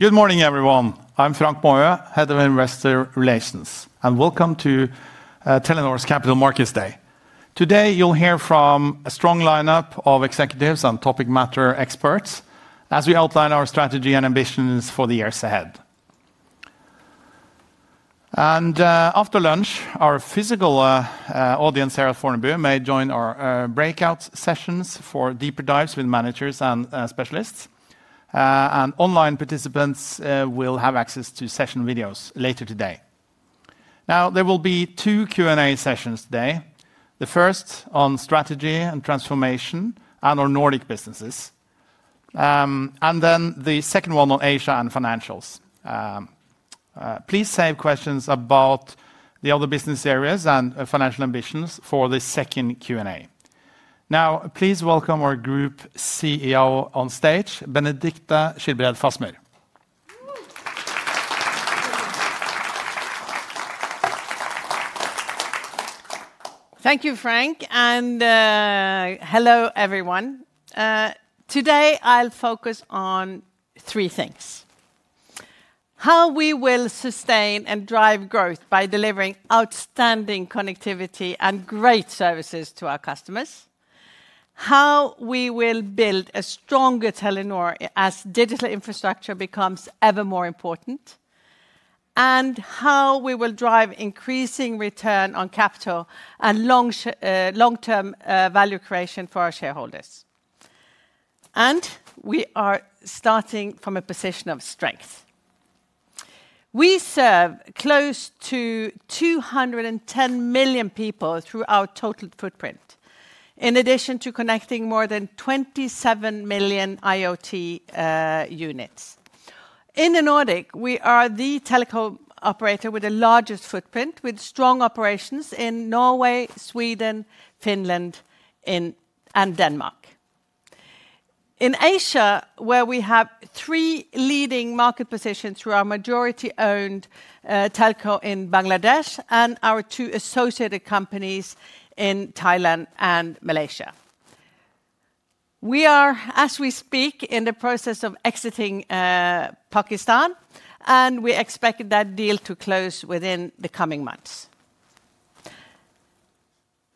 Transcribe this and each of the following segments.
Good morning, everyone. I'm Frank Maaø, Head of Investor Relations, and welcome to Telenor's Capital Markets Day. Today, you'll hear from a strong lineup of executives and topic matter experts as we outline our strategy and ambitions for the years ahead. After lunch, our physical audience here at Fornebu may join our breakout sessions for deeper dives with managers and specialists. Online participants will have access to session videos later today. There will be two Q&A sessions today. The first on strategy and transformation and our Nordic businesses. The second one on Asia and financials. Please save questions about the other business areas and financial ambitions for the second Q&A. Now, please welcome our Group CEO on stage, Benedicte Schilbred Fasmer. Thank you, Frank, and hello, everyone. Today, I'll focus on three things: how we will sustain and drive growth by delivering outstanding connectivity and great services to our customers; how we will build a stronger Telenor as digital infrastructure becomes ever more important; how we will drive increasing return on capital and long-term value creation for our shareholders. We are starting from a position of strength. We serve close to 210 million people through our total footprint, in addition to connecting more than 27 million IoT units. In the Nordics, we are the telecom operator with the largest footprint, with strong operations in Norway, Sweden, Finland, and Denmark. In Asia, we have three leading market positions through our majority-owned telco in Bangladesh and our two associated companies in Thailand and Malaysia. We are, as we speak, in the process of exiting Pakistan, and we expect that deal to close within the coming months.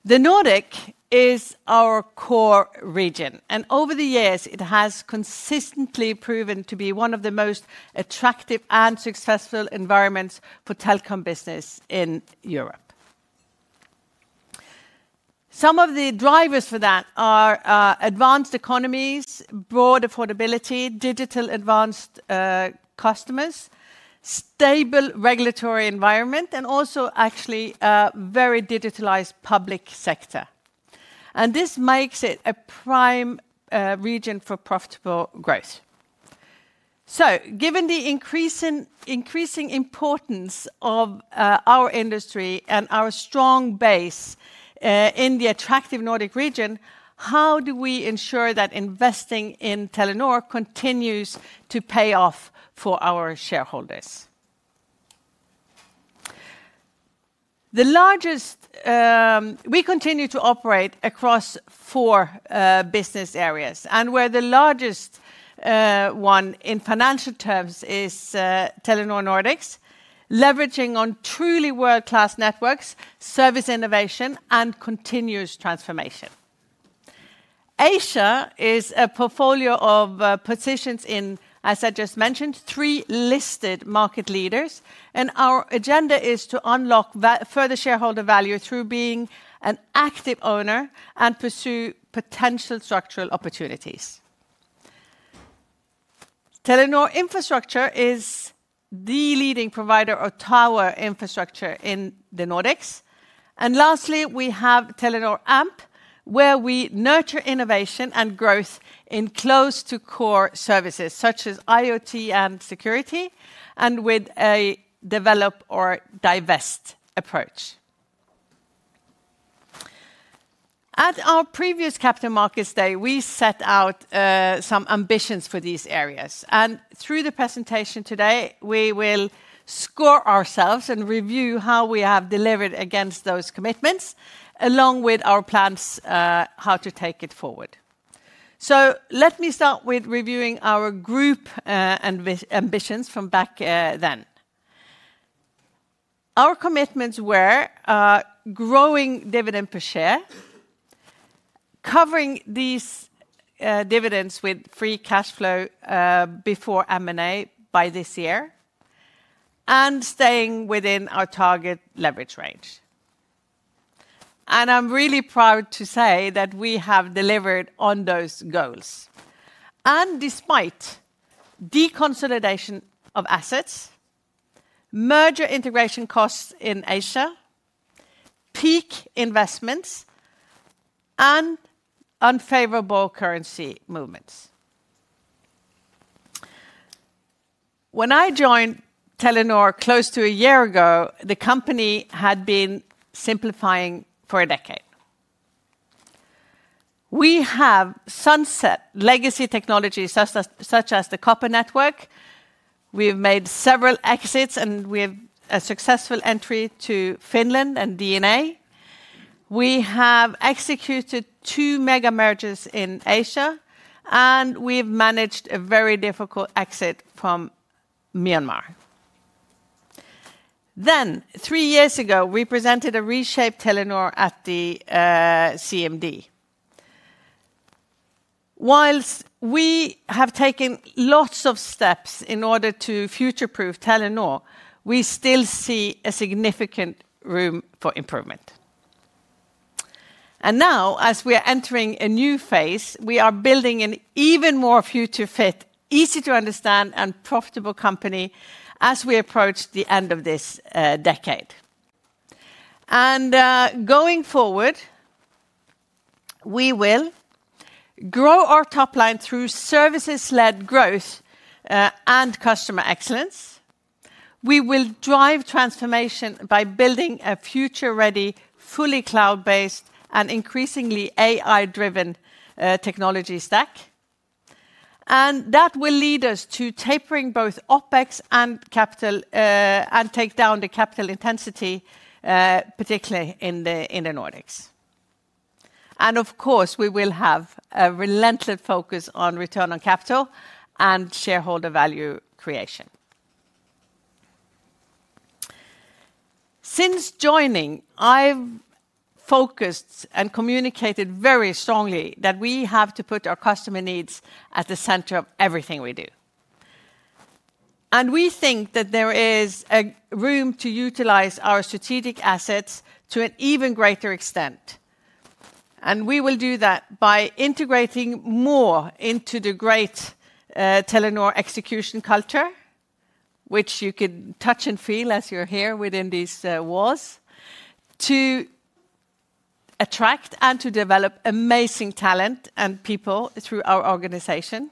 The Nordics is our core region, and over the years, it has consistently proven to be one of the most attractive and successful environments for telecom business in Europe. Some of the drivers for that are advanced economies, broad affordability, digital advanced customers, stable regulatory environment, and also, actually, a very digitalized public sector. This makes it a prime region for profitable growth. Given the increasing importance of our industry and our strong base in the attractive Nordic region, how do we ensure that investing in Telenor continues to pay off for our shareholders? We continue to operate across four business areas, and where the largest one in financial terms is Telenor Nordics, leveraging on truly world-class networks, service innovation, and continuous transformation. Asia is a portfolio of positions in, as I just mentioned, three listed market leaders, and our agenda is to unlock further shareholder value through being an active owner and pursue potential structural opportunities. Telenor Infrastructure is the leading provider of tower infrastructure in the Nordics. Lastly, we have Telenor AMP, where we nurture innovation and growth in close-to-core services such as IoT and security, and with a develop or divest approach. At our previous Capital Markets Day, we set out some ambitions for these areas. Through the presentation today, we will score ourselves and review how we have delivered against those commitments, along with our plans how to take it forward. Let me start with reviewing our group and ambitions from back then. Our commitments were growing dividend per share, covering these dividends with free cash flow before M&A by this year, and staying within our target leverage range. I'm really proud to say that we have delivered on those goals, despite deconsolidation of assets, merger integration costs in Asia, peak investments, and unfavorable currency movements. When I joined Telenor close to a year ago, the company had been simplifying for a decade. We have sunset legacy technologies such as the copper network. We've made several exits, and we have a successful entry to Finland and DNA. We have executed two mega-mergers in Asia, and we've managed a very difficult exit from Myanmar. Three years ago, we presented a reshaped Telenor at the CMD. Whilst we have taken lots of steps in order to future-proof Telenor, we still see significant room for improvement. Now, as we are entering a new phase, we are building an even more future-fit, easy-to-understand, and profitable company as we approach the end of this decade. Going forward, we will grow our top line through services-led growth and customer excellence. We will drive transformation by building a future-ready, fully cloud-based, and increasingly AI-driven technology stack. That will lead us to tapering both OpEx and take down the capital intensity, particularly in the Nordics. Of course, we will have a relentless focus on return on capital and shareholder value creation. Since joining, I've focused and communicated very strongly that we have to put our customer needs at the center of everything we do. We think that there is room to utilize our strategic assets to an even greater extent. We will do that by integrating more into the great Telenor execution culture, which you can touch and feel as you're here within these walls, to attract and to develop amazing talent and people through our organization.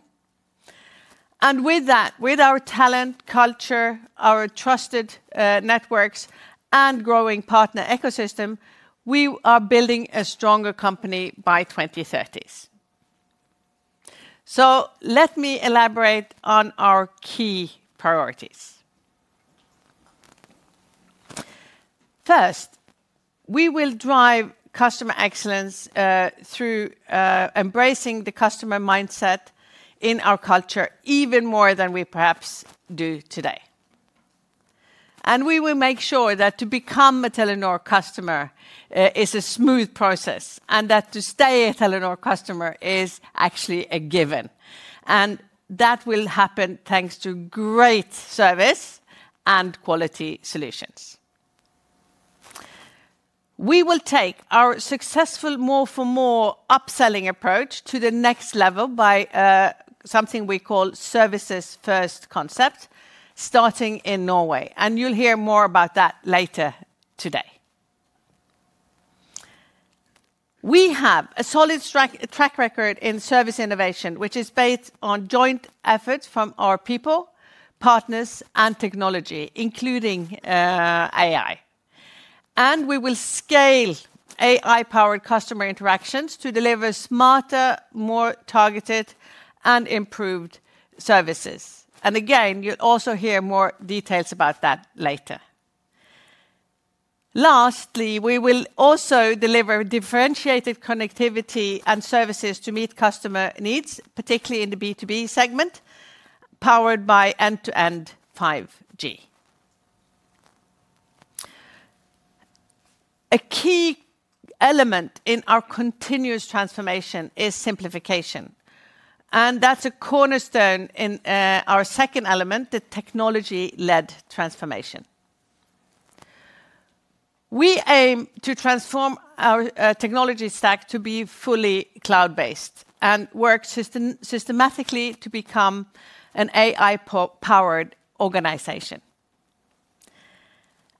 With that, with our talent culture, our trusted networks, and growing partner ecosystem, we are building a stronger company by 2030. Let me elaborate on our key priorities. First, we will drive customer excellence through embracing the customer mindset in our culture even more than we perhaps do today. We will make sure that to become a Telenor customer is a smooth process and that to stay a Telenor customer is actually a given. That will happen thanks to great service and quality solutions. We will take our successful more-for-more upselling approach to the next level by something we call services-first concept, starting in Norway. You will hear more about that later today. We have a solid track record in service innovation, which is based on joint efforts from our people, partners, and technology, including AI. We will scale AI-powered customer interactions to deliver smarter, more targeted, and improved services. You will also hear more details about that later. Lastly, we will also deliver differentiated connectivity and services to meet customer needs, particularly in the B2B segment, powered by end-to-end 5G. A key element in our continuous transformation is simplification. That is a cornerstone in our second element, the technology-led transformation. We aim to transform our technology stack to be fully cloud-based and work systematically to become an AI-powered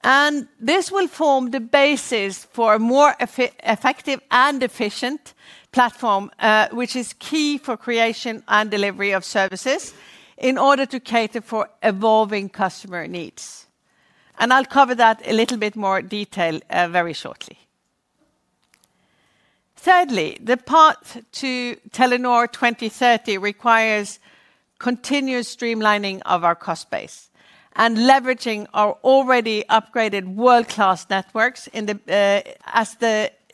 organization. This will form the basis for a more effective and efficient platform, which is key for creation and delivery of services in order to cater for evolving customer needs. I'll cover that in a little bit more detail very shortly. Thirdly, the path to Telenor 2030 requires continuous streamlining of our cost base and leveraging our already upgraded world-class networks as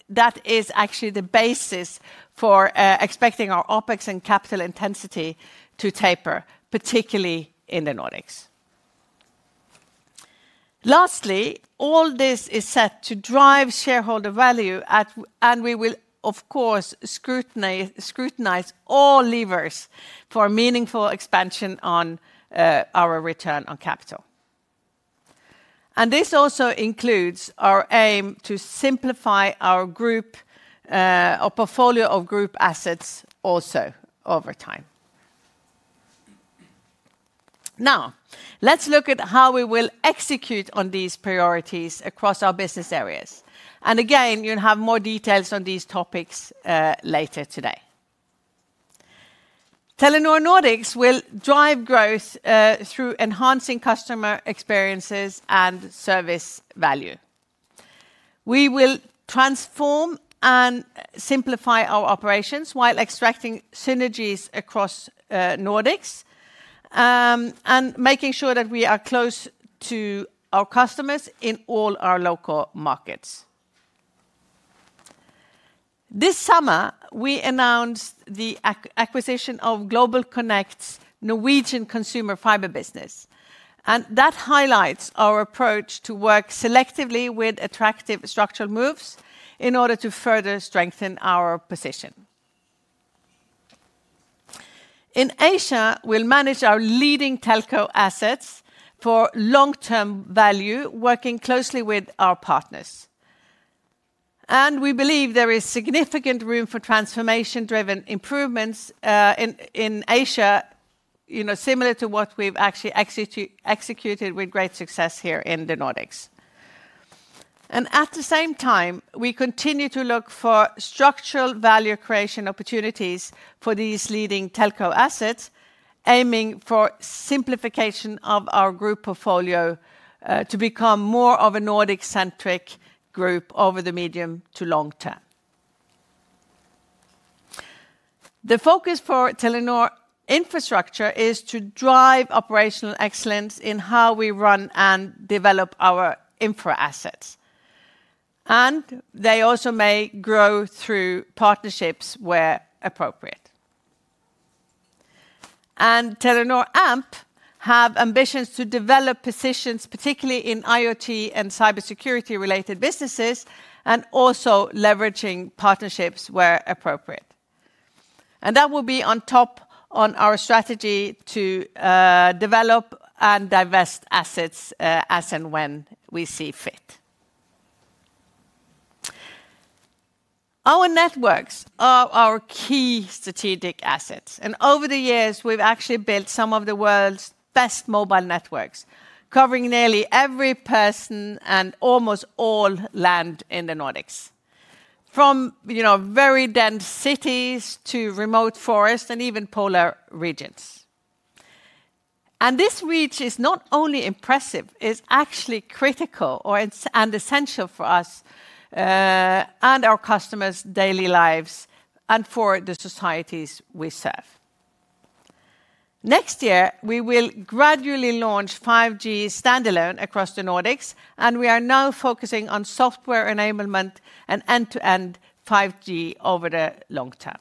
that is actually the basis for expecting our OpEx and capital intensity to taper, particularly in the Nordics. Lastly, all this is set to drive shareholder value, and we will, of course, scrutinize all levers for meaningful expansion on our return on capital. This also includes our aim to simplify our portfolio of group assets also over time. Now, let's look at how we will execute on these priorities across our business areas. Again, you'll have more details on these topics later today. Telenor Nordics will drive growth through enhancing customer experiences and service value. We will transform and simplify our operations while extracting synergies across Nordics and making sure that we are close to our customers in all our local markets. This summer, we announced the acquisition of GlobalConnect's Norwegian consumer fiber business. That highlights our approach to work selectively with attractive structural moves in order to further strengthen our position. In Asia, we will manage our leading telco assets for long-term value, working closely with our partners. We believe there is significant room for transformation-driven improvements in Asia, similar to what we have actually executed with great success here in the Nordics. At the same time, we continue to look for structural value creation opportunities for these leading telco assets, aiming for simplification of our group portfolio to become more of a Nordic-centric group over the medium to long term. The focus for Telenor Infrastructure is to drive operational excellence in how we run and develop our infra assets. They also may grow through partnerships where appropriate. Telenor AMP have ambitions to develop positions, particularly in IoT and cybersecurity-related businesses, and also leveraging partnerships where appropriate. That will be on top of our strategy to develop and divest assets as and when we see fit. Our networks are our key strategic assets. Over the years, we've actually built some of the world's best mobile networks, covering nearly every person and almost all land in the Nordics, from very dense cities to remote forests and even polar regions. This reach is not only impressive, it's actually critical and essential for us and our customers' daily lives and for the societies we serve. Next year, we will gradually launch 5G Standalone across the Nordics, and we are now focusing on software enablement and end-to-end 5G over the long term.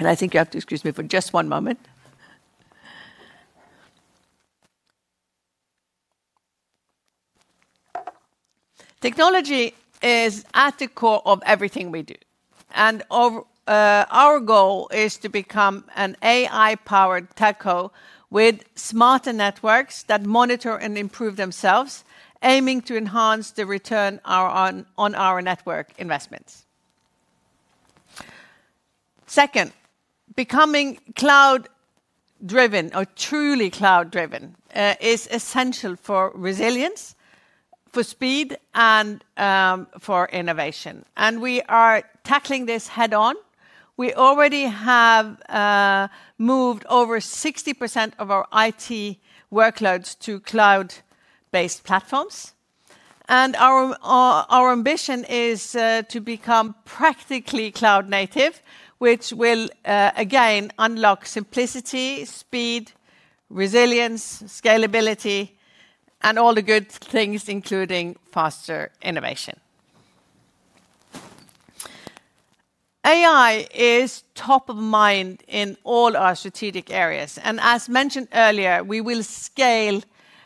I think you have to excuse me for just one moment. Technology is at the core of everything we do. Our goal is to become an AI-powered telco with smarter networks that monitor and improve themselves, aiming to enhance the return on our network investments. Second, becoming cloud-driven or truly cloud-driven is essential for resilience, for speed, and for innovation. We are tackling this head-on. We already have moved over 60% of our IT workloads to cloud-based platforms. Our ambition is to become practically cloud-native, which will, again, unlock simplicity, speed, resilience, scalability, and all the good things, including faster innovation. AI is top of mind in all our strategic areas. As mentioned earlier, we will scale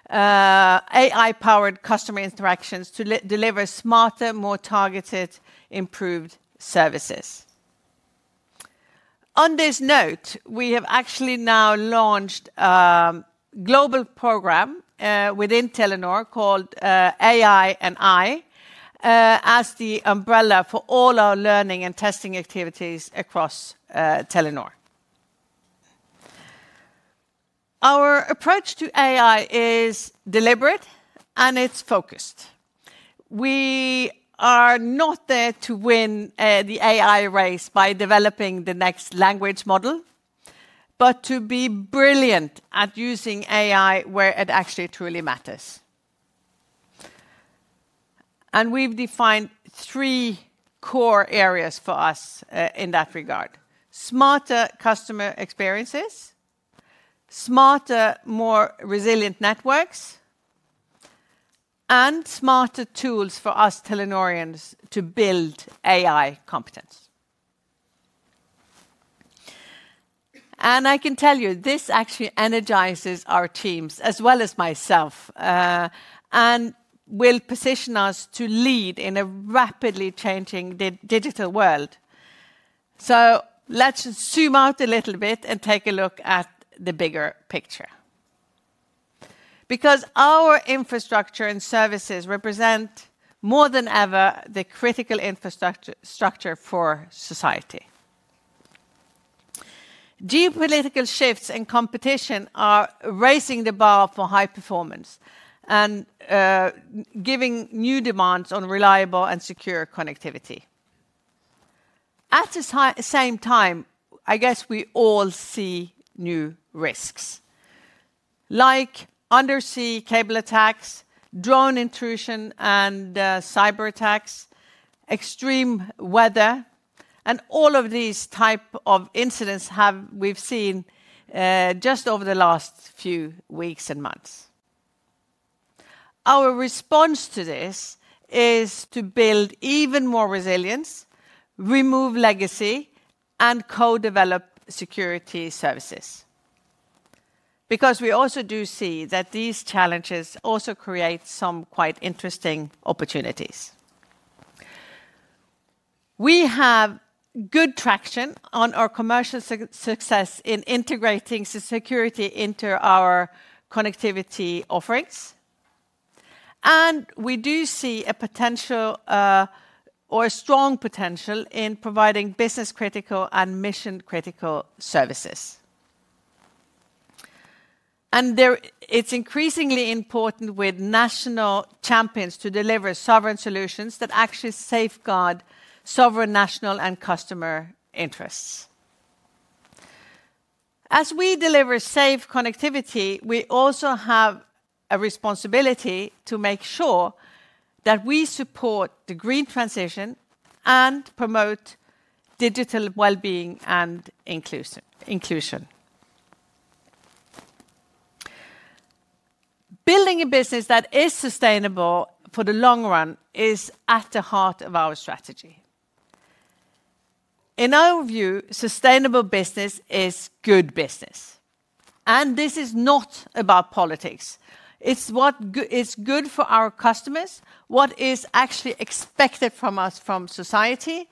AI-powered customer interactions to deliver smarter, more targeted, improved services. On this note, we have actually now launched a global program within Telenor called AI and I as the umbrella for all our learning and testing activities across Telenor. Our approach to AI is deliberate, and it is focused. We are not there to win the AI race by developing the next language model, but to be brilliant at using AI where it actually truly matters. We have defined three core areas for us in that regard: smarter customer experiences, smarter, more resilient networks, and smarter tools for us Telenorians to build AI competence. I can tell you, this actually energizes our teams as well as myself and will position us to lead in a rapidly changing digital world. Let's zoom out a little bit and take a look at the bigger picture. Because our infrastructure and services represent more than ever the critical infrastructure for society. Geopolitical shifts and competition are raising the bar for high performance and giving new demands on reliable and secure connectivity. At the same time, I guess we all see new risks, like undersea cable attacks, drone intrusion, cyberattacks, extreme weather, and all of these types of incidents we've seen just over the last few weeks and months. Our response to this is to build even more resilience, remove legacy, and co-develop security services. Because we also do see that these challenges also create some quite interesting opportunities. We have good traction on our commercial success in integrating security into our connectivity offerings. We do see a potential or a strong potential in providing business-critical and mission-critical services. It is increasingly important with national champions to deliver sovereign solutions that actually safeguard sovereign national and customer interests. As we deliver safe connectivity, we also have a responsibility to make sure that we support the green transition and promote digital well-being and inclusion. Building a business that is sustainable for the long run is at the heart of our strategy. In our view, sustainable business is good business. This is not about politics. It is what is good for our customers, what is actually expected from us, from society,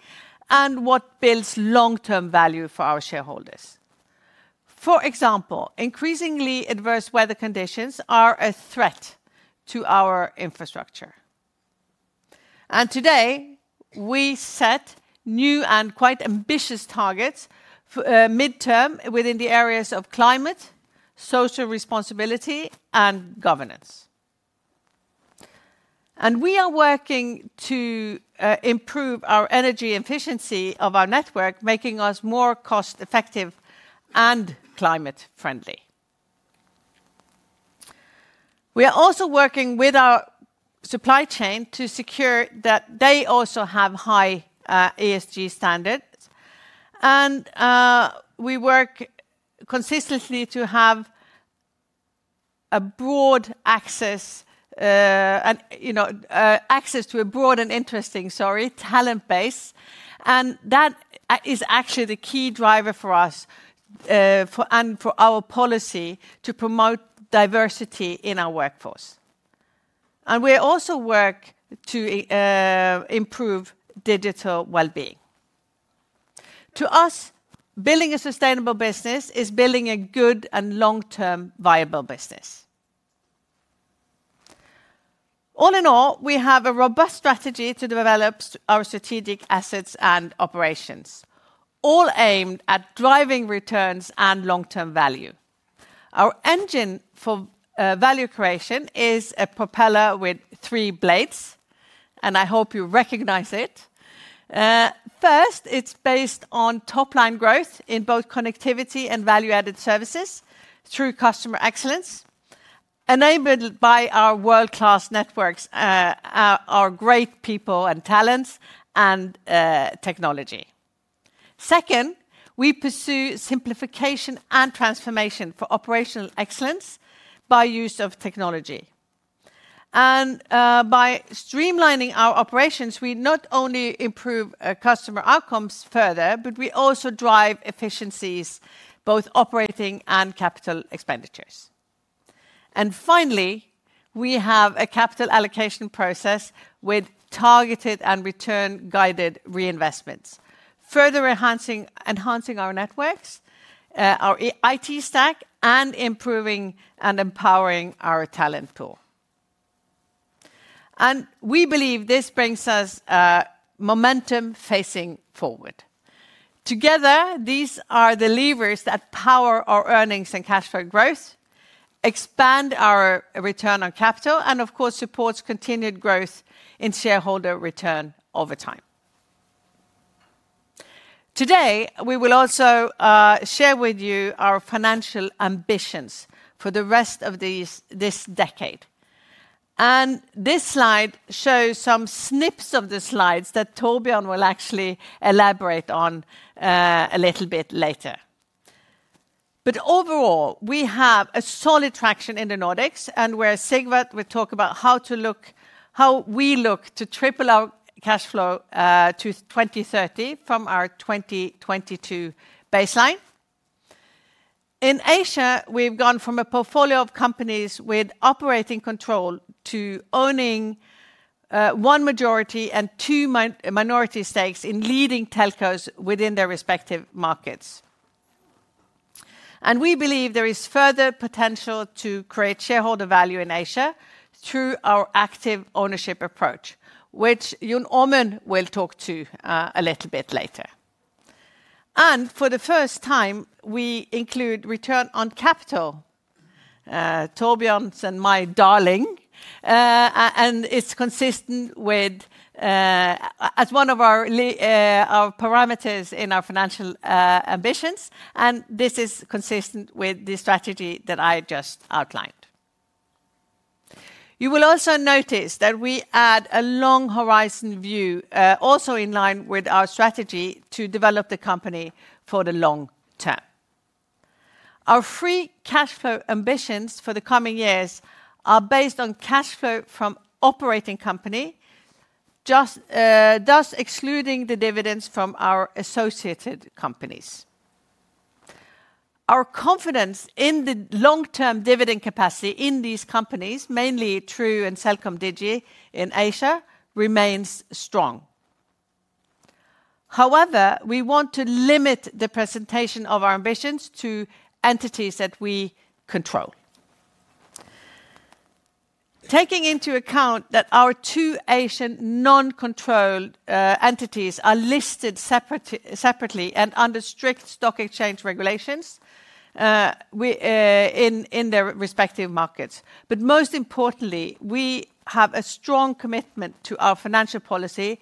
and what builds long-term value for our shareholders. For example, increasingly adverse weather conditions are a threat to our infrastructure. Today, we set new and quite ambitious targets midterm within the areas of climate, social responsibility, and governance. We are working to improve our energy efficiency of our network, making us more cost-effective and climate-friendly. We are also working with our supply chain to secure that they also have high ESG standards. We work consistently to have a broad access to a broad and interesting, sorry, talent base. That is actually the key driver for us and for our policy to promote diversity in our workforce. We also work to improve digital well-being. To us, building a sustainable business is building a good and long-term viable business. All in all, we have a robust strategy to develop our strategic assets and operations, all aimed at driving returns and long-term value. Our engine for value creation is a propeller with three blades, and I hope you recognize it. First, it is based on top-line growth in both connectivity and value-added services through customer excellence, enabled by our world-class networks, our great people and talents, and technology. Second, we pursue simplification and transformation for operational excellence by use of technology. By streamlining our operations, we not only improve customer outcomes further, but we also drive efficiencies, both operating and capital expenditures. Finally, we have a capital allocation process with targeted and return-guided reinvestments, further enhancing our networks, our IT stack, and improving and empowering our talent pool. We believe this brings us momentum facing forward. Together, these are the levers that power our earnings and cash flow growth, expand our return on capital, and, of course, support continued growth in shareholder return over time. Today, we will also share with you our financial ambitions for the rest of this decade. This slide shows some snips of the slides that Torbjørn will actually elaborate on a little bit later. Overall, we have solid traction in the Nordics, and we're a Sigvart that will talk about how we look to triple our cash flow to 2030 from our 2022 baseline. In Asia, we've gone from a portfolio of companies with operating control to owning one majority and two minority stakes in leading telcos within their respective markets. We believe there is further potential to create shareholder value in Asia through our active ownership approach, which Jon Omund will talk to a little bit later. For the first time, we include return on capital, Torbjørn's and my darling, and it's consistent with as one of our parameters in our financial ambitions. This is consistent with the strategy that I just outlined. You will also notice that we add a long horizon view, also in line with our strategy to develop the company for the long term. Our free cash flow ambitions for the coming years are based on cash flow from operating company, thus excluding the dividends from our associated companies. Our confidence in the long-term dividend capacity in these companies, mainly True and CelcomDigi in Asia, remains strong. However, we want to limit the presentation of our ambitions to entities that we control. Taking into account that our two Asian non-controlled entities are listed separately and under strict stock exchange regulations in their respective markets. Most importantly, we have a strong commitment to our financial policy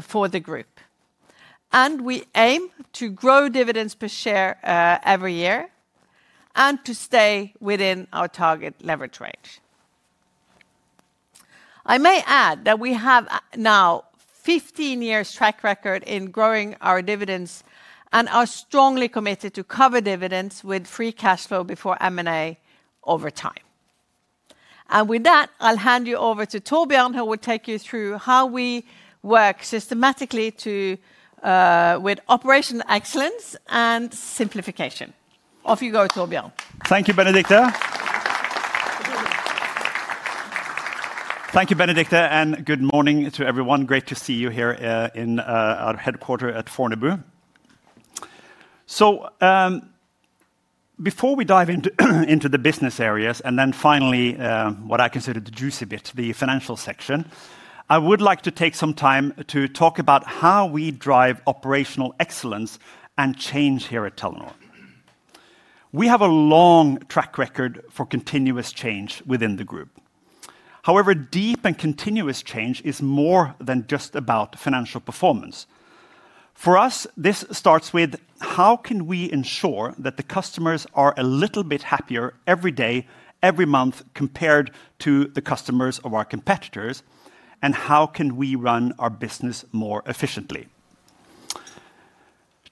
for the group. We aim to grow dividends per share every year and to stay within our target leverage range. I may add that we have now 15 years' track record in growing our dividends and are strongly committed to cover dividends with free cash flow before M&A over time. With that, I'll hand you over to Torbjørn, who will take you through how we work systematically with operational excellence and simplification. Off you go, Torbjørn. Thank you, Benedicte, and good morning to everyone. Great to see you here in our headquarters at Fornebu. Before we dive into the business areas and then finally what I consider the juicy bit, the financial section, I would like to take some time to talk about how we drive operational excellence and change here at Telenor. We have a long track record for continuous change within the group. However, deep and continuous change is more than just about financial performance. For us, this starts with how can we ensure that the customers are a little bit happier every day, every month compared to the customers of our competitors, and how can we run our business more efficiently?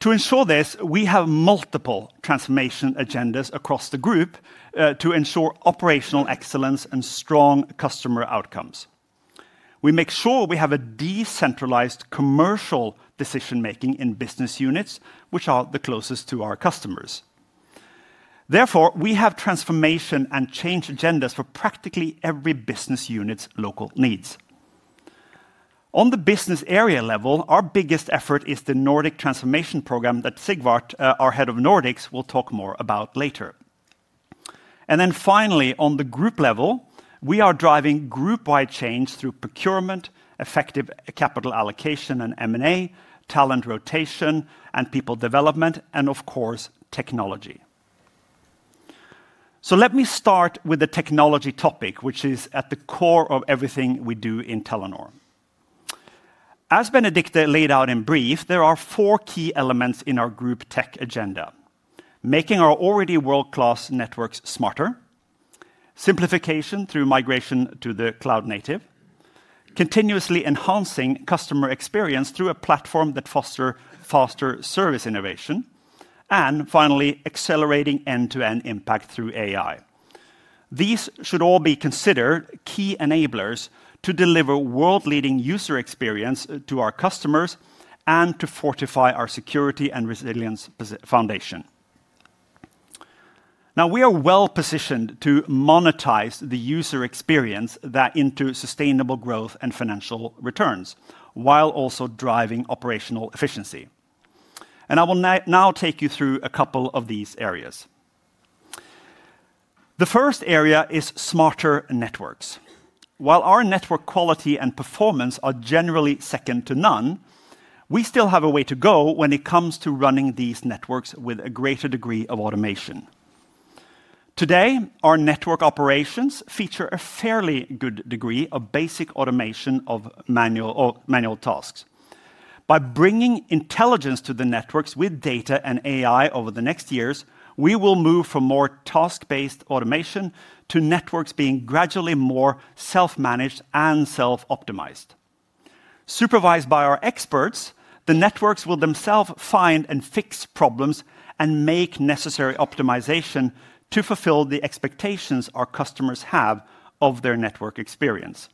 To ensure this, we have multiple transformation agendas across the group to ensure operational excellence and strong customer outcomes. We make sure we have a decentralized commercial decision-making in business units, which are the closest to our customers. Therefore, we have transformation and change agendas for practically every business unit's local needs. On the business area level, our biggest effort is the Nordic transformation program that Sigvart, our Head of Nordics, will talk more about later. Finally, on the group level, we are driving group-wide change through procurement, effective capital allocation and M&A, talent rotation, and people development, and of course, technology. Let me start with the technology topic, which is at the core of everything we do in Telenor. As Benedicte laid out in brief, there are four key elements in our group tech agenda: making our already world-class networks smarter, simplification through migration to the cloud native, continuously enhancing customer experience through a platform that fosters faster service innovation, and finally, accelerating end-to-end impact through AI. These should all be considered key enablers to deliver world-leading user experience to our customers and to fortify our security and resilience foundation. Now, we are well-positioned to monetize the user experience into sustainable growth and financial returns while also driving operational efficiency. I will now take you through a couple of these areas. The first area is smarter networks. While our network quality and performance are generally second to none, we still have a way to go when it comes to running these networks with a greater degree of automation. Today, our network operations feature a fairly good degree of basic automation of manual tasks. By bringing intelligence to the networks with data and AI over the next years, we will move from more task-based automation to networks being gradually more self-managed and self-optimized. Supervised by our experts, the networks will themselves find and fix problems and make necessary optimization to fulfill the expectations our customers have of their network experience.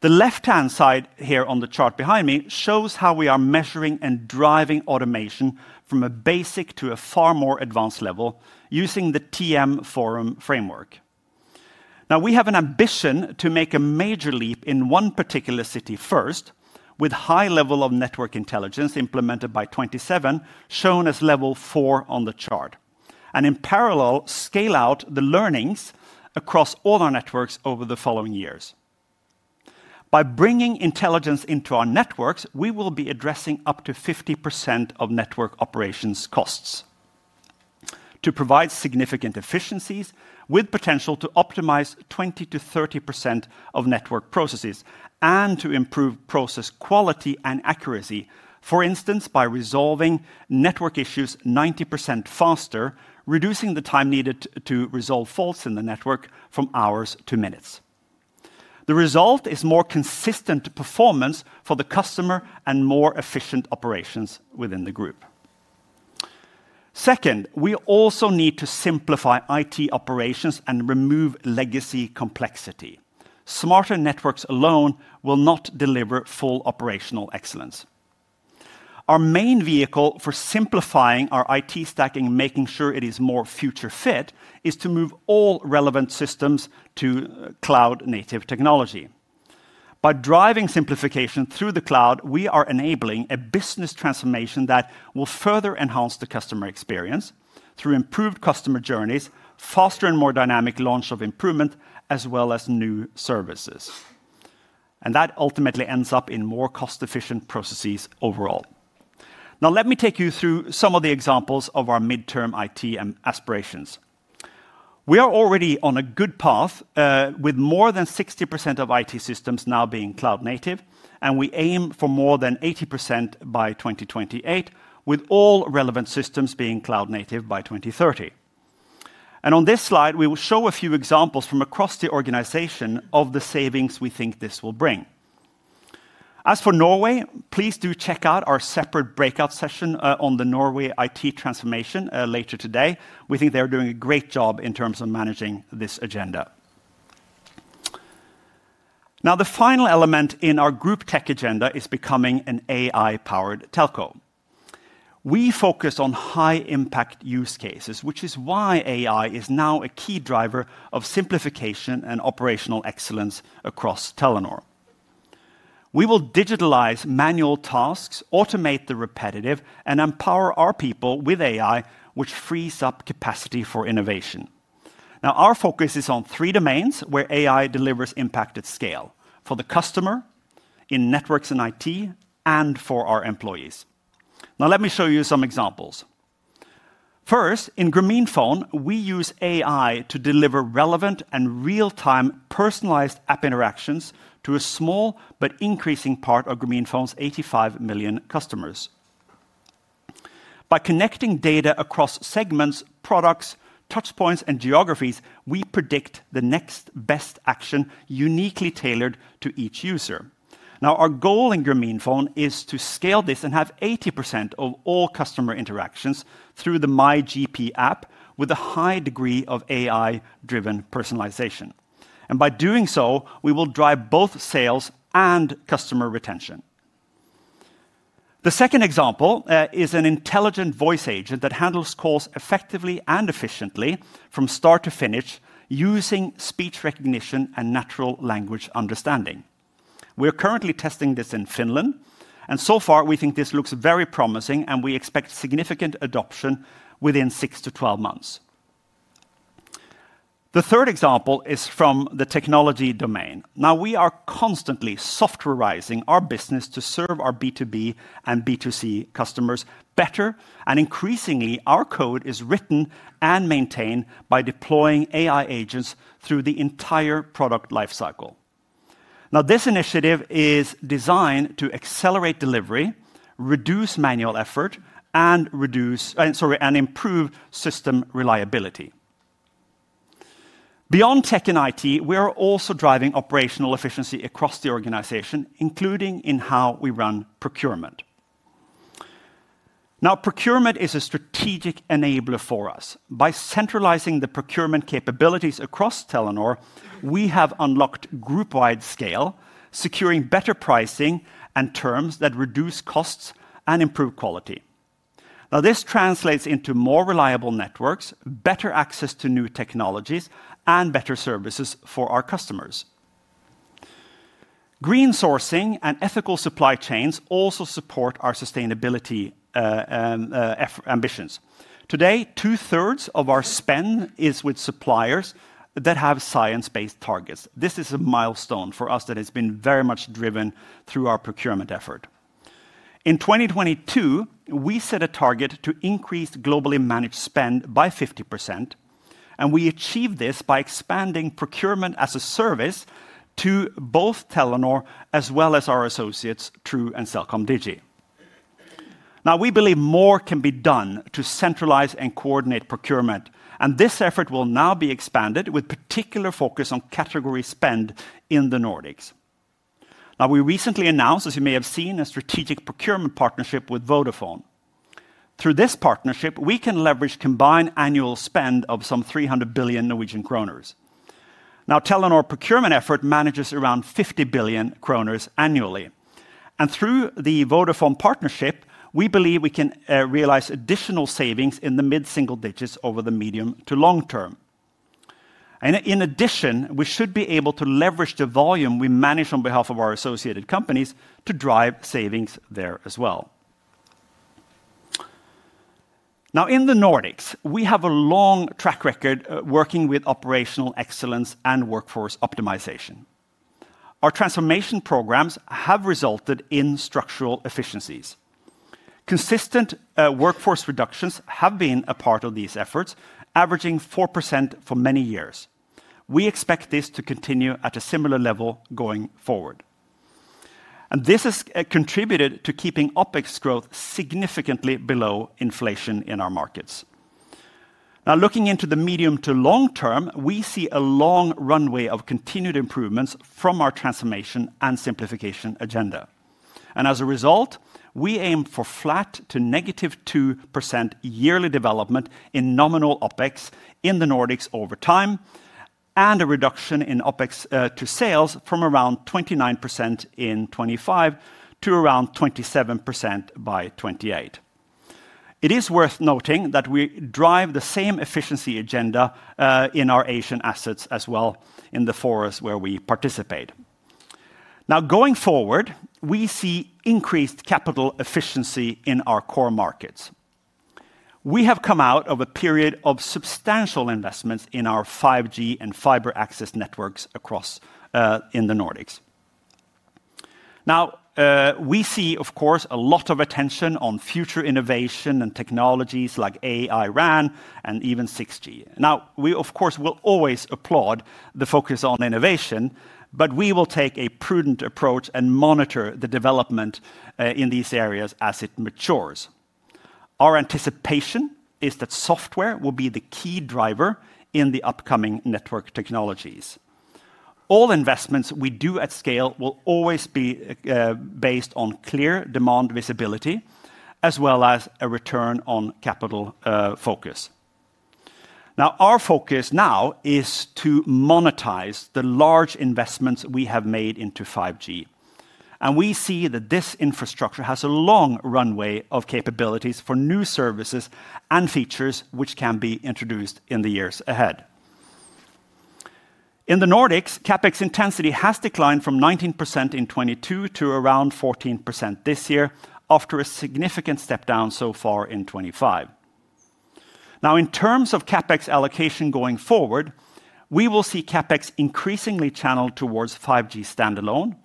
The left-hand side here on the chart behind me shows how we are measuring and driving automation from a basic to a far more advanced level using the TM Forum Framework. Now, we have an ambition to make a major leap in one particular city first with high level of network intelligence implemented by 2027, shown as level four on the chart, and in parallel, scale out the learnings across all our networks over the following years. By bringing intelligence into our networks, we will be addressing up to 50% of network operations costs to provide significant efficiencies with potential to optimize 20%-30% of network processes and to improve process quality and accuracy, for instance, by resolving network issues 90% faster, reducing the time needed to resolve faults in the network from hours to minutes. The result is more consistent performance for the customer and more efficient operations within the group. Second, we also need to simplify IT operations and remove legacy complexity. Smarter networks alone will not deliver full operational excellence. Our main vehicle for simplifying our IT stack and making sure it is more future-fit is to move all relevant systems to cloud-native technology. By driving simplification through the cloud, we are enabling a business transformation that will further enhance the customer experience through improved customer journeys, faster and more dynamic launch of improvement, as well as new services. That ultimately ends up in more cost-efficient processes overall. Now, let me take you through some of the examples of our midterm IT aspirations. We are already on a good path with more than 60% of IT systems now being cloud native, and we aim for more than 80% by 2028, with all relevant systems being cloud native by 2030. On this slide, we will show a few examples from across the organization of the savings we think this will bring. As for Norway, please do check out our separate breakout session on the Norway IT transformation later today. We think they're doing a great job in terms of managing this agenda. Now, the final element in our group tech agenda is becoming an AI-powered telco. We focus on high-impact use cases, which is why AI is now a key driver of simplification and operational excellence across Telenor. We will digitalize manual tasks, automate the repetitive, and empower our people with AI, which frees up capacity for innovation. Now, our focus is on three domains where AI delivers impact at scale: for the customer, in networks and IT, and for our employees. Now, let me show you some examples. First, in Grameenphone, we use AI to deliver relevant and real-time personalized app interactions to a small but increasing part of Grameenphone's 85 million customers. By connecting data across segments, products, touchpoints, and geographies, we predict the next best action uniquely tailored to each user. Now, our goal in Grameenphone is to scale this and have 80% of all customer interactions through the MyGP app with a high degree of AI-driven personalization. By doing so, we will drive both sales and customer retention. The second example is an intelligent voice agent that handles calls effectively and efficiently from start to finish using speech recognition and natural language understanding. We are currently testing this in Finland, and so far, we think this looks very promising, and we expect significant adoption within 6-12 months. The third example is from the technology domain. We are constantly softwarizing our business to serve our B2B and B2C customers better, and increasingly, our code is written and maintained by deploying AI agents through the entire product lifecycle. This initiative is designed to accelerate delivery, reduce manual effort, and improve system reliability. Beyond tech and IT, we are also driving operational efficiency across the organization, including in how we run procurement. Now, procurement is a strategic enabler for us. By centralizing the procurement capabilities across Telenor, we have unlocked group-wide scale, securing better pricing and terms that reduce costs and improve quality. Now, this translates into more reliable networks, better access to new technologies, and better services for our customers. Green sourcing and ethical supply chains also support our sustainability ambitions. Today, two-thirds of our spend is with suppliers that have science-based targets. This is a milestone for us that has been very much driven through our procurement effort. In 2022, we set a target to increase globally managed spend by 50%, and we achieved this by expanding procurement as a service to both Telenor as well as our associates, True and CelcomDigi. Now, we believe more can be done to centralize and coordinate procurement, and this effort will now be expanded with particular focus on category spend in the Nordics. We recently announced, as you may have seen, a strategic procurement partnership with Vodafone. Through this partnership, we can leverage combined annual spend of some 300 billion Norwegian kroner. Telenor's procurement effort manages around 50 billion kroner annually. Through the Vodafone partnership, we believe we can realize additional savings in the mid-single digits over the medium to long term. In addition, we should be able to leverage the volume we manage on behalf of our associated companies to drive savings there as well. In the Nordics, we have a long track record working with operational excellence and workforce optimization. Our transformation programs have resulted in structural efficiencies. Consistent workforce reductions have been a part of these efforts, averaging 4% for many years. We expect this to continue at a similar level going forward. This has contributed to keeping OpEx growth significantly below inflation in our markets. Now, looking into the medium to long term, we see a long runway of continued improvements from our transformation and simplification agenda. As a result, we aim for flat to negative 2% yearly development in nominal OpEx in the Nordics over time and a reduction in OpEx to sales from around 29% in 2025 to around 27% by 2028. It is worth noting that we drive the same efficiency agenda in our Asian assets as well in the forces where we participate. Going forward, we see increased capital efficiency in our core markets. We have come out of a period of substantial investments in our 5G and fiber access networks across the Nordics. Now, we see, of course, a lot of attention on future innovation and technologies like AI-RAN and even 6G. Now, we, of course, will always applaud the focus on innovation, but we will take a prudent approach and monitor the development in these areas as it matures. Our anticipation is that software will be the key driver in the upcoming network technologies. All investments we do at scale will always be based on clear demand visibility as well as a return on capital focus. Now, our focus now is to monetize the large investments we have made into 5G. And we see that this infrastructure has a long runway of capabilities for new services and features which can be introduced in the years ahead. In the Nordics, CapEx intensity has declined from 19% in 2022 to around 14% this year after a significant step down so far in 2025. Now, in terms of CapEx allocation going forward, we will see CapEx increasingly channeled towards 5G Standalone,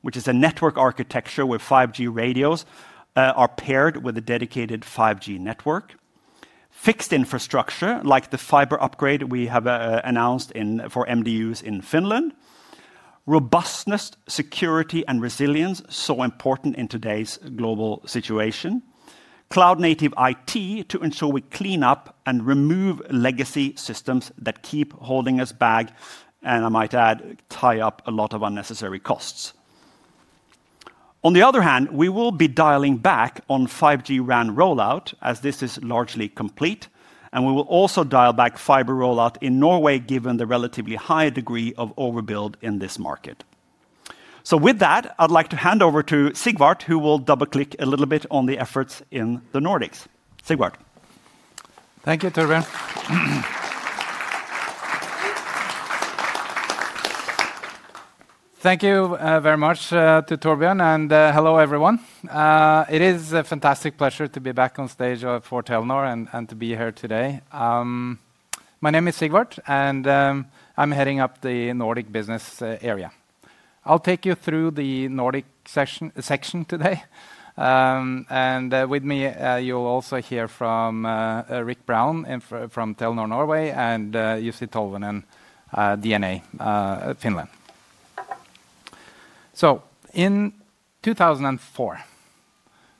which is a network architecture where 5G radios are paired with a dedicated 5G network, fixed infrastructure like the fiber upgrade we have announced for MDUs in Finland, robustness, security, and resilience so important in today's global situation, cloud-native IT to ensure we clean up and remove legacy systems that keep holding us back and, I might add, tie up a lot of unnecessary costs. On the other hand, we will be dialing back on 5G RAN rollout as this is largely complete, and we will also dial back fiber rollout in Norway given the relatively high degree of overbuild in this market. With that, I'd like to hand over to Sigvart, who will double-click a little bit on the efforts in the Nordics. Sigvart. Thank you, Torbjørn. Thank you very much to Torbjørn, and hello everyone. It is a fantastic pleasure to be back on stage for Telenor and to be here today. My name is Sigvart, and I'm heading up the Nordic business area. I'll take you through the Nordic section today. With me, you'll also hear from Rik Brown from Telenor Norway and Jussi Tolvanen, DNA Finland. In 2004,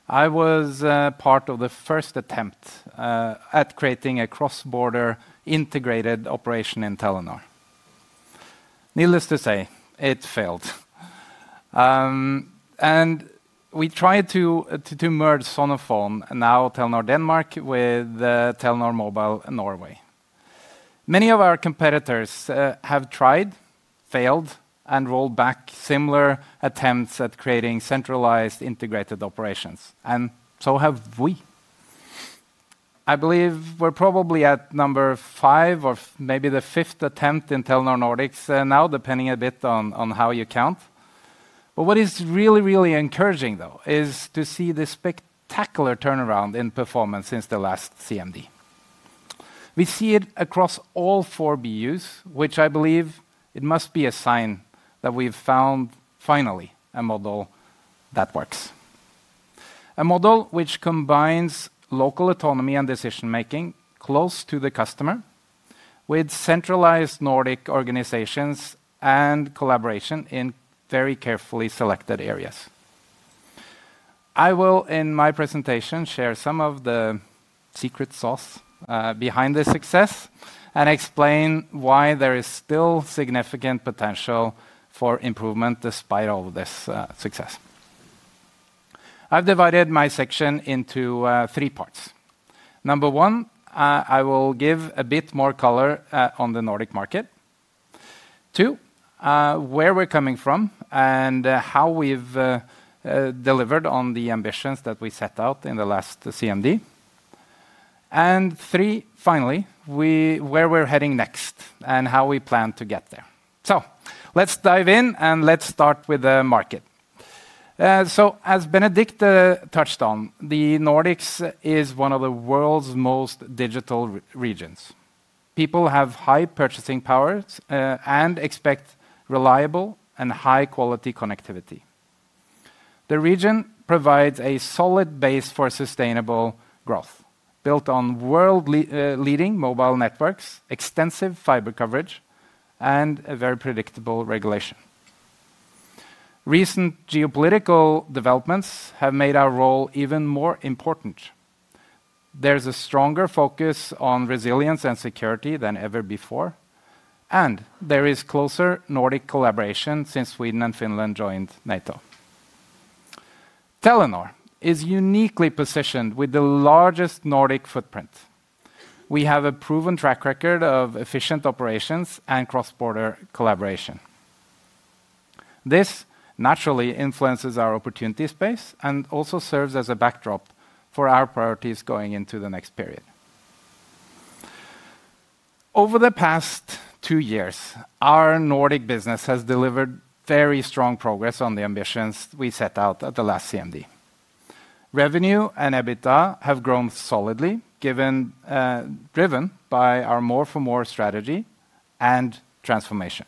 I was part of the first attempt at creating a cross-border integrated operation in Telenor. Needless to say, it failed. We tried to merge Sonofon, now Telenor Denmark, with Telenor Mobile Norway. Many of our competitors have tried, failed, and rolled back similar attempts at creating centralized integrated operations, and so have we. I believe we're probably at number five or maybe the fifth attempt in Telenor Nordics now, depending a bit on how you count. What is really, really encouraging, though, is to see this spectacular turnaround in performance since the last CMD. We see it across all four BUs, which I believe must be a sign that we've found finally a model that works. A model which combines local autonomy and decision-making close to the customer with centralized Nordic organizations and collaboration in very carefully selected areas. I will, in my presentation, share some of the secret sauce behind the success and explain why there is still significant potential for improvement despite all this success. I've divided my section into three parts. Number one, I will give a bit more color on the Nordic market. Two, where we're coming from and how we've delivered on the ambitions that we set out in the last CMD. Three, finally, where we're heading next and how we plan to get there. Let's dive in and start with the market. As Benedicte touched on, the Nordics is one of the world's most digital regions. People have high purchasing powers and expect reliable and high-quality connectivity. The region provides a solid base for sustainable growth built on world-leading mobile networks, extensive fiber coverage, and very predictable regulation. Recent geopolitical developments have made our role even more important. There is a stronger focus on resilience and security than ever before, and there is closer Nordic collaboration since Sweden and Finland joined NATO. Telenor is uniquely positioned with the largest Nordic footprint. We have a proven track record of efficient operations and cross-border collaboration. This naturally influences our opportunity space and also serves as a backdrop for our priorities going into the next period. Over the past two years, our Nordic business has delivered very strong progress on the ambitions we set out at the last CMD. Revenue and EBITDA have grown solidly, driven by our more-for-more strategy and transformation.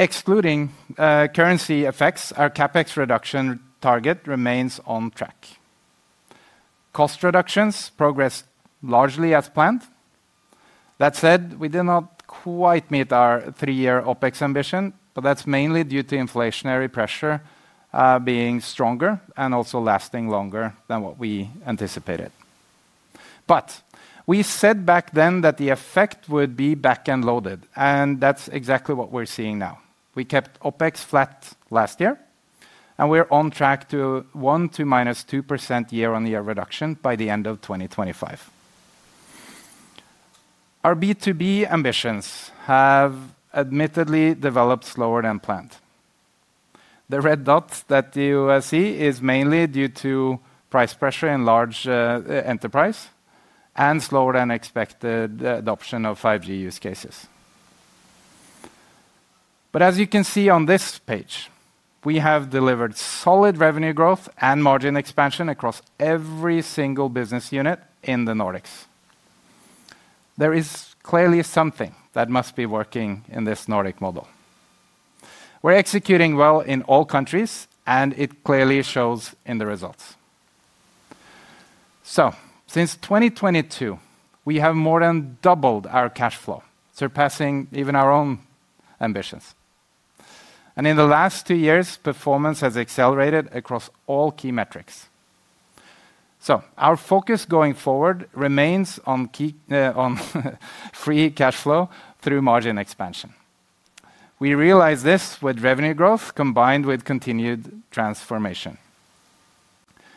Excluding currency effects, our CapEx reduction target remains on track. Cost reductions progressed largely as planned. That said, we did not quite meet our three-year OpEx ambition, but that's mainly due to inflationary pressure being stronger and also lasting longer than what we anticipated. We said back then that the effect would be back-end loaded, and that's exactly what we're seeing now. We kept OpEx flat last year, and we're on track to 1%-2% year-on-year reduction by the end of 2025. Our B2B ambitions have admittedly developed slower than planned. The red dot that you see is mainly due to price pressure in large enterprise and slower than expected adoption of 5G use cases. As you can see on this page, we have delivered solid revenue growth and margin expansion across every single business unit in the Nordics. There is clearly something that must be working in this Nordic model. We're executing well in all countries, and it clearly shows in the results. Since 2022, we have more than doubled our cash flow, surpassing even our own ambitions. In the last two years, performance has accelerated across all key metrics. Our focus going forward remains on free cash flow through margin expansion. We realize this with revenue growth combined with continued transformation.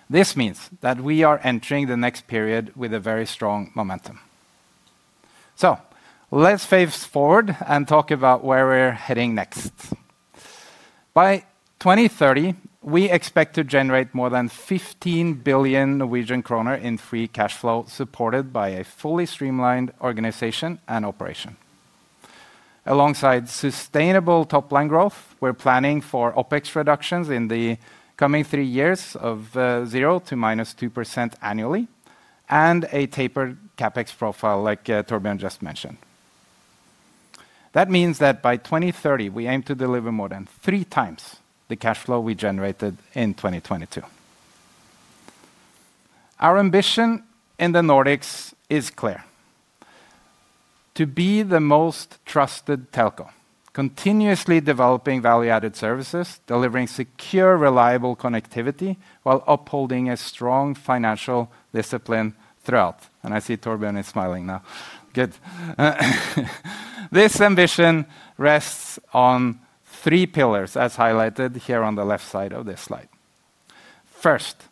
This means that we are entering the next period with a very strong momentum. Let's face forward and talk about where we're heading next. By 2030, we expect to generate more than 15 billion Norwegian kroner in free cash flow supported by a fully streamlined organization and operation. Alongside sustainable top-line growth, we're planning for OpEx reductions in the coming three years of 0% to -2% annually and a tapered CapEx profile like Torbjørn just mentioned. That means that by 2030, we aim to deliver more than three times the cash flow we generated in 2022. Our ambition in the Nordics is clear: to be the most trusted telco, continuously developing value-added services, delivering secure, reliable connectivity while upholding a strong financial discipline throughout. I see Torbjørn is smiling now. Good. This ambition rests on three pillars, as highlighted here on the left side of this slide. First,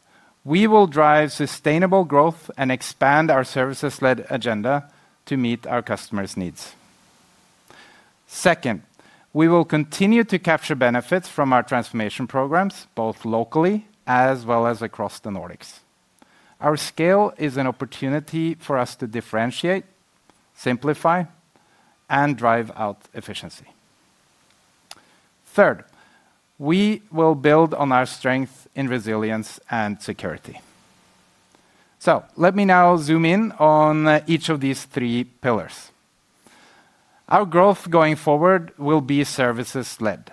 we will drive sustainable growth and expand our services-led agenda to meet our customers' needs. Second, we will continue to capture benefits from our transformation programs both locally as well as across the Nordics. Our scale is an opportunity for us to differentiate, simplify, and drive out efficiency. Third, we will build on our strength in resilience and security. Let me now zoom in on each of these three pillars. Our growth going forward will be services-led.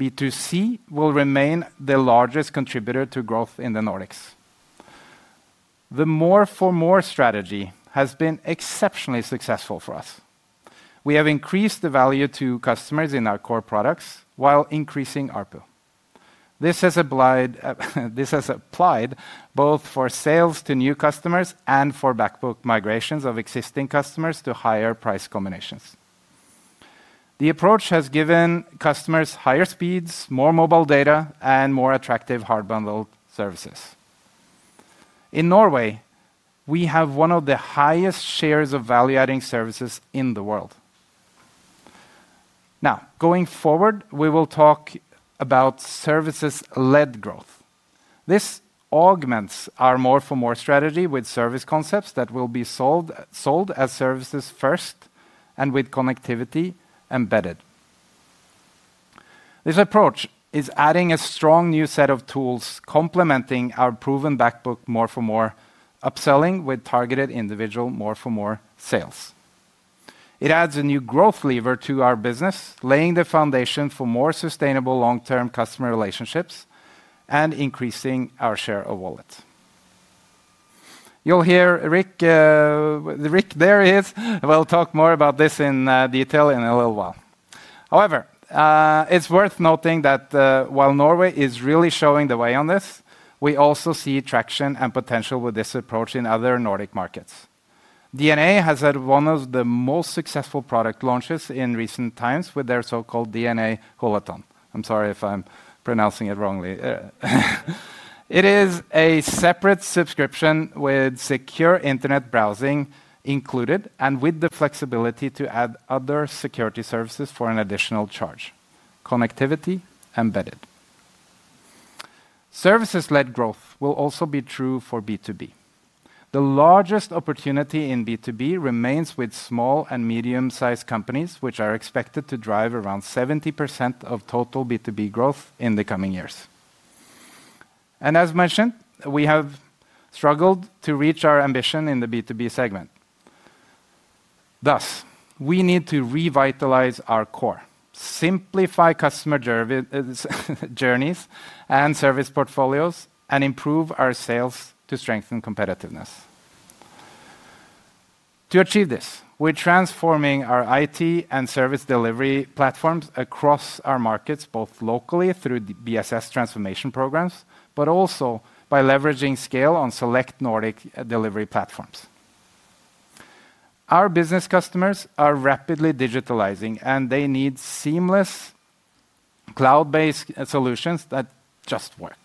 B2C will remain the largest contributor to growth in the Nordics. The more-for-more strategy has been exceptionally successful for us. We have increased the value to customers in our core products while increasing our pool. This has applied both for sales to new customers and for backbook migrations of existing customers to higher price combinations. The approach has given customers higher speeds, more mobile data, and more attractive hard-bundled services. In Norway, we have one of the highest shares of value-adding services in the world. Now, going forward, we will talk about services-led growth. This augments our more-for-more strategy with service concepts that will be sold as services first and with connectivity embedded. This approach is adding a strong new set of tools complementing our proven backbook more-for-more upselling with targeted individual more-for-more sales. It adds a new growth lever to our business, laying the foundation for more sustainable long-term customer relationships and increasing our share of wallet. You'll hear Rik there is. We'll talk more about this in detail in a little while. However, it's worth noting that while Norway is really showing the way on this, we also see traction and potential with this approach in other Nordic markets. DNA has had one of the most successful product launches in recent times with their so-called DNA Håleton. I'm sorry if I'm pronouncing it wrongly. It is a separate subscription with secure internet browsing included and with the flexibility to add other security services for an additional charge. Connectivity embedded. Services-led growth will also be true for B2B. The largest opportunity in B2B remains with small and medium-sized companies, which are expected to drive around 70% of total B2B growth in the coming years. As mentioned, we have struggled to reach our ambition in the B2B segment. Thus, we need to revitalize our core, simplify customer journeys and service portfolios, and improve our sales to strengthen competitiveness. To achieve this, we're transforming our IT and service delivery platforms across our markets, both locally through BSS transformation programs, but also by leveraging scale on select Nordic delivery platforms. Our business customers are rapidly digitalizing, and they need seamless cloud-based solutions that just work.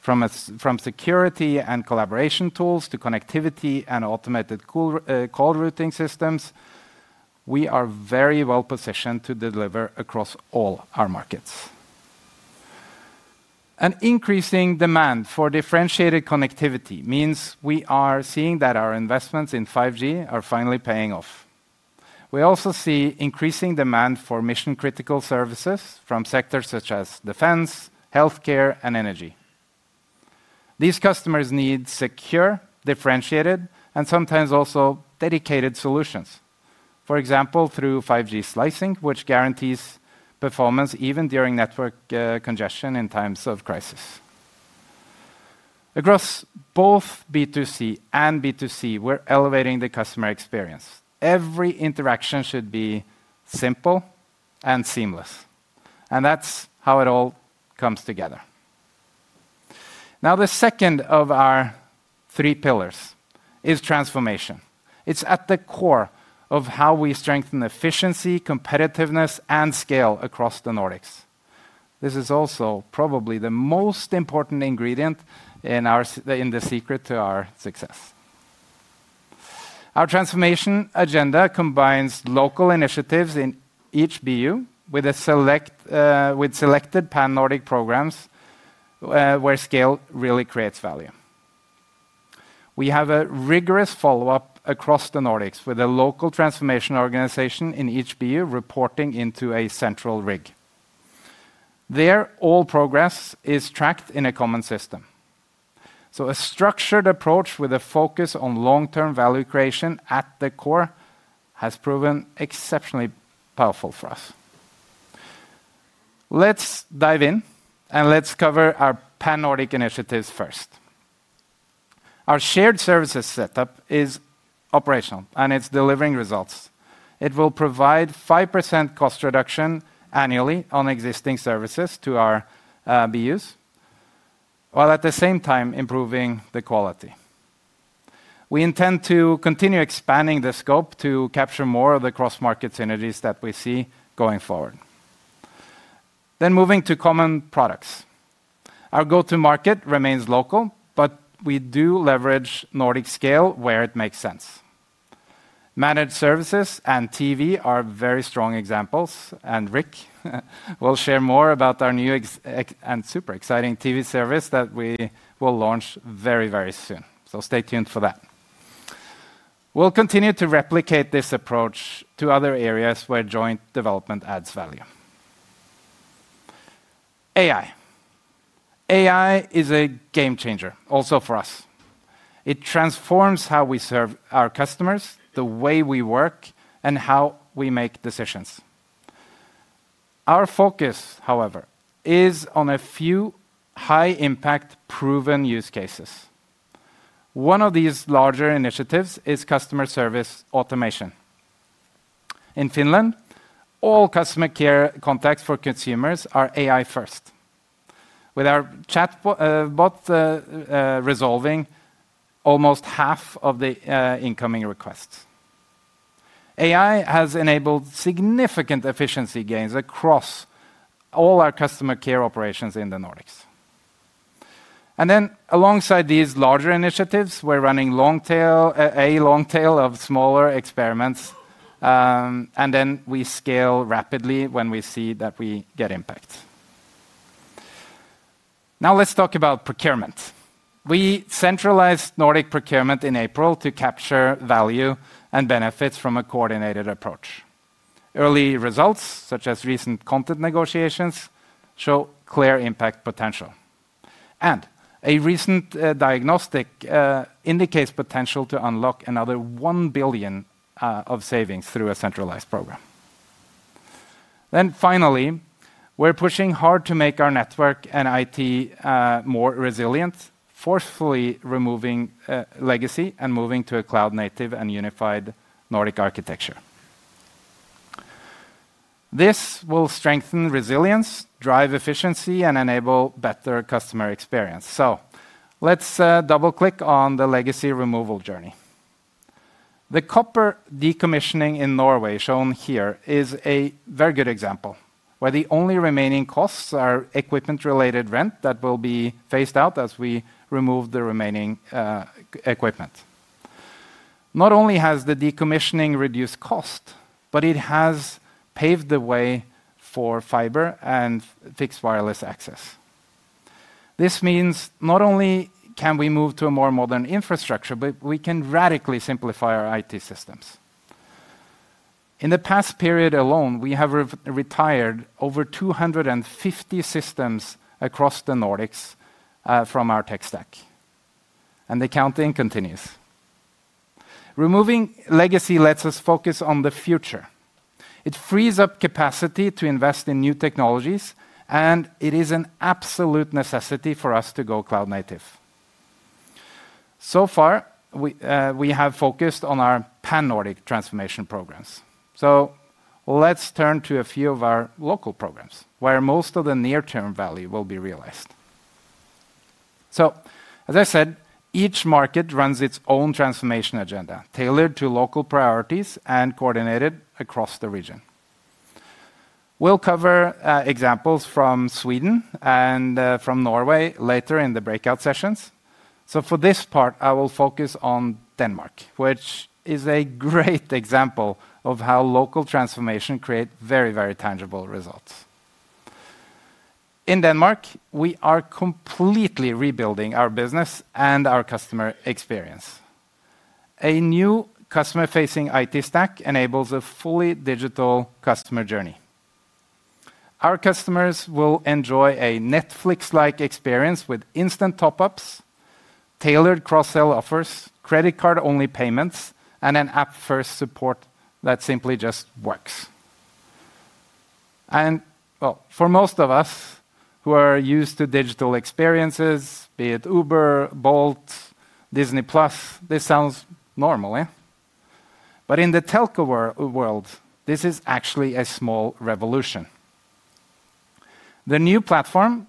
From security and collaboration tools to connectivity and automated call routing systems, we are very well positioned to deliver across all our markets. An increasing demand for differentiated connectivity means we are seeing that our investments in 5G are finally paying off. We also see increasing demand for mission-critical services from sectors such as defense, healthcare, and energy. These customers need secure, differentiated, and sometimes also dedicated solutions, for example, through 5G slicing, which guarantees performance even during network congestion in times of crisis. Across both B2C and B2B, we're elevating the customer experience. Every interaction should be simple and seamless. That's how it all comes together. Now, the second of our three pillars is transformation. It's at the core of how we strengthen efficiency, competitiveness, and scale across the Nordics. This is also probably the most important ingredient in the secret to our success. Our transformation agenda combines local initiatives in each BU with selected pan-Nordic programs where scale really creates value. We have a rigorous follow-up across the Nordics with a local transformation organization in each BU reporting into a central rig. There, all progress is tracked in a common system. A structured approach with a focus on long-term value creation at the core has proven exceptionally powerful for us. Let's dive in and let's cover our pan-Nordic initiatives first. Our shared services setup is operational, and it's delivering results. It will provide 5% cost reduction annually on existing services to our BUs, while at the same time improving the quality. We intend to continue expanding the scope to capture more of the cross-market synergies that we see going forward. Moving to common products. Our go-to-market remains local, but we do leverage Nordic scale where it makes sense. Managed services and TV are very strong examples, and Rik will share more about our new and super exciting TV service that we will launch very, very soon. Stay tuned for that. We will continue to replicate this approach to other areas where joint development adds value. AI. AI is a game changer also for us. It transforms how we serve our customers, the way we work, and how we make decisions. Our focus, however, is on a few high-impact proven use cases. One of these larger initiatives is customer service automation. In Finland, all customer care contacts for consumers are AI-first, with our chatbot resolving almost half of the incoming requests. AI has enabled significant efficiency gains across all our customer care operations in the Nordics. Alongside these larger initiatives, we're running a long tail of smaller experiments, and then we scale rapidly when we see that we get impact. Now let's talk about procurement. We centralized Nordic procurement in April to capture value and benefits from a coordinated approach. Early results, such as recent content negotiations, show clear impact potential. A recent diagnostic indicates potential to unlock another 1 billion of savings through a centralized program. Finally, we're pushing hard to make our network and IT more resilient, forcefully removing legacy and moving to a cloud-native and unified Nordic architecture. This will strengthen resilience, drive efficiency, and enable better customer experience. Let's double-click on the legacy removal journey. The copper decommissioning in Norway shown here is a very good example, where the only remaining costs are equipment-related rent that will be phased out as we remove the remaining equipment. Not only has the decommissioning reduced cost, but it has paved the way for fiber and fixed wireless access. This means not only can we move to a more modern infrastructure, but we can radically simplify our IT systems. In the past period alone, we have retired over 250 systems across the Nordics from our tech stack. The counting continues. Removing legacy lets us focus on the future. It frees up capacity to invest in new technologies, and it is an absolute necessity for us to go cloud-native. So far, we have focused on our pan-Nordic transformation programs. Let's turn to a few of our local programs, where most of the near-term value will be realized. As I said, each market runs its own transformation agenda tailored to local priorities and coordinated across the region. We'll cover examples from Sweden and from Norway later in the breakout sessions. For this part, I will focus on Denmark, which is a great example of how local transformation creates very, very tangible results. In Denmark, we are completely rebuilding our business and our customer experience. A new customer-facing IT stack enables a fully digital customer journey. Our customers will enjoy a Netflix-like experience with instant top-ups, tailored cross-sale offers, credit card-only payments, and an app-first support that simply just works. For most of us who are used to digital experiences, be it Uber, Bolt, Disney+, this sounds normal. In the telco world, this is actually a small revolution. The new platform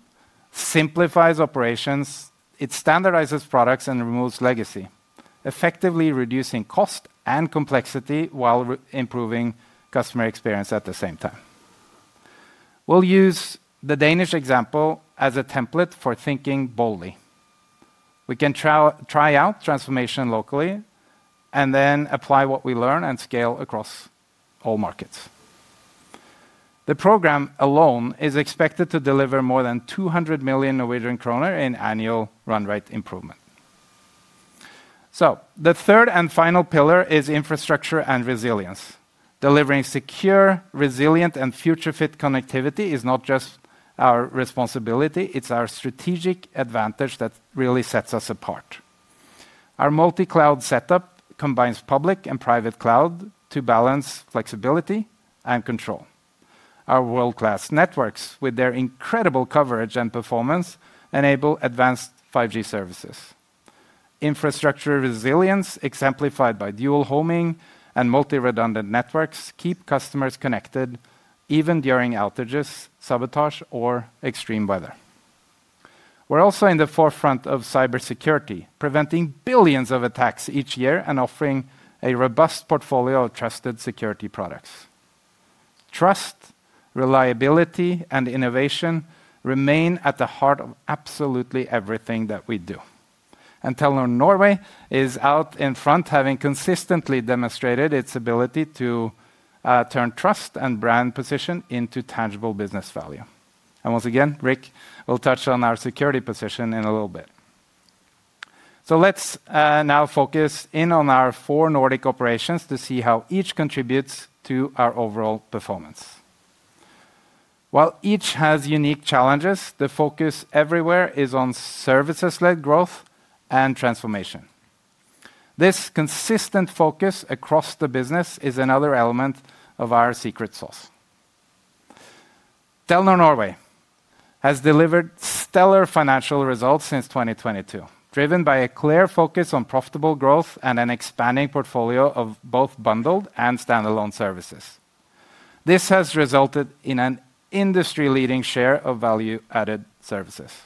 simplifies operations, it standardizes products, and removes legacy, effectively reducing cost and complexity while improving customer experience at the same time. We'll use the Danish example as a template for thinking boldly. We can try out transformation locally and then apply what we learn and scale across all markets. The program alone is expected to deliver more than 200 million Norwegian kroner in annual run rate improvement. The third and final pillar is infrastructure and resilience. Delivering secure, resilient, and future-fit connectivity is not just our responsibility; it is our strategic advantage that really sets us apart. Our multi-cloud setup combines public and private cloud to balance flexibility and control. Our world-class networks, with their incredible coverage and performance, enable advanced 5G services. Infrastructure resilience, exemplified by dual homing and multi-redundant networks, keeps customers connected even during outages, sabotage, or extreme weather. We are also in the forefront of cybersecurity, preventing billions of attacks each year and offering a robust portfolio of trusted security products. Trust, reliability, and innovation remain at the heart of absolutely everything that we do. Telenor Norway is out in front, having consistently demonstrated its ability to turn trust and brand position into tangible business value. Once again, Rik will touch on our security position in a little bit. Let's now focus in on our four Nordic operations to see how each contributes to our overall performance. While each has unique challenges, the focus everywhere is on services-led growth and transformation. This consistent focus across the business is another element of our secret sauce. Telenor Norway has delivered stellar financial results since 2022, driven by a clear focus on profitable growth and an expanding portfolio of both bundled and standalone services. This has resulted in an industry-leading share of value-added services.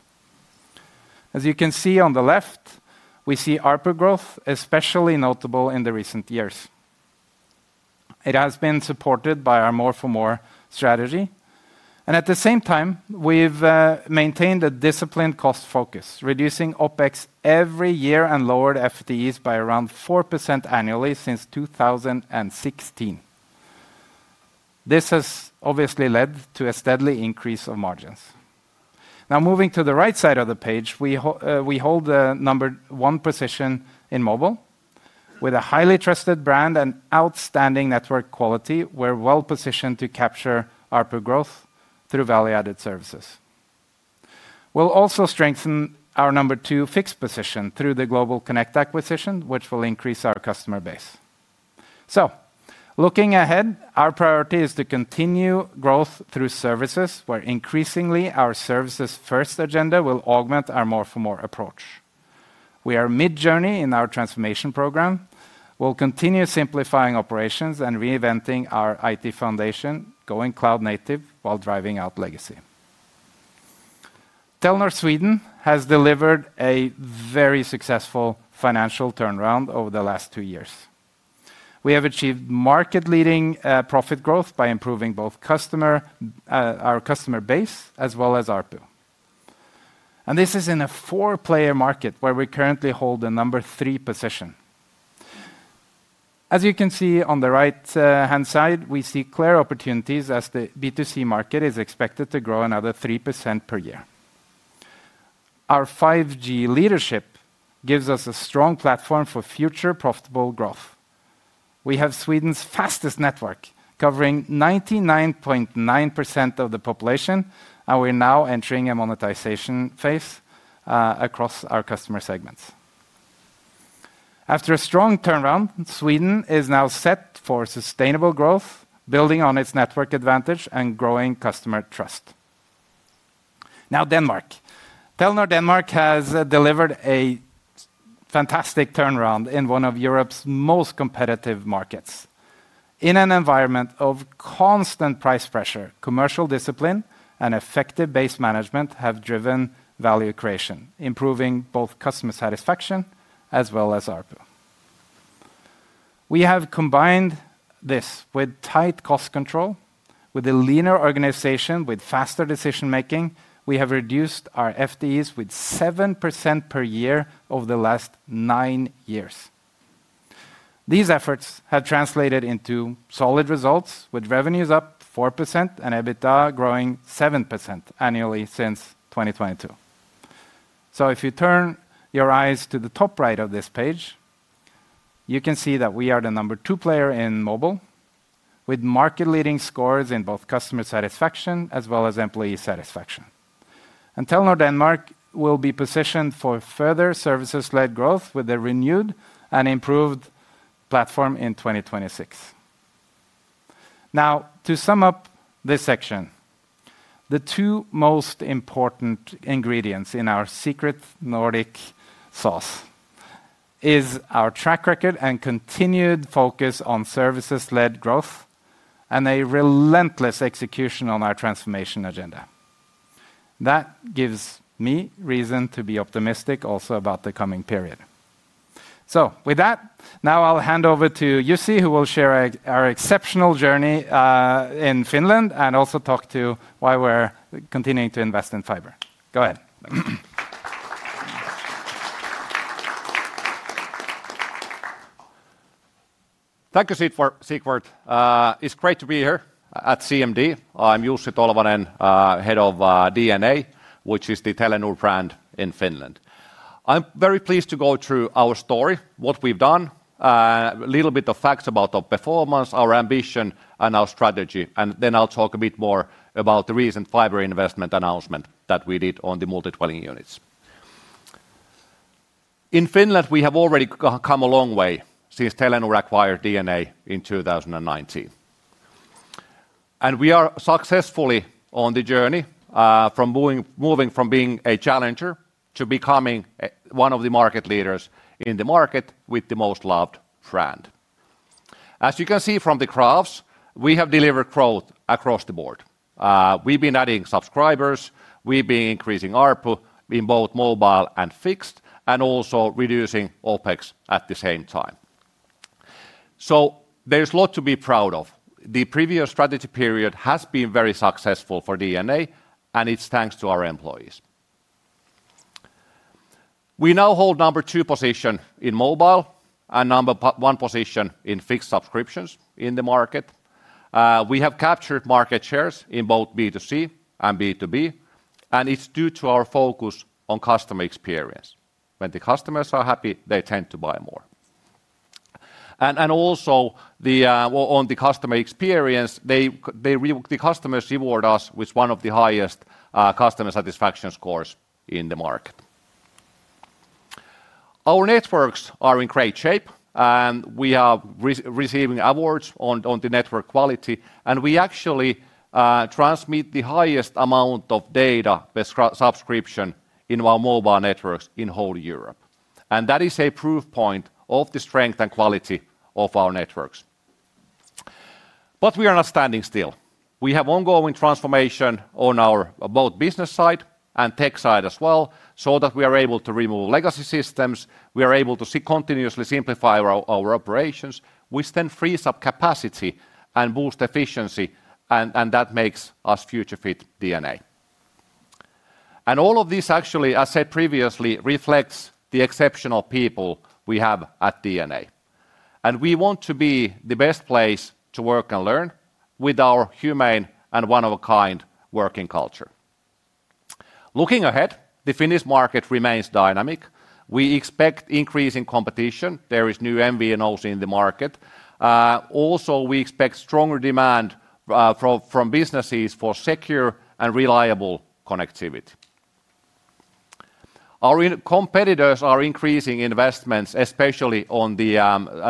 As you can see on the left, we see ARPU growth, especially notable in the recent years. It has been supported by our more for more strategy. At the same time, we've maintained a disciplined cost focus, reducing OpEx every year and lowered FTEs by around 4% annually since 2016. This has obviously led to a steady increase of margins. Now, moving to the right side of the page, we hold the number one position in mobile. With a highly trusted brand and outstanding network quality, we're well positioned to capture ARPU growth through value-added services. We'll also strengthen our number two fixed position through the GlobalConnect acquisition, which will increase our customer base. Looking ahead, our priority is to continue growth through services, where increasingly our services-first agenda will augment our more for more approach. We are mid-journey in our transformation program. We'll continue simplifying operations and reinventing our IT foundation, going cloud-native while driving out legacy. Telenor Sweden has delivered a very successful financial turnaround over the last two years. We have achieved market-leading profit growth by improving both our customer base as well as ARPU. This is in a four-player market where we currently hold the number three position. As you can see on the right-hand side, we see clear opportunities as the B2C market is expected to grow another 3% per year. Our 5G leadership gives us a strong platform for future profitable growth. We have Sweden's fastest network, covering 99.9% of the population, and we're now entering a monetization phase across our customer segments. After a strong turnaround, Sweden is now set for sustainable growth, building on its network advantage and growing customer trust. Now, Denmark. Telenor Denmark has delivered a fantastic turnaround in one of Europe's most competitive markets. In an environment of constant price pressure, commercial discipline and effective base management have driven value creation, improving both customer satisfaction as well as ARPU. We have combined this with tight cost control, with a leaner organization, with faster decision-making. We have reduced our FTEs by 7% per year over the last nine years. These efforts have translated into solid results, with revenues up 4% and EBITDA growing 7% annually since 2022. If you turn your eyes to the top right of this page, you can see that we are the number two player in mobile, with market-leading scores in both customer satisfaction as well as employee satisfaction. Telenor Denmark will be positioned for further services-led growth with a renewed and improved platform in 2026. To sum up this section, the two most important ingredients in our secret Nordic sauce are our track record and continued focus on services-led growth and a relentless execution on our transformation agenda. That gives me reason to be optimistic also about the coming period. With that, now I'll hand over to Jussi, who will share our exceptional journey in Finland and also talk to why we're continuing to invest in fiber. Go ahead. Tack, Jussi Sigvart. It's great to be here at CMD. I'm Jussi Tolvanen, head of DNA, which is the Telenor brand in Finland. I'm very pleased to go through our story, what we've done, a little bit of facts about our performance, our ambition, and our strategy. Then I'll talk a bit more about the recent fiber investment announcement that we did on the multi-toilet units. In Finland, we have already come a long way since Telenor acquired DNA in 2019. We are successfully on the journey from moving from being a challenger to becoming one of the market leaders in the market with the most loved brand. As you can see from the graphs, we have delivered growth across the board. We've been adding subscribers. We've been increasing ARPU in both mobile and fixed, and also reducing OpEx at the same time. There is a lot to be proud of. The previous strategy period has been very successful for DNA, and it's thanks to our employees. We now hold number two position in mobile and number one position in fixed subscriptions in the market. We have captured market shares in both B2C and B2B, and it's due to our focus on customer experience. When the customers are happy, they tend to buy more. Also, on the customer experience, the customers reward us with one of the highest customer satisfaction scores in the market. Our networks are in great shape, and we are receiving awards on the network quality. We actually transmit the highest amount of data per subscription in our mobile networks in whole Europe. That is a proof point of the strength and quality of our networks. We are not standing still. We have ongoing transformation on our both business side and tech side as well, so that we are able to remove legacy systems. We are able to continuously simplify our operations, which then frees up capacity and boosts efficiency, and that makes us future-fit DNA. All of this, actually, as I said previously, reflects the exceptional people we have at DNA. We want to be the best place to work and learn with our humane and one-of-a-kind working culture. Looking ahead, the Finnish market remains dynamic. We expect increasing competition. There are new MVNOs in the market. Also, we expect stronger demand from businesses for secure and reliable connectivity. Our competitors are increasing investments, especially on the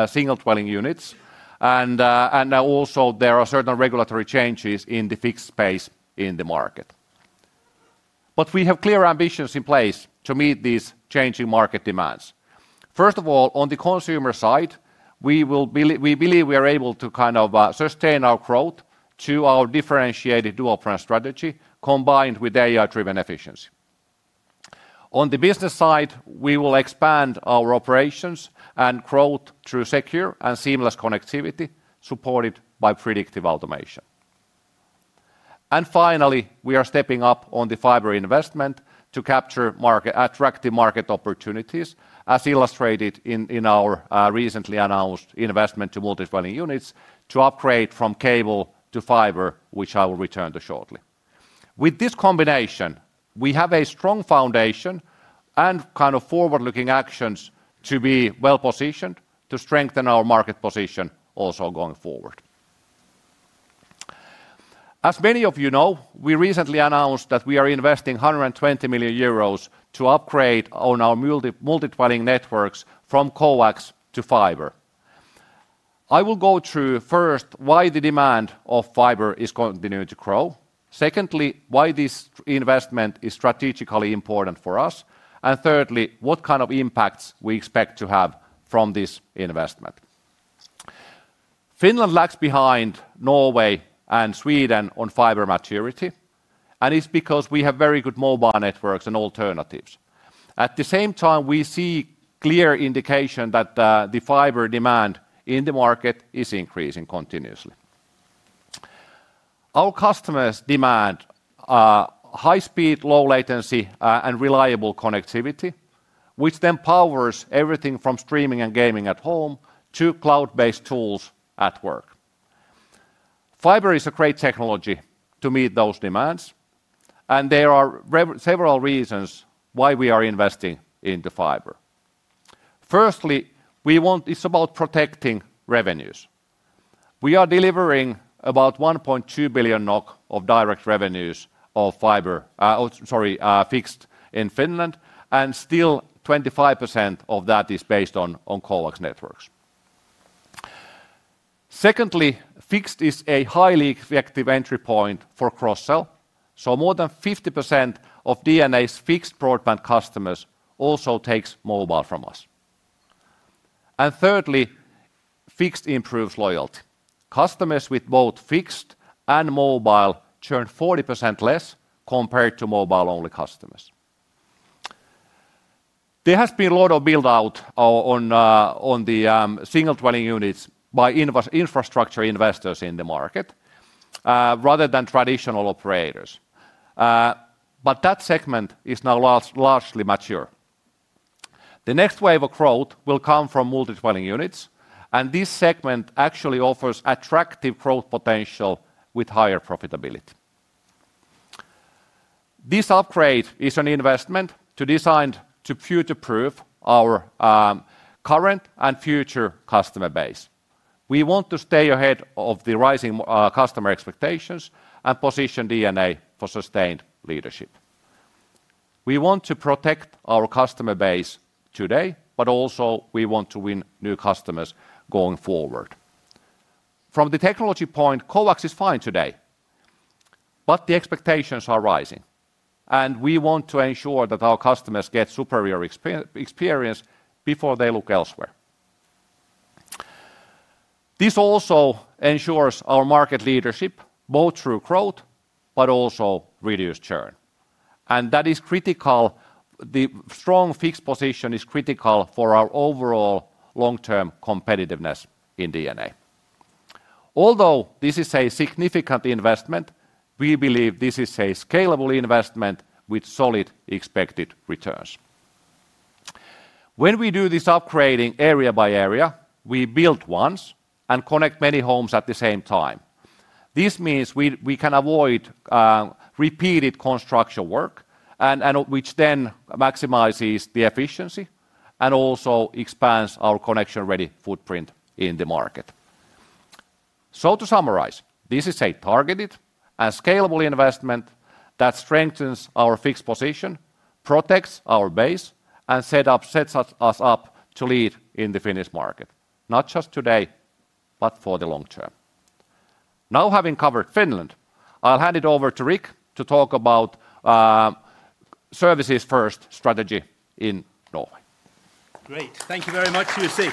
single-toilet units. There are certain regulatory changes in the fixed space in the market. We have clear ambitions in place to meet these changing market demands. First of all, on the consumer side, we believe we are able to kind of sustain our growth through our differentiated dual-front strategy combined with AI-driven efficiency. On the business side, we will expand our operations and growth through secure and seamless connectivity supported by predictive automation. Finally, we are stepping up on the fiber investment to capture attractive market opportunities, as illustrated in our recently announced investment to multi-toilet units to upgrade from cable to fiber, which I will return to shortly. With this combination, we have a strong foundation and kind of forward-looking actions to be well positioned to strengthen our market position also going forward. As many of you know, we recently announced that we are investing 120 million euros to upgrade our multi-tenant networks from coax to fiber. I will go through first why the demand of fiber is continuing to grow. Secondly, why this investment is strategically important for us. Thirdly, what kind of impacts we expect to have from this investment. Finland lags behind Norway and Sweden on fiber maturity, and it's because we have very good mobile networks and alternatives. At the same time, we see clear indication that the fiber demand in the market is increasing continuously. Our customers demand high speed, low latency, and reliable connectivity, which then powers everything from streaming and gaming at home to cloud-based tools at work. Fiber is a great technology to meet those demands, and there are several reasons why we are investing in the fiber. Firstly, it's about protecting revenues. We are delivering about 1.2 billion NOK of direct revenues of fiber, sorry, fixed in Finland, and still 25% of that is based on coax networks. Secondly, fixed is a highly effective entry point for cross-sell. More than 50% of DNA's fixed broadband customers also take mobile from us. Thirdly, fixed improves loyalty. Customers with both fixed and mobile churn 40% less compared to mobile-only customers. There has been a lot of build-out on the single-toilet units by infrastructure investors in the market rather than traditional operators. That segment is now largely mature. The next wave of growth will come from multi-toilet units, and this segment actually offers attractive growth potential with higher profitability. This upgrade is an investment designed to future-proof our current and future customer base. We want to stay ahead of the rising customer expectations and position DNA for sustained leadership. We want to protect our customer base today, but also we want to win new customers going forward. From the technology point, coax is fine today, but the expectations are rising, and we want to ensure that our customers get superior experience before they look elsewhere. This also ensures our market leadership both through growth, but also reduced churn. That is critical. The strong fixed position is critical for our overall long-term competitiveness in DNA. Although this is a significant investment, we believe this is a scalable investment with solid expected returns. When we do this upgrading area by area, we build once and connect many homes at the same time. This means we can avoid repeated construction work, which then maximizes the efficiency and also expands our connection-ready footprint in the market. So, to summarize, this is a targeted and scalable investment that strengthens our fixed position, protects our base, and sets us up to lead in the Finnish market, not just today, but for the long term. Now, having covered Finland, I'll hand it over to Rik to talk about services-first strategy in Norway. Great. Thank you very much, Jussi.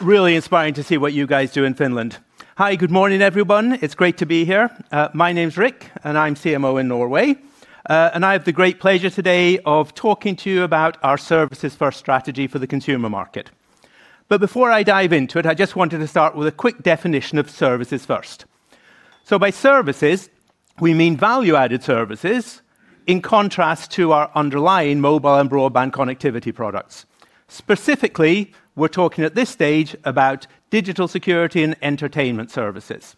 Really inspiring to see what you guys do in Finland. Hi, good morning, everyone. It's great to be here. My name is Rik, and I'm CMO in Norway. And I have the great pleasure today of talking to you about our services-first strategy for the consumer market. Before I dive into it, I just wanted to start with a quick definition of services-first. By services, we mean value-added services in contrast to our underlying mobile and broadband connectivity products. Specifically, we're talking at this stage about digital security and entertainment services.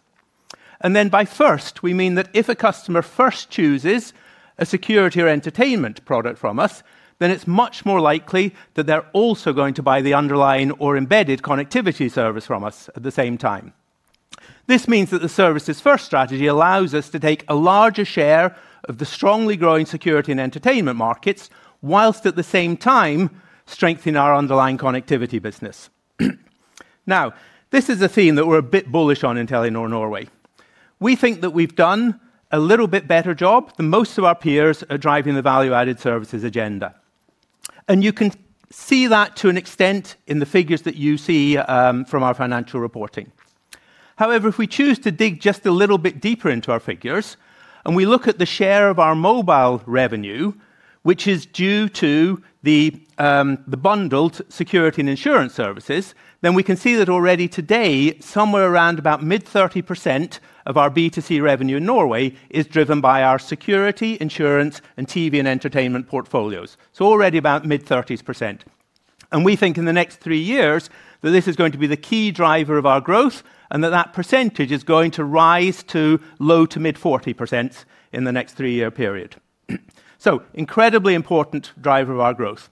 By first, we mean that if a customer first chooses a security or entertainment product from us, then it's much more likely that they're also going to buy the underlying or embedded connectivity service from us at the same time. This means that the services-first strategy allows us to take a larger share of the strongly growing security and entertainment markets, whilst at the same time strengthening our underlying connectivity business. Now, this is a theme that we're a bit bullish on in Telenor Norway. We think that we've done a little bit better job than most of our peers at driving the value-added services agenda. You can see that to an extent in the figures that you see from our financial reporting. However, if we choose to dig just a little bit deeper into our figures, and we look at the share of our mobile revenue, which is due to the bundled security and insurance services, then we can see that already today, somewhere around about mid-30% of our B2C revenue in Norway is driven by our security, insurance, and TV and entertainment portfolios. Already about mid-30%. We think in the next three years that this is going to be the key driver of our growth, and that that percentage is going to rise to low- to mid-40% in the next three-year period. Incredibly important driver of our growth.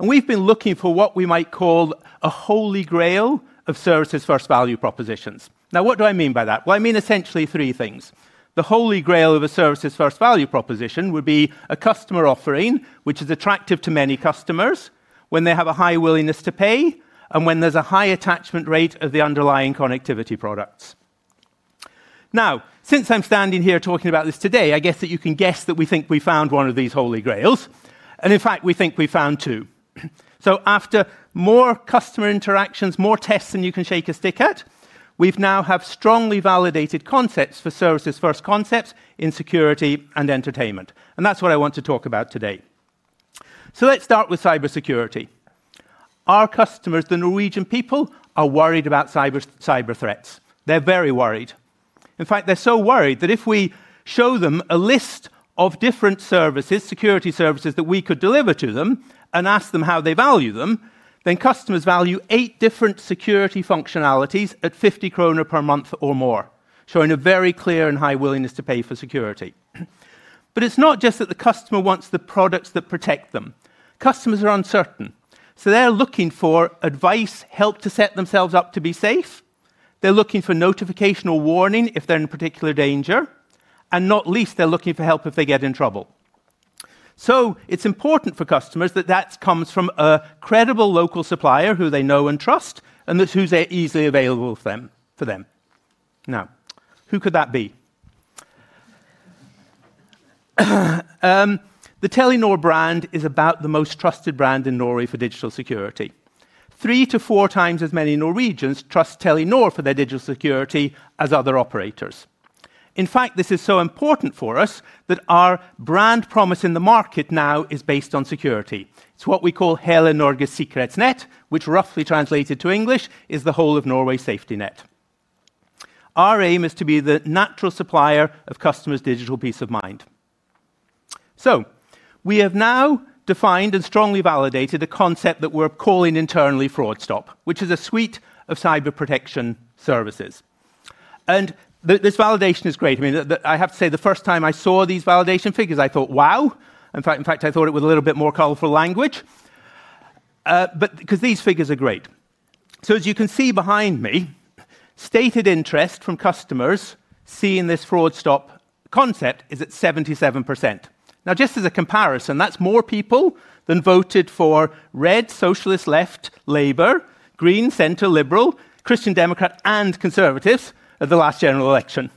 We have been looking for what we might call a holy grail of services-first value propositions. Now, what do I mean by that? I mean essentially three things. The holy grail of a services-first value proposition would be a customer offering which is attractive to many customers when they have a high willingness to pay, and when there's a high attachment rate of the underlying connectivity products. Now, since I'm standing here talking about this today, I guess that you can guess that we think we found one of these holy grails. In fact, we think we found two. After more customer interactions, more tests than you can shake a stick at, we now have strongly validated concepts for services-first concepts in security and entertainment. That's what I want to talk about today. Let's start with cybersecurity. Our customers, the Norwegian people, are worried about cyber threats. They're very worried. In fact, they're so worried that if we show them a list of different security services that we could deliver to them and ask them how they value them, then customers value eight different security functionalities at 50 kroner per month or more, showing a very clear and high willingness to pay for security. It is not just that the customer wants the products that protect them. Customers are uncertain. They are looking for advice, help to set themselves up to be safe. They are looking for notification or warning if they are in particular danger. Not least, they are looking for help if they get in trouble. It is important for customers that that comes from a credible local supplier who they know and trust, and that is who is easily available for them. Now, who could that be? The Telenor brand is about the most trusted brand in Norway for digital security. Three to four times as many Norwegians trust Telenor for their digital security as other operators. In fact, this is so important for us that our brand promise in the market now is based on security. It's what we call Hele Norges Sikkerhetsnett, which roughly translated to English is the whole of Norway Safety Net. Our aim is to be the natural supplier of customers' digital peace of mind. So, we have now defined and strongly validated a concept that we're calling internally FraudStop, which is a suite of cyber protection services. And this validation is great. I mean, I have to say, the first time I saw these validation figures, I thought, "Wow." In fact, I thought it was a little bit more colorful language. Because these figures are great. As you can see behind me, stated interest from customers seeing this FraudStop concept is at 77%. Now, just as a comparison, that's more people than voted for Red, Socialist, Left, Labor, Green, Center, Liberal, Christian Democrat, and Conservatives at the last general election.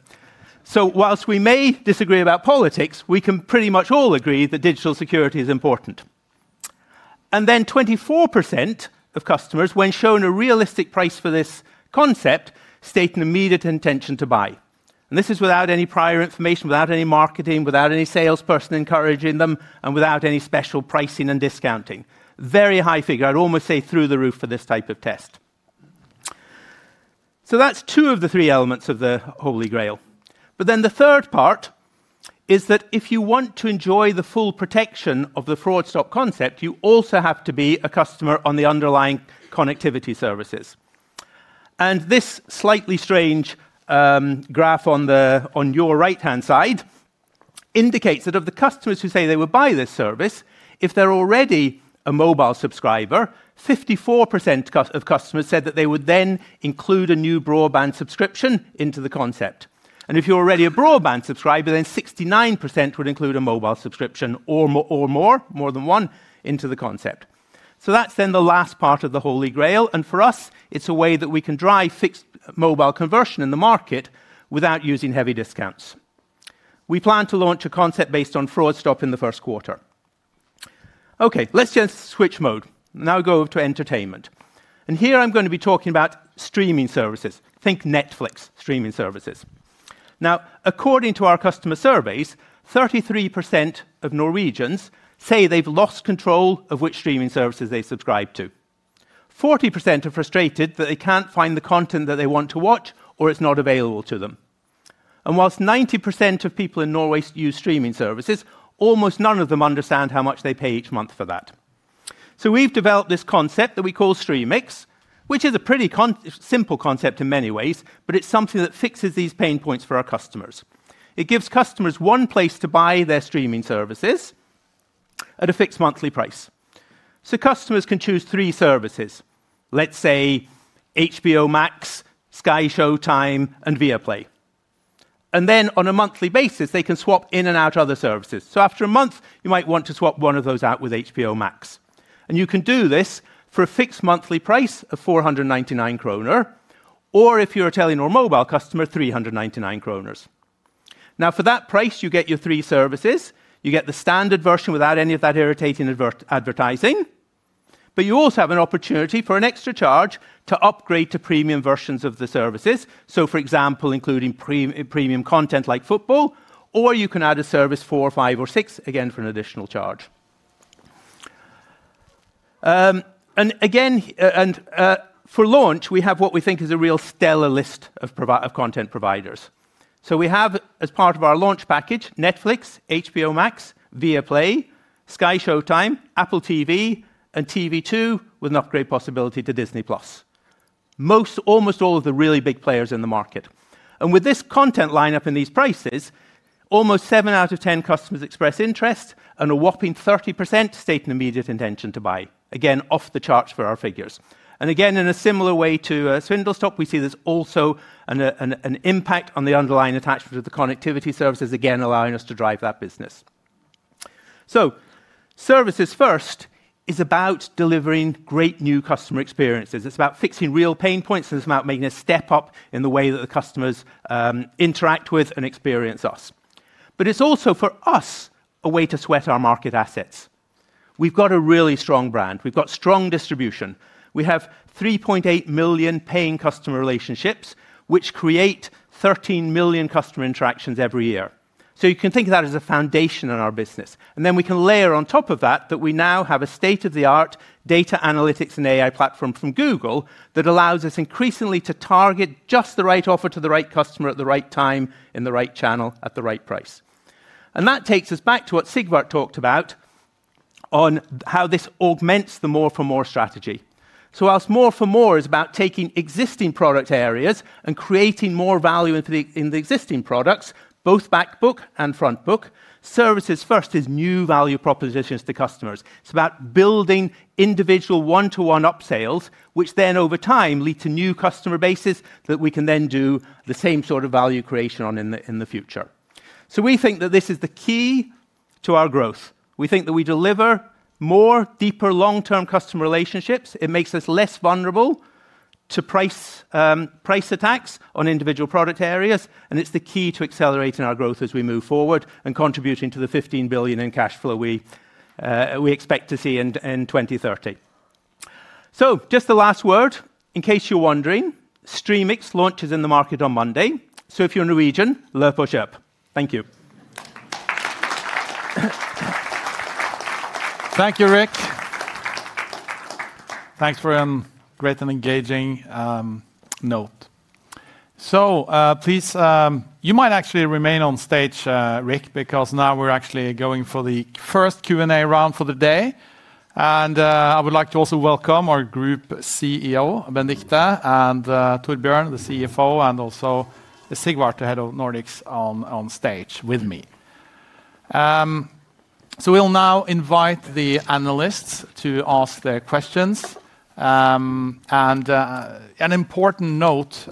While we may disagree about politics, we can pretty much all agree that digital security is important. Then 24% of customers, when shown a realistic price for this concept, state an immediate intention to buy. This is without any prior information, without any marketing, without any salesperson encouraging them, and without any special pricing and discounting. Very high figure. I'd almost say through the roof for this type of test. That's two of the three elements of the holy grail. The third part is that if you want to enjoy the full protection of the FraudStop concept, you also have to be a customer on the underlying connectivity services. This slightly strange graph on your right-hand side indicates that of the customers who say they will buy this service, if they're already a mobile subscriber, 54% of customers said that they would then include a new broadband subscription into the concept. If you're already a broadband subscriber, then 69% would include a mobile subscription or more, more than one, into the concept. That is then the last part of the holy grail. For us, it's a way that we can drive fixed mobile conversion in the market without using heavy discounts. We plan to launch a concept based on FraudStop in the first quarter. Okay, let's just switch mode. Now go over to entertainment. Here I'm going to be talking about streaming services. Think Netflix streaming services. Now, according to our customer surveys, 33% of Norwegians say they've lost control of which streaming services they subscribe to. 40% are frustrated that they can't find the content that they want to watch or it's not available to them. Whilst 90% of people in Norway use streaming services, almost none of them understand how much they pay each month for that. We've developed this concept that we call StreamMix, which is a pretty simple concept in many ways, but it's something that fixes these pain points for our customers. It gives customers one place to buy their streaming services at a fixed monthly price. Customers can choose three services. Let's say HBO Max, SkyShowtime, and Viaplay. On a monthly basis, they can swap in and out of other services. After a month, you might want to swap one of those out with HBO Max. You can do this for a fixed monthly price of 499 kroner, or if you're a Telenor mobile customer, 399 kroner. Now, for that price, you get your three services. You get the standard version without any of that irritating advertising. You also have an opportunity for an extra charge to upgrade to premium versions of the services. For example, including premium content like football, or you can add a service four, five, or six again for an additional charge. For launch, we have what we think is a real stellar list of content providers. We have, as part of our launch package, Netflix, HBO Max, Viaplay, SkyShowtime, Apple TV, and TV 2 with an upgrade possibility to Disney+. Most, almost all of the really big players in the market. With this content lineup and these prices, almost seven out of ten customers express interest, and a whopping 30% state an immediate intention to buy. Again, off the charts for our figures. In a similar way to FraudStop, we see there is also an impact on the underlying attachment of the connectivity services, again allowing us to drive that business. Services-first is about delivering great new customer experiences. It is about fixing real pain points, and it is about making a step up in the way that the customers interact with and experience us. It is also for us a way to sweat our market assets. We have got a really strong brand. We have got strong distribution. We have 3.8 million paying customer relationships, which create 13 million customer interactions every year. You can think of that as a foundation in our business. Then we can layer on top of that that we now have a state-of-the-art data analytics and AI platform from Google that allows us increasingly to target just the right offer to the right customer at the right time, in the right channel, at the right price. That takes us back to what Sigvart talked about on how this augments the more for more strategy. Whilst more for more is about taking existing product areas and creating more value in the existing products, both backbook and frontbook, services-first is new value propositions to customers. It is about building individual one-to-one upsales, which then over time lead to new customer bases that we can then do the same sort of value creation on in the future. We think that this is the key to our growth. We think that we deliver more, deeper, long-term customer relationships. It makes us less vulnerable to price attacks on individual product areas. It is the key to accelerating our growth as we move forward and contributing to the 15 billion in cash flow we expect to see in 2030. Just the last word, in case you're wondering, StreamMix launches in the market on Monday. If you're a Norwegian, love push up. Thank you. Thank you, Rik. Thanks for a great and engaging note. Please, you might actually remain on stage, Rik, because now we're actually going for the first Q&A round for the day. I would like to also welcome our Group CEO, Benedicte, and Torbjørn, the CFO, and also Sigvart, the Head of Nordics, on stage with me. We will now invite the analysts to ask their questions. An important note,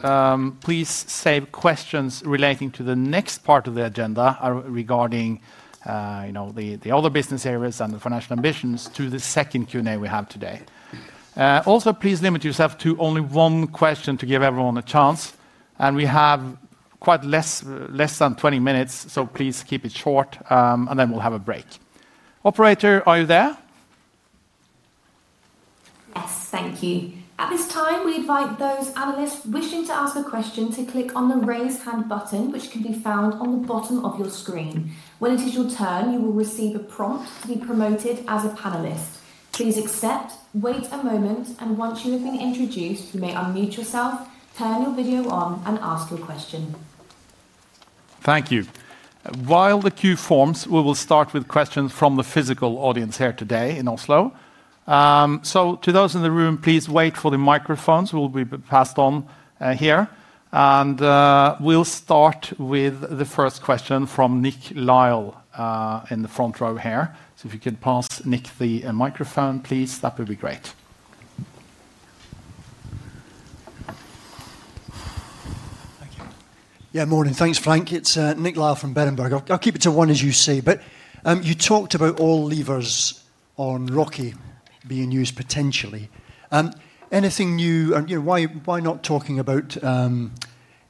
please save questions relating to the next part of the agenda regarding the other business areas and the financial ambitions to the second Q&A we have today. Also, please limit yourself to only one question to give everyone a chance. We have quite less than 20 minutes, so please keep it short, and then we'll have a break. Operator, are you there? Yes, thank you. At this time, we invite those analysts wishing to ask a question to click on the raise hand button, which can be found on the bottom of your screen. When it is your turn, you will receive a prompt to be promoted as a panelist. Please accept, wait a moment, and once you have been introduced, you may unmute yourself, turn your video on, and ask your question. Thank you. While the queue forms, we will start with questions from the physical audience here today in Oslo. To those in the room, please wait for the microphones. They will be passed on here. We will start with the first question from Nick Lyall in the front row here. If you could pass Nick the microphone, please, that would be great. Yeah, morning. Thanks, Frank. It's Nick Lyall from Berenberg. I'll keep it to one as you see. You talked about all levers on ROCI being used potentially. Anything new? Why not talking about M&A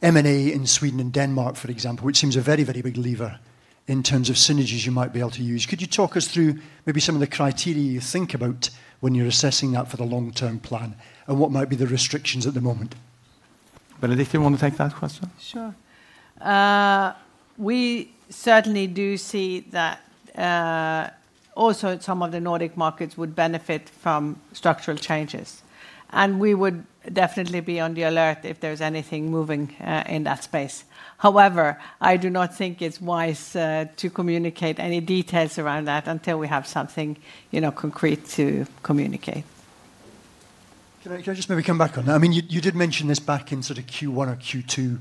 in Sweden and Denmark, for example, which seems a very, very big lever in terms of synergies you might be able to use? Could you talk us through maybe some of the criteria you think about when you're assessing that for the long-term plan, and what might be the restrictions at the moment? Benedicte, do you want to take that question? Sure. We certainly do see that also some of the Nordic markets would benefit from structural changes. We would definitely be on the alert if there's anything moving in that space. However, I do not think it's wise to communicate any details around that until we have something concrete to communicate. Can I just maybe come back on that? I mean, you did mention this back in sort of Q1 or Q2.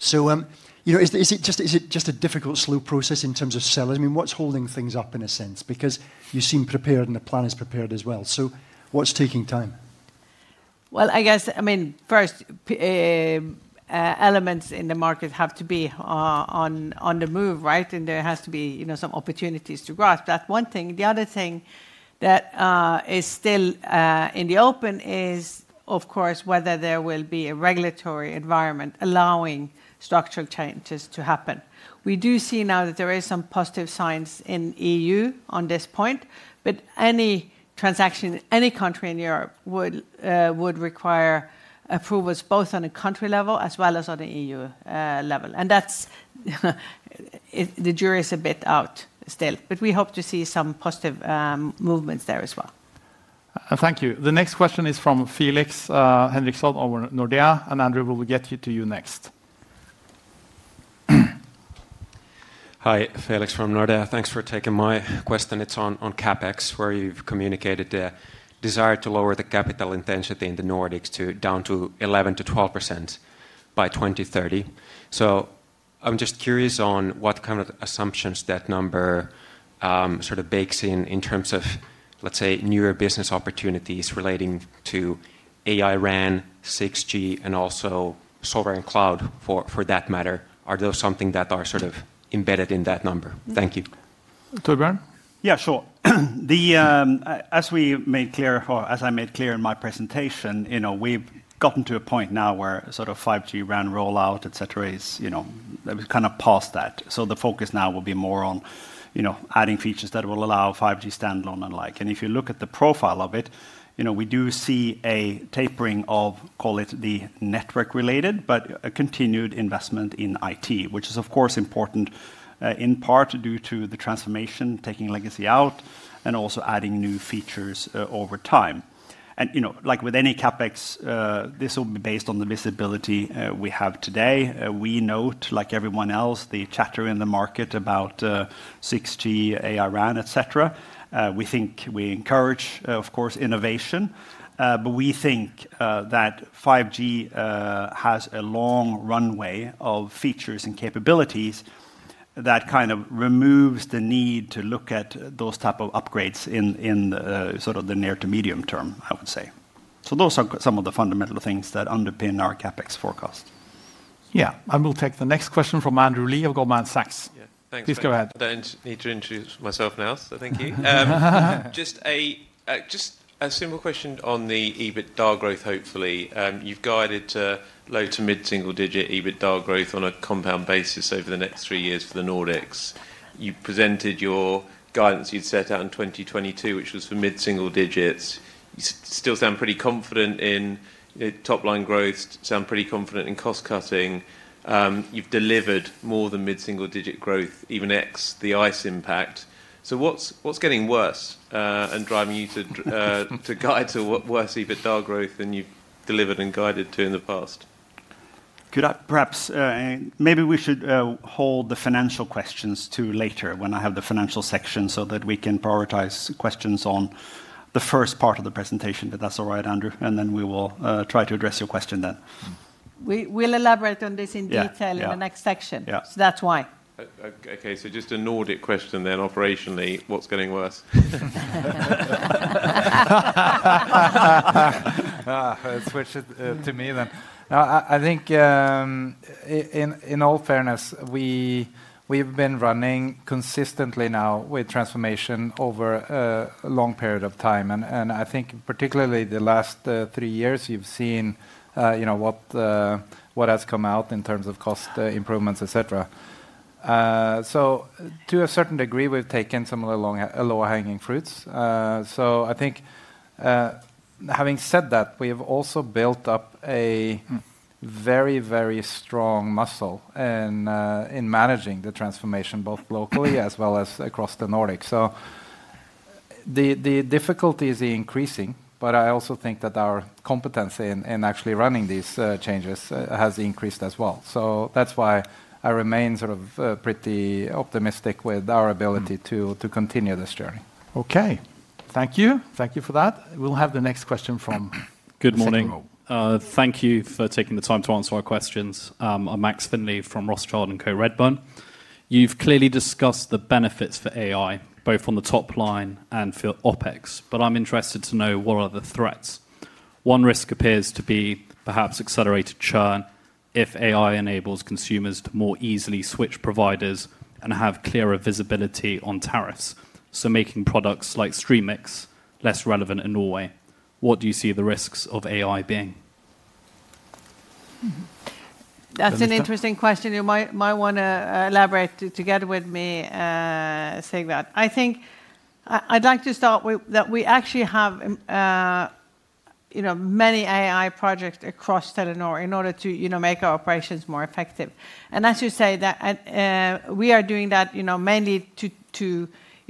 Is it just a difficult slow process in terms of sellers? I mean, what's holding things up in a sense? Because you seem prepared and the plan is prepared as well. What's taking time? I guess, I mean, first, elements in the market have to be on the move, right? There has to be some opportunities to grow. That's one thing. The other thing that is still in the open is, of course, whether there will be a regulatory environment allowing structural changes to happen. We do see now that there are some positive signs in the EU on this point, but any transaction in any country in Europe would require approvals both on a country level as well as on an EU level. The jury is a bit out still. We hope to see some positive movements there as well. Thank you. The next question is from Felix Henriksson over at Nordea. Andrew, we will get to you next. Hi, Felix from Nordea. Thanks for taking my question. It's on CapEx, where you've communicated the desire to lower the capital intensity in the Nordics down to 11%-12% by 2030. I'm just curious on what kind of assumptions that number sort of bakes in in terms of, let's say, newer business opportunities relating to AI, RAN, 6G, and also sovereign cloud for that matter. Are those something that are sort of embedded in that number? Thank you. Torbjørn? Yeah, sure. As we made clear, as I made clear in my presentation, we've gotten to a point now where sort of 5G RAN rollout, et cetera, is kind of past that. The focus now will be more on adding features that will allow 5G Standalone and like. If you look at the profile of it, we do see a tapering of, call it the network-related, but a continued investment in IT, which is, of course, important in part due to the transformation, taking legacy out, and also adding new features over time. Like with any CapEx, this will be based on the visibility we have today. We note, like everyone else, the chatter in the market about 6G, AI, RAN, et cetera. We think we encourage, of course, innovation. We think that 5G has a long runway of features and capabilities that kind of removes the need to look at those types of upgrades in sort of the near to medium term, I would say. Those are some of the fundamental things that underpin our CapEx forecast. Yeah, I will take the next question from Andrew Lee of Goldman Sachs. Please go ahead. I don't need to introduce myself now, so thank you. Just a simple question on the EBITDA growth, hopefully. You've guided to low to mid-single-digit EBITDA growth on a compound basis over the next three years for the Nordics. You presented your guidance you'd set out in 2022, which was for mid-single digits. You still sound pretty confident in top-line growth, sound pretty confident in cost-cutting. You've delivered more than mid-single-digit growth, even X the ICE impact. So, what's getting worse and driving you to guide to worse EBITDA growth than you've delivered and guided to in the past? Could I perhaps, maybe we should hold the financial questions to later when I have the financial section so that we can prioritize questions on the first part of the presentation. That's all right, Andrew. We will try to address your question then. We'll elaborate on this in detail in the next section. That's why. Okay, so just a Nordic question then, operationally, what's getting worse? Switch it to me then. I think in all fairness, we've been running consistently now with transformation over a long period of time. I think particularly the last three years, you've seen what has come out in terms of cost improvements, et cetera. To a certain degree, we've taken some of the lower-hanging fruits. I think having said that, we have also built up a very, very strong muscle in managing the transformation, both locally as well as across the Nordics. The difficulty is increasing, but I also think that our competency in actually running these changes has increased as well. That's why I remain sort of pretty optimistic with our ability to continue this journey. Okay, thank you. Thank you for that. We'll have the next question from Max. Good morning. Thank you for taking the time to answer our questions. I'm Max Findlay from Rothschild & Co. Redburn. You've clearly discussed the benefits for AI, both on the top line and for OpEx. I'm interested to know what are the threats. One risk appears to be perhaps accelerated churn if AI enables consumers to more easily switch providers and have clearer visibility on tariffs, making products like StreamMix less relevant in Norway. What do you see the risks of AI being? That's an interesting question. You might want to elaborate together with me, Sigvart. I think I'd like to start with that we actually have many AI projects across Telenor in order to make our operations more effective. As you say, we are doing that mainly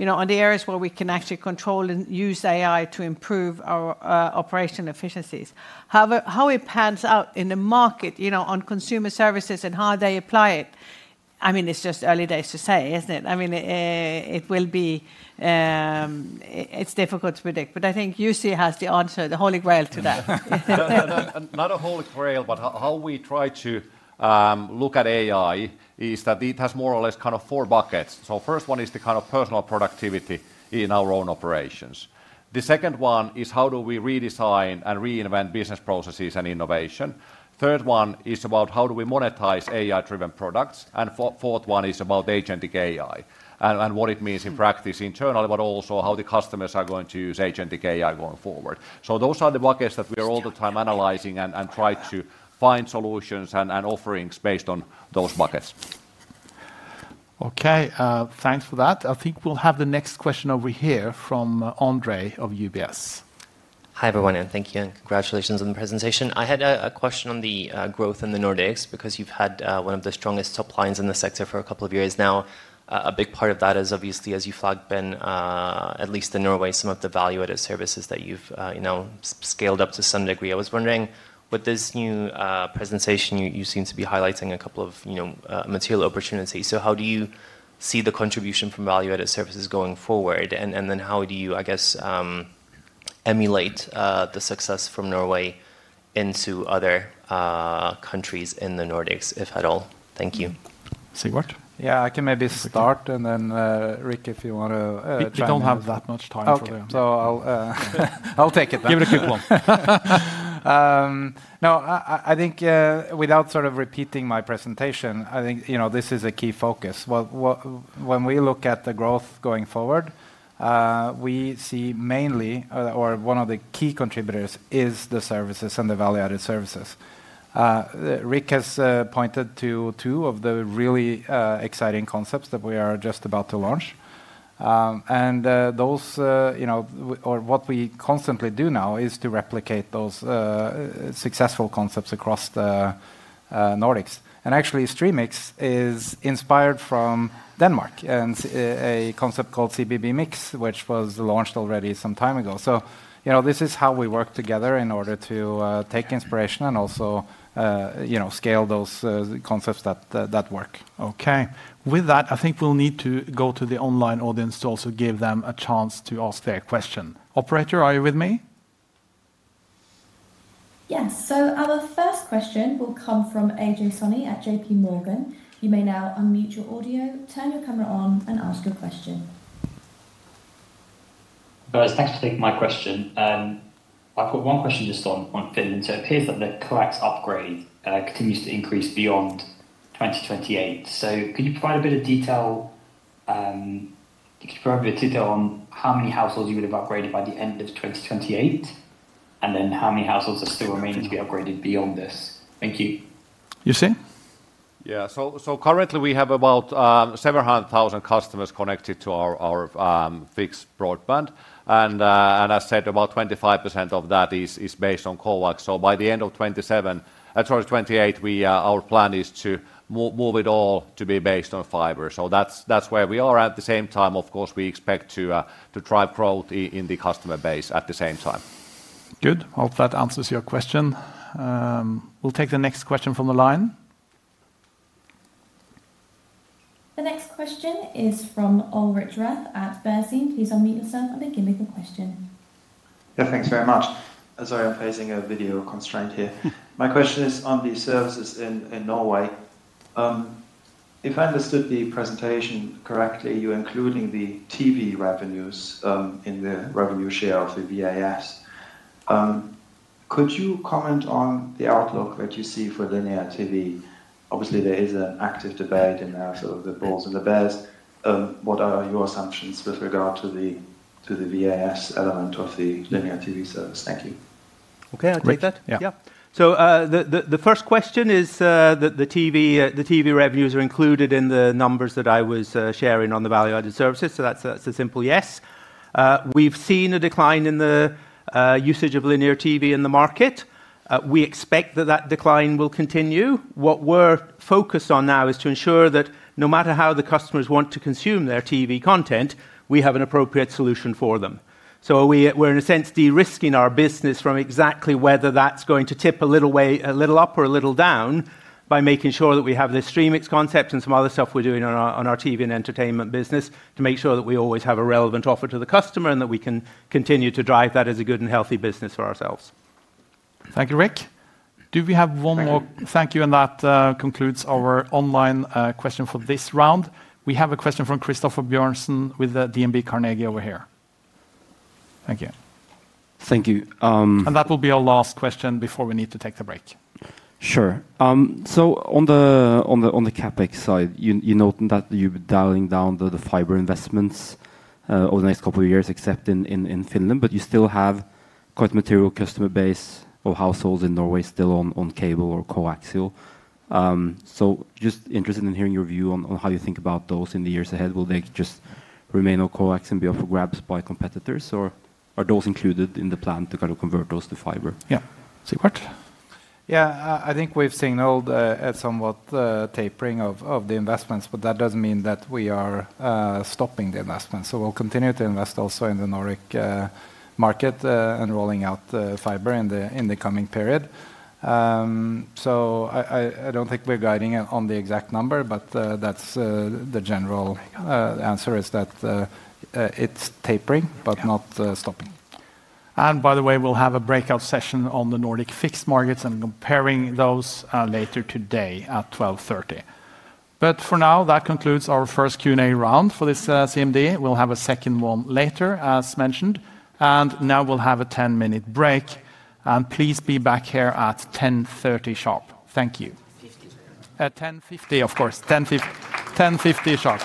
on the areas where we can actually control and use AI to improve our operational efficiencies. How it pans out in the market on consumer services and how they apply it, I mean, it's just early days to say, isn't it? I mean, it will be, it's difficult to predict. I think Jussi has the answer, the holy grail to that. Not a holy grail, but how we try to look at AI is that it has more or less kind of four buckets. The first one is the kind of personal productivity in our own operations. The second one is how do we redesign and reinvent business processes and innovation. The third one is about how do we monetize AI-driven products. The fourth one is about agentic AI and what it means in practice internally, but also how the customers are going to use agentic AI going forward. Those are the buckets that we are all the time analyzing and try to find solutions and offerings based on those buckets. Okay, thanks for that. I think we'll have the next question over here from Ondrej of UBS. Hi everyone, and thank you, and congratulations on the presentation. I had a question on the growth in the Nordics because you've had one of the strongest top lines in the sector for a couple of years now. A big part of that is obviously, as you've been at least in Norway, some of the value-added services that you've scaled up to some degree. I was wondering, with this new presentation, you seem to be highlighting a couple of material opportunities. How do you see the contribution from value-added services going forward? And then how do you, I guess, emulate the success from Norway into other countries in the Nordics, if at all? Thank you. Sigvart? Yeah, I can maybe start, and then Rik, if you want to jump in. We don't have that much time for you. So I'll take it then. Give it a quick one. Now, I think without sort of repeating my presentation, I think this is a key focus. When we look at the growth going forward, we see mainly, or one of the key contributors is the services and the value-added services. Rik has pointed to two of the really exciting concepts that we are just about to launch. What we constantly do now is to replicate those successful concepts across the Nordics. Actually, StreamMix is inspired from Denmark and a concept called CBB Mix, which was launched already some time ago. This is how we work together in order to take inspiration and also scale those concepts that work. Okay, with that, I think we'll need to go to the online audience to also give them a chance to ask their question. Operator, are you with me? Yes, so our first question will come from Ajay Soni at JPMorgan. You may now unmute your audio, turn your camera on, and ask your question. Guys, thanks for taking my question. I've got one question just on Finland. It appears that the CLACS upgrade continues to increase beyond 2028. Could you provide a bit of detail, could you provide a bit of detail on how many households you would have upgraded by the end of 2028, and then how many households are still remaining to be upgraded beyond this? Thank you. Jussi? Yeah, so currently we have about 700,000 customers connected to our fixed broadband. As I said, about 25% of that is based on coax. By the end of 2027, sorry, 2028, our plan is to move it all to be based on fiber. That's where we are. At the same time, of course, we expect to drive growth in the customer base at the same time. Good, hope that answers your question. We'll take the next question from the line. The next question is from Ulrich Rathe at Bernstein. Please unmute yourself and begin with the question. Yeah, thanks very much. Sorry, I'm facing a video constraint here. My question is on the services in Norway. If I understood the presentation correctly, you're including the TV revenues in the revenue share of the VAS. Could you comment on the outlook that you see for linear TV? Obviously, there is an active debate in the house of the bulls and the bears. What are your assumptions with regard to the VAS element of the linear TV service? Thank you. Okay, I'll take that. Yeah. The first question is that the TV revenues are included in the numbers that I was sharing on the value-added services. That's a simple yes. We've seen a decline in the usage of linear TV in the market. We expect that that decline will continue. What we're focused on now is to ensure that no matter how the customers want to consume their TV content, we have an appropriate solution for them. We're in a sense de-risking our business from exactly whether that's going to tip a little way, a little up or a little down by making sure that we have the StreamMix concept and some other stuff we're doing on our TV and entertainment business to make sure that we always have a relevant offer to the customer and that we can continue to drive that as a good and healthy business for ourselves. Thank you, Rik. Do we have one more? Thank you, and that concludes our online question for this round. We have a question from Christoffer Bjørnsen with DNB Carnegie over here. Thank you. Thank you. That will be our last question before we need to take the break. Sure. On the CapEx side, you noted that you're dialing down the fiber investments over the next couple of years, except in Finland. You still have quite a material customer base of households in Norway still on cable or coaxial. I'm just interested in hearing your view on how you think about those in the years ahead. Will they just remain on coax and be up for grabs by competitors, or are those included in the plan to kind of convert those to fiber? Yeah, Sigvart? Yeah, I think we've signaled a somewhat tapering of the investments, but that doesn't mean that we are stopping the investments. We'll continue to invest also in the Nordic market and rolling out fiber in the coming period. I don't think we're guiding it on the exact number, but the general answer is that it's tapering, but not stopping. By the way, we'll have a breakout session on the Nordic fixed markets and comparing those later today at 12:30. For now, that concludes our first Q&A round for this CMD. We'll have a second one later, as mentioned. Now we'll have a 10-minute break. Please be back here at 10:30 sharp. Thank you. At 10:50, of course. 10:50 sharp.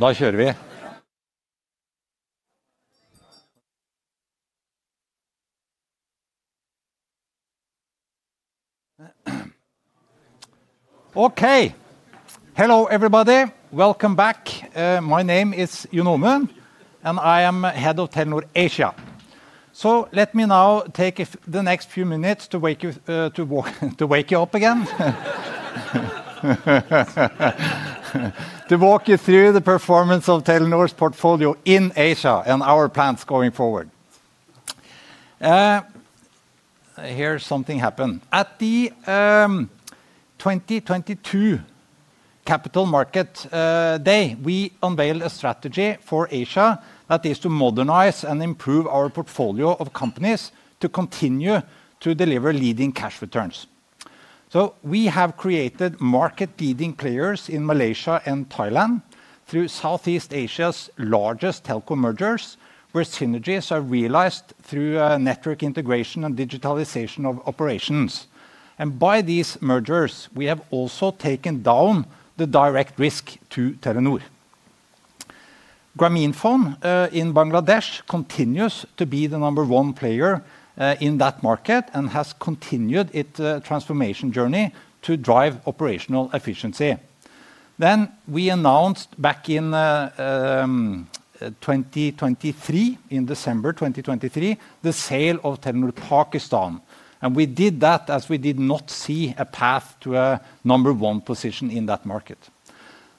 Okay. Hello everybody, welcome back. My name is Jon Omund, and I am Head of Telenor Asia. Let me now take the next few minutes to wake you up again. To walk you through the performance of Telenor's portfolio in Asia and our plans going forward. Here's something happened. At the 2022 Capital Market Day, we unveiled a strategy for Asia that is to modernize and improve our portfolio of companies to continue to deliver leading cash returns. We have created market-leading players in Malaysia and Thailand through Southeast Asia's largest telco mergers, where synergies are realized through network integration and digitalization of operations. By these mergers, we have also taken down the direct risk to Telenor. Grameenphone in Bangladesh continues to be the number one player in that market and has continued its transformation journey to drive operational efficiency. We announced back in 2023, in December 2023, the sale of Telenor Pakistan. We did that as we did not see a path to a number one position in that market.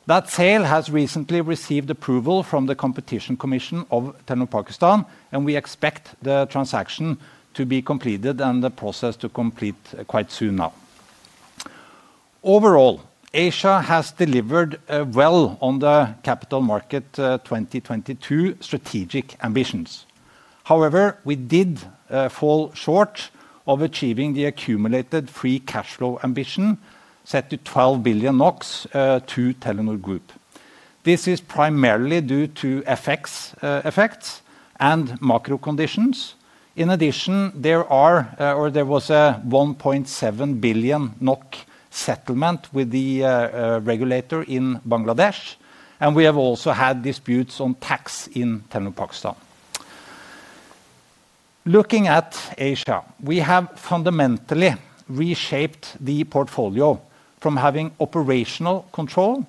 That sale has recently received approval from the Competition Commission of Telenor Pakistan, and we expect the transaction to be completed and the process to complete quite soon now. Overall, Asia has delivered well on the Capital Market 2022 strategic ambitions. However, we did fall short of achieving the accumulated free cash flow ambition set to 12 billion NOK to Telenor Group. This is primarily due to FX effects and macro conditions. In addition, there was a 1.7 billion NOK settlement with the regulator in Bangladesh, and we have also had disputes on tax in Telenor Pakistan. Looking at Asia, we have fundamentally reshaped the portfolio from having operational control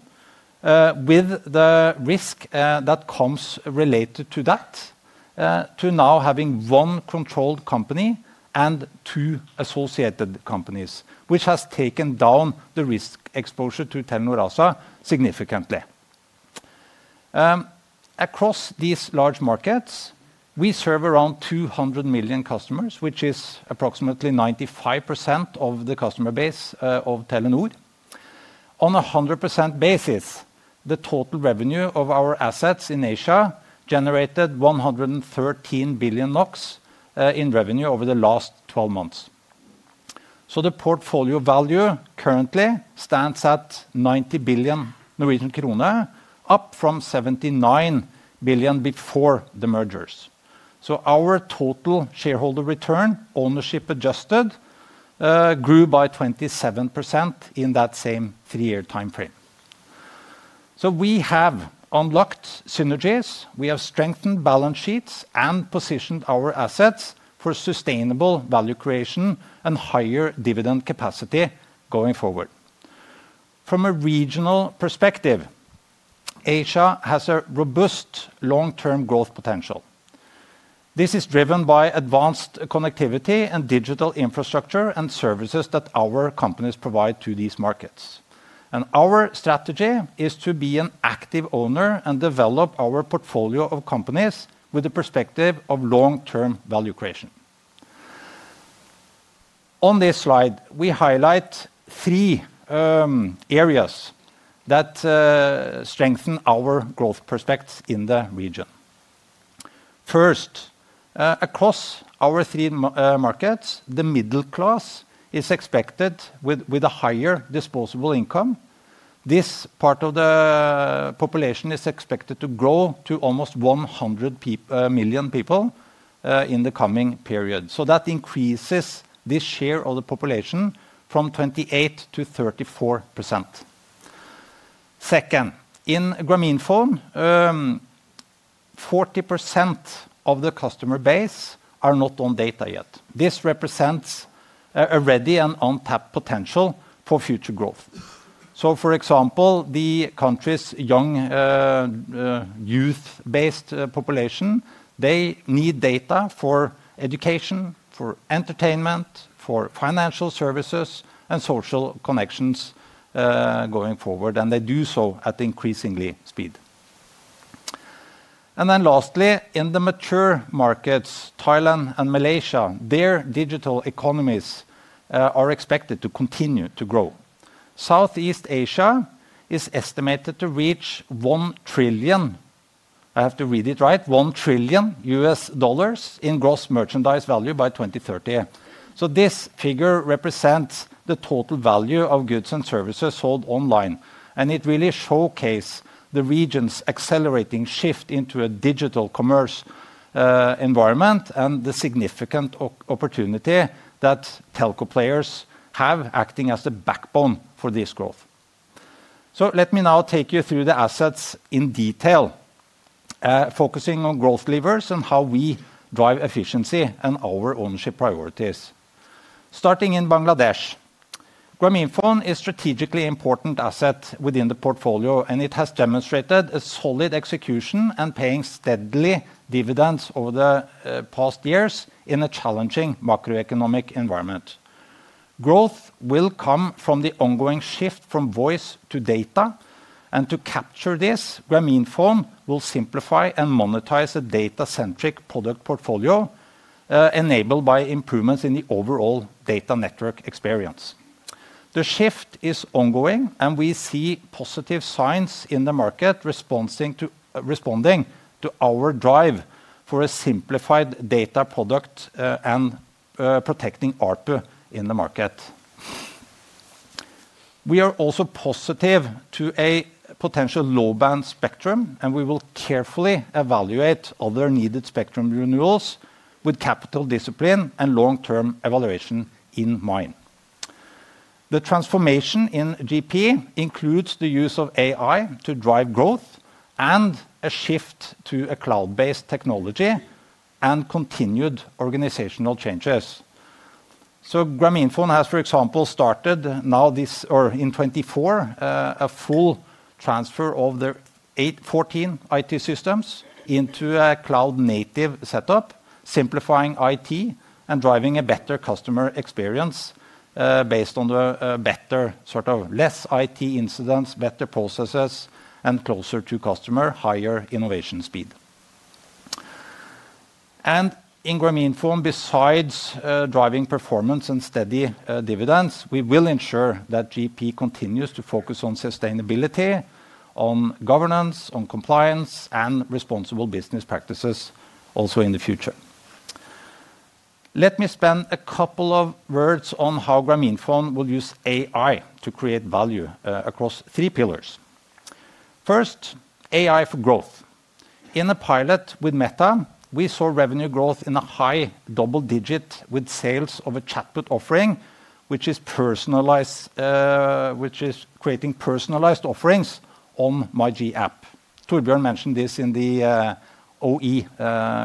with the risk that comes related to that to now having one controlled company and two associated companies, which has taken down the risk exposure to Telenor ASA significantly. Across these large markets, we serve around 200 million customers, which is approximately 95% of the customer base of Telenor. On a 100% basis, the total revenue of our assets in Asia generated 113 billion NOK in revenue over the last 12 months. The portfolio value currently stands at 90 billion Norwegian krone, up from 79 billion before the mergers. Our total shareholder return, ownership adjusted, grew by 27% in that same three-year timeframe. We have unlocked synergies, we have strengthened balance sheets, and positioned our assets for sustainable value creation and higher dividend capacity going forward. From a regional perspective, Asia has a robust long-term growth potential. This is driven by advanced connectivity and digital infrastructure and services that our companies provide to these markets. Our strategy is to be an active owner and develop our portfolio of companies with the perspective of long-term value creation. On this slide, we highlight three areas that strengthen our growth perspectives in the region. First, across our three markets, the middle class is expected with a higher disposable income. This part of the population is expected to grow to almost 100 million people in the coming period. That increases the share of the population from 28% to 34%. Second, in Grameenphone, 40% of the customer base are not on data yet. This represents already an untapped potential for future growth. For example, the country's young youth-based population, they need data for education, for entertainment, for financial services, and social connections going forward, and they do so at increasing speed. Lastly, in the mature markets, Thailand and Malaysia, their digital economies are expected to continue to grow. Southeast Asia is estimated to reach $1 trillion in gross merchandise value by 2030. This figure represents the total value of goods and services sold online, and it really showcases the region's accelerating shift into a digital commerce environment and the significant opportunity that telco players have acting as the backbone for this growth. Let me now take you through the assets in detail, focusing on growth levers and how we drive efficiency and our ownership priorities. Starting in Bangladesh, Grameenphone is a strategically important asset within the portfolio, and it has demonstrated solid execution and paying steadily dividends over the past years in a challenging macroeconomic environment. Growth will come from the ongoing shift from voice to data, and to capture this, Grameenphone will simplify and monetize a data-centric product portfolio enabled by improvements in the overall data network experience. The shift is ongoing, and we see positive signs in the market responding to our drive for a simplified data product and protecting ARPU in the market. We are also positive to a potential low-band spectrum, and we will carefully evaluate other needed spectrum renewals with capital discipline and long-term evaluation in mind. The transformation in GP includes the use of AI to drive growth and a shift to a cloud-based technology and continued organizational changes. Grameenphone has, for example, started now this or in 2024, a full transfer of the 14 IT systems into a cloud-native setup, simplifying IT and driving a better customer experience based on a better sort of less IT incidents, better processes, and closer to customer, higher innovation speed. In Grameenphone, besides driving performance and steady dividends, we will ensure that GP continues to focus on sustainability, on governance, on compliance, and responsible business practices also in the future. Let me spend a couple of words on how Grameenphone will use AI to create value across three pillars. First, AI for growth. In a pilot with Meta, we saw revenue growth in a high double digit with sales of a chatbot offering, which is creating personalized offerings on MyGP app. Torbjørn mentioned this in the OE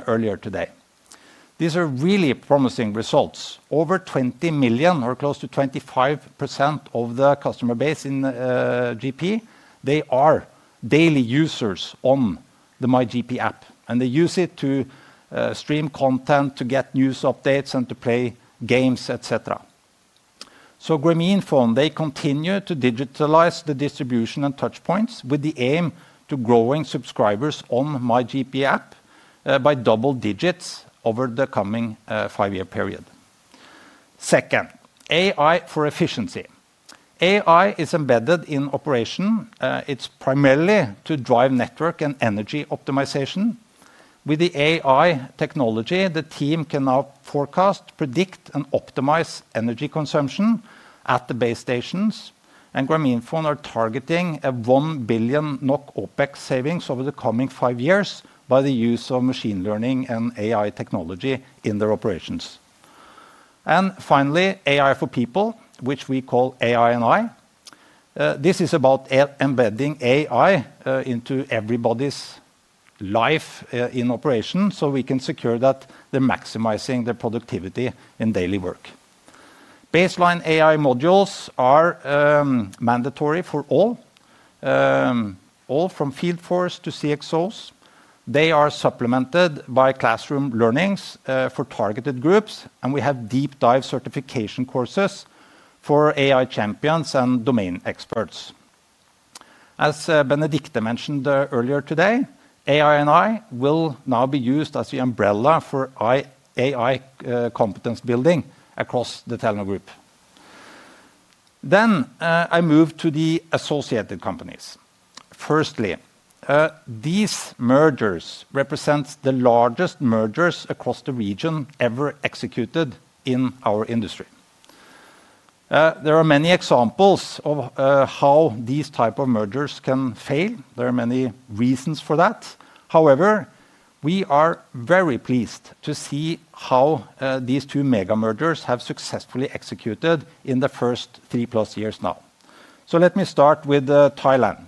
earlier today. These are really promising results. Over 20 million or close to 25% of the customer base in GP, they are daily users on the MyGP app, and they use it to stream content, to get news updates, and to play games, etc. Grameenphone, they continue to digitalize the distribution and touchpoints with the aim to growing subscribers on MyGP app by double digits over the coming five-year period. Second, AI for efficiency. AI is embedded in operation. It's primarily to drive network and energy optimization. With the AI technology, the team can now forecast, predict, and optimize energy consumption at the base stations, and Grameenphone are targeting a 1 billion NOK OpEx savings over the coming five years by the use of machine learning and AI technology in their operations. Finally, AI for people, which we call AI and I. This is about embedding AI into everybody's life in operation so we can secure that they're maximizing their productivity in daily work. Baseline AI modules are mandatory for all, all from Fieldforce to CXOs. They are supplemented by classroom learnings for targeted groups, and we have deep dive certification courses for AI champions and domain experts. As Benedicte mentioned earlier today, AI and I will now be used as the umbrella for AI competence building across the Telenor Group. I move to the associated companies. Firstly, these mergers represent the largest mergers across the region ever executed in our industry. There are many examples of how these types of mergers can fail. There are many reasons for that. However, we are very pleased to see how these two mega mergers have successfully executed in the first three plus years now. Let me start with Thailand.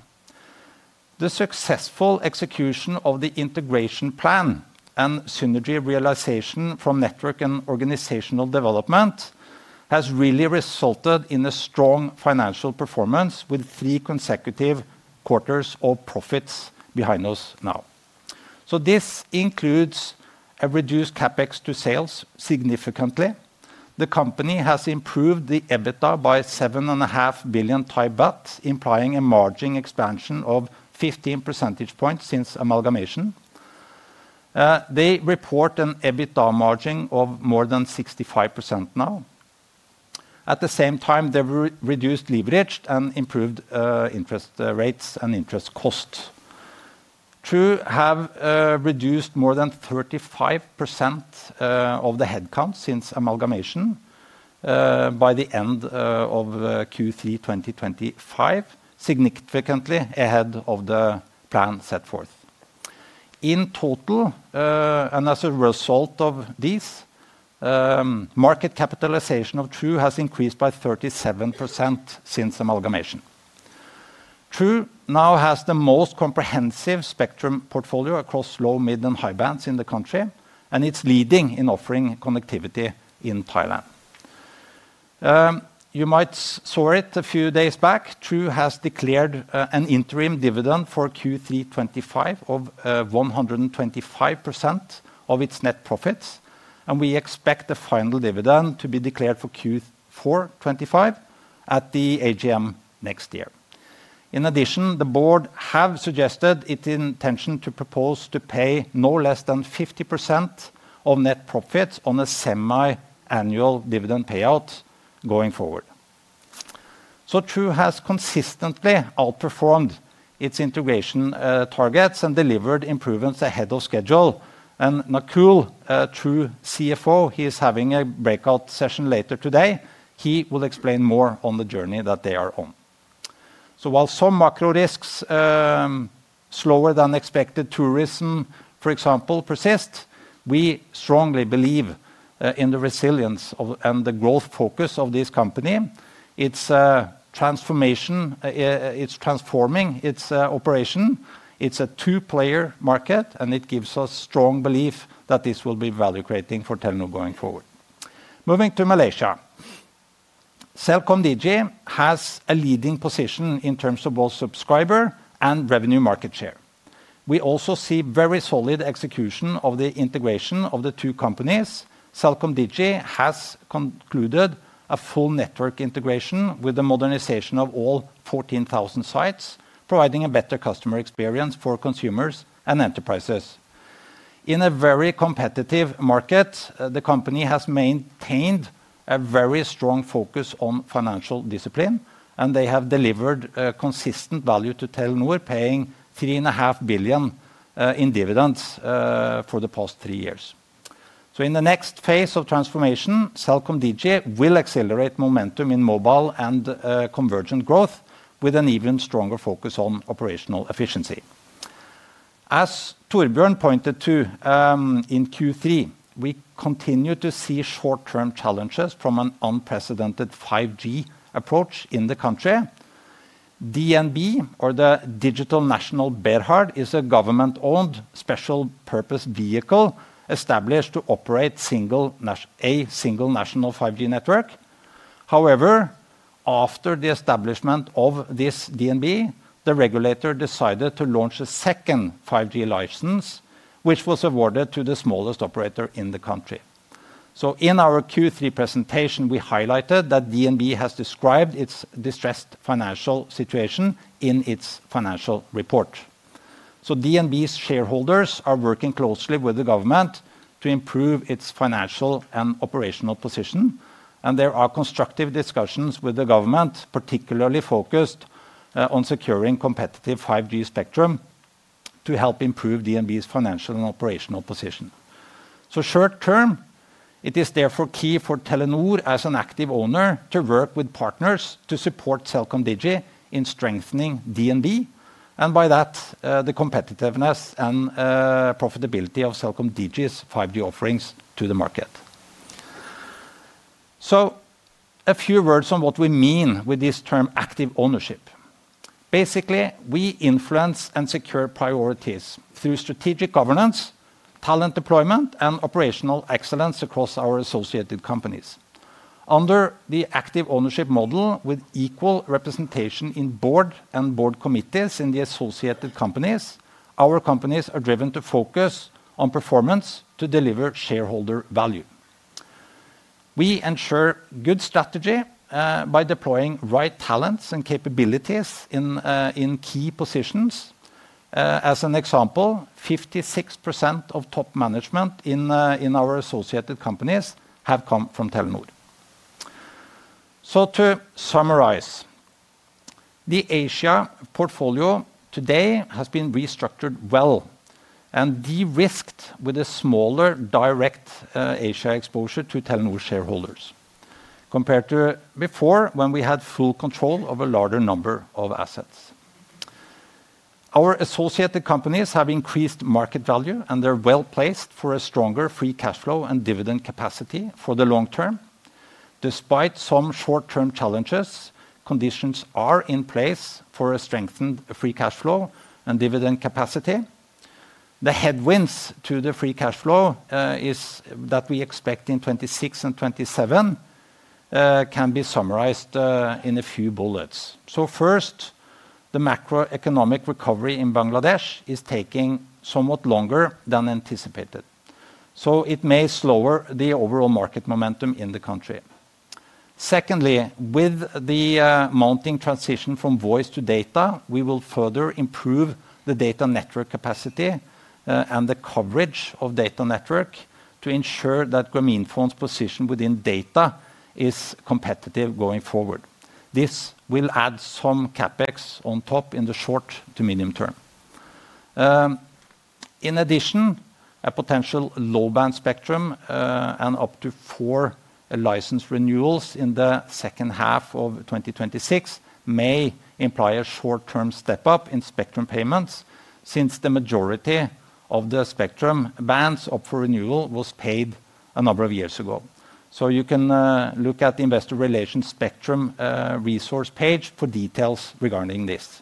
The successful execution of the integration plan and synergy realization from network and organizational development has really resulted in a strong financial performance with three consecutive quarters of profits behind us now. This includes a reduced CapEx to sales significantly. The company has improved the EBITDA by 7.5 billion baht, implying a margin expansion of 15 percentage points since amalgamation. They report an EBITDA margin of more than 65% now. At the same time, they've reduced leverage and improved interest rates and interest costs. True have reduced more than 35% of the headcount since amalgamation by the end of Q3 2025, significantly ahead of the plan set forth. In total, and as a result of these, market capitalization of True has increased by 37% since amalgamation. True now has the most comprehensive spectrum portfolio across low, mid, and high bands in the country, and it's leading in offering connectivity in Thailand. You might have seen it a few days back. True has declared an interim dividend for Q3 2025 of 125% of its net profits, and we expect the final dividend to be declared for Q4 2025 at the AGM next year. In addition, the board has suggested its intention to propose to pay no less than 50% of net profits on a semi-annual dividend payout going forward. True has consistently outperformed its integration targets and delivered improvements ahead of schedule. Nakul, True CFO, he is having a breakout session later today. He will explain more on the journey that they are on. While some macro risks, slower than expected tourism, for example, persist, we strongly believe in the resilience and the growth focus of this company. It's transforming, it's transforming its operation. It's a two-player market, and it gives us strong belief that this will be value creating for Telenor going forward. Moving to Malaysia, CelcomDigi has a leading position in terms of both subscriber and revenue market share. We also see very solid execution of the integration of the two companies. CelcomDigi has concluded a full network integration with the modernization of all 14,000 sites, providing a better customer experience for consumers and enterprises. In a very competitive market, the company has maintained a very strong focus on financial discipline, and they have delivered consistent value to Telenor, paying 3.5 billion in dividends for the past three years. In the next phase of transformation, CelcomDigi will accelerate momentum in mobile and convergent growth with an even stronger focus on operational efficiency. As Torbjørn pointed to in Q3, we continue to see short-term challenges from an unprecedented 5G approach in the country. DNB, or the Digital National Bearheart, is a government-owned special purpose vehicle established to operate a single national 5G network. However, after the establishment of this DNB, the regulator decided to launch a second 5G license, which was awarded to the smallest operator in the country. In our Q3 presentation, we highlighted that DNB has described its distressed financial situation in its financial report. DNB's shareholders are working closely with the government to improve its financial and operational position, and there are constructive discussions with the government, particularly focused on securing competitive 5G spectrum to help improve DNB's financial and operational position. Short term, it is therefore key for Telenor, as an active owner, to work with partners to support CelcomDigi in strengthening DNB, and by that, the competitiveness and profitability of CelcomDigi's 5G offerings to the market. A few words on what we mean with this term active ownership. Basically, we influence and secure priorities through strategic governance, talent deployment, and operational excellence across our associated companies. Under the active ownership model with equal representation in board and board committees in the associated companies, our companies are driven to focus on performance to deliver shareholder value. We ensure good strategy by deploying right talents and capabilities in key positions. As an example, 56% of top management in our associated companies have come from Telenor. To summarize, the Asia portfolio today has been restructured well and de-risked with a smaller direct Asia exposure to Telenor shareholders compared to before when we had full control of a larger number of assets. Our associated companies have increased market value, and they are well placed for a stronger free cash flow and dividend capacity for the long term. Despite some short-term challenges, conditions are in place for a strengthened free cash flow and dividend capacity. The headwinds to the free cash flow that we expect in 2026 and 2027 can be summarized in a few bullets. First, the macroeconomic recovery in Bangladesh is taking somewhat longer than anticipated, so it may slow the overall market momentum in the country. Secondly, with the mounting transition from voice to data, we will further improve the data network capacity and the coverage of data network to ensure that Grameenphone's position within data is competitive going forward. This will add some CapEx on top in the short to medium term. In addition, a potential low-band spectrum and up to four license renewals in the second half of 2026 may imply a short-term step-up in spectrum payments since the majority of the spectrum bands up for renewal was paid a number of years ago. You can look at the investor relations spectrum resource page for details regarding this.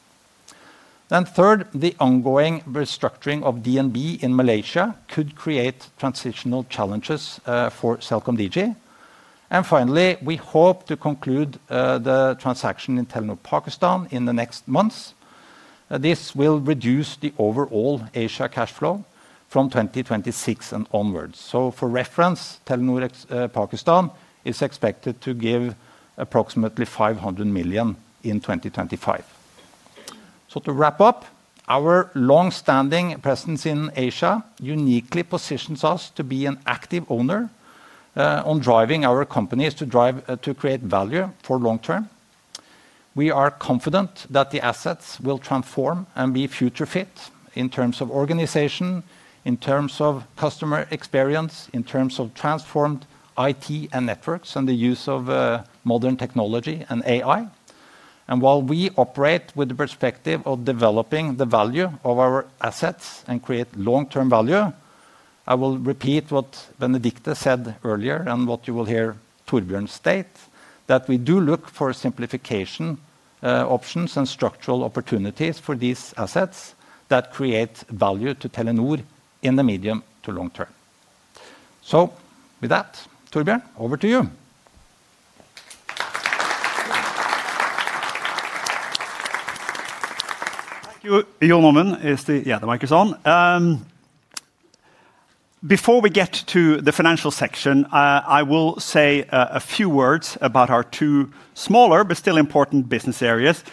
Third, the ongoing restructuring of DNB in Malaysia could create transitional challenges for CelcomDigi. Finally, we hope to conclude the transaction in Telenor Pakistan in the next months. This will reduce the overall Asia cash flow from 2026 and onwards. For reference, Telenor Pakistan is expected to give approximately 500 million in 2025. To wrap up, our long-standing presence in Asia uniquely positions us to be an active owner on driving our companies to create value for long term. We are confident that the assets will transform and be future-fit in terms of organization, in terms of customer experience, in terms of transformed IT and networks, and the use of modern technology and AI. While we operate with the perspective of developing the value of our assets and create long-term value, I will repeat what Benedicte said earlier and what you will hear Torbjørn state, that we do look for simplification options and structural opportunities for these assets that create value to Telenor in the medium to long term. With that, Torbjørn, over to you. Thank you, Jon Omund. Yeah, the mike is on. Before we get to the financial section, I will say a few words about our two smaller but still important business areas,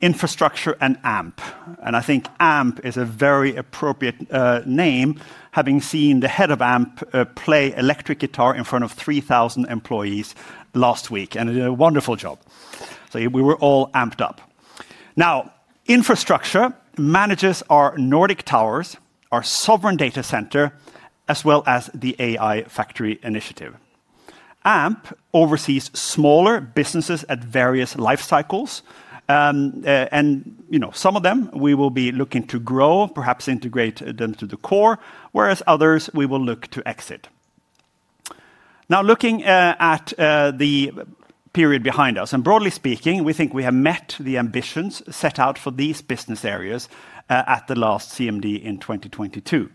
infrastructure and AMP. I think AMP is a very appropriate name, having seen the head of AMP play electric guitar in front of 3,000 employees last week, and it did a wonderful job. We were all amped up. Now, infrastructure manages our Nordic towers, our sovereign data center, as well as the AI factory initiative. AMP oversees smaller businesses at various life cycles, and some of them we will be looking to grow, perhaps integrate them to the core, whereas others we will look to exit. Now, looking at the period behind us, and broadly speaking, we think we have met the ambitions set out for these business areas at the last CMD in 2022.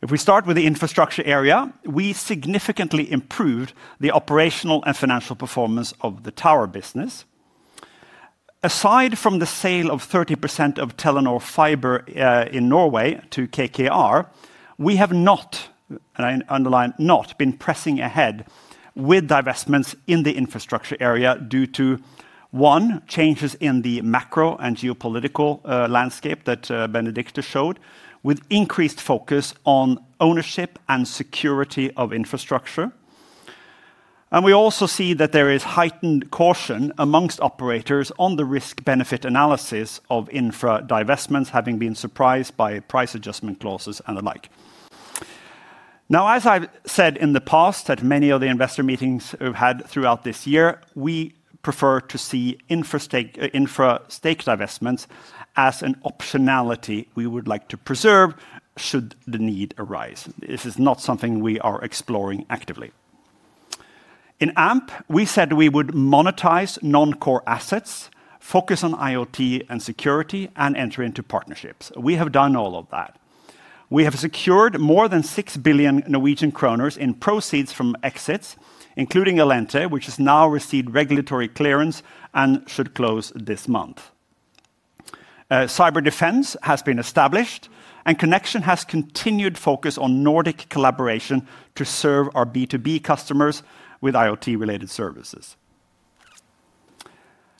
If we start with the infrastructure area, we significantly improved the operational and financial performance of the tower business. Aside from the sale of 30% of Telenor fiber in Norway to KKR, we have not, and I underline not, been pressing ahead with divestments in the infrastructure area due to, one, changes in the macro and geopolitical landscape that Benedicte showed, with increased focus on ownership and security of infrastructure. We also see that there is heightened caution amongst operators on the risk-benefit analysis of infra divestments, having been surprised by price adjustment clauses and the like. Now, as I've said in the past at many of the investor meetings we've had throughout this year, we prefer to see infra stake divestments as an optionality we would like to preserve should the need arise. This is not something we are exploring actively. In AMP, we said we would monetize non-core assets, focus on IoT and security, and enter into partnerships. We have done all of that. We have secured more than 6 billion Norwegian kroner in proceeds from exits, including Alente, which has now received regulatory clearance and should close this month. Cyber Defense has been established, and Connection has continued focus on Nordic collaboration to serve our B2B customers with IoT-related services.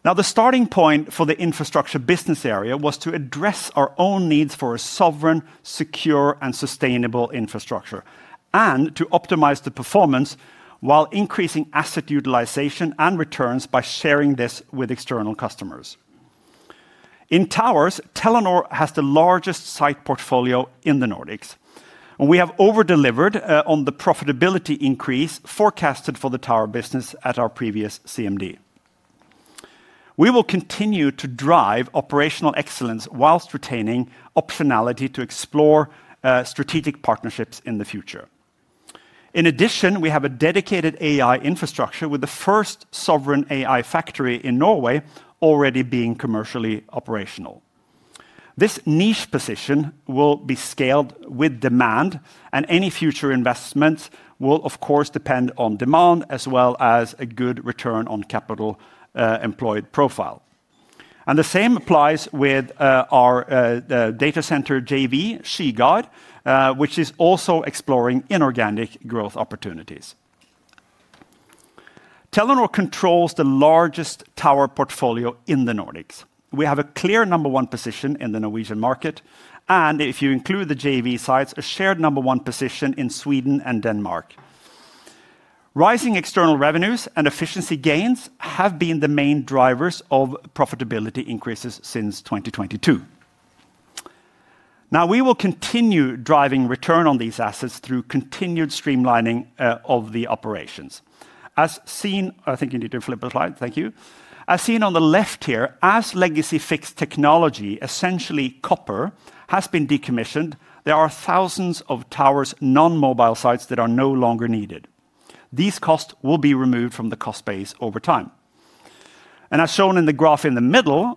Now, the starting point for the Infrastructure business area was to address our own needs for a sovereign, secure, and sustainable infrastructure and to optimize the performance while increasing asset utilization and returns by sharing this with external customers. In towers, Telenor has the largest site portfolio in the Nordics, and we have overdelivered on the profitability increase forecasted for the tower business at our previous CMD. We will continue to drive operational excellence whilst retaining optionality to explore strategic partnerships in the future. In addition, we have a dedicated AI infrastructure with the first sovereign AI factory in Norway already being commercially operational. This niche position will be scaled with demand, and any future investments will, of course, depend on demand as well as a good return on capital employed profile. The same applies with our data center JV, Sygard, which is also exploring inorganic growth opportunities. Telenor controls the largest tower portfolio in the Nordics. We have a clear number one position in the Norwegian market, and if you include the JV sites, a shared number one position in Sweden and Denmark. Rising external revenues and efficiency gains have been the main drivers of profitability increases since 2022. Now, we will continue driving return on these assets through continued streamlining of the operations. As seen, I think you need to flip the slide. Thank you. As seen on the left here, as legacy fixed technology, essentially copper, has been decommissioned, there are thousands of towers, non-mobile sites that are no longer needed. These costs will be removed from the cost base over time. As shown in the graph in the middle,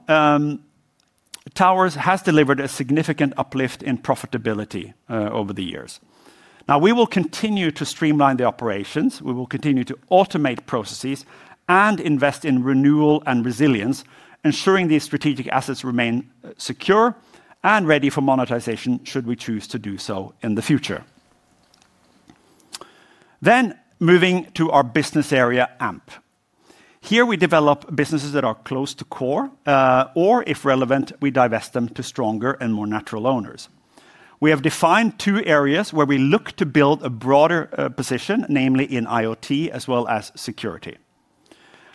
towers has delivered a significant uplift in profitability over the years. We will continue to streamline the operations. We will continue to automate processes and invest in renewal and resilience, ensuring these strategic assets remain secure and ready for monetization should we choose to do so in the future. Moving to our business area, AMP. Here, we develop businesses that are close to core, or if relevant, we divest them to stronger and more natural owners. We have defined two areas where we look to build a broader position, namely in IoT as well as security.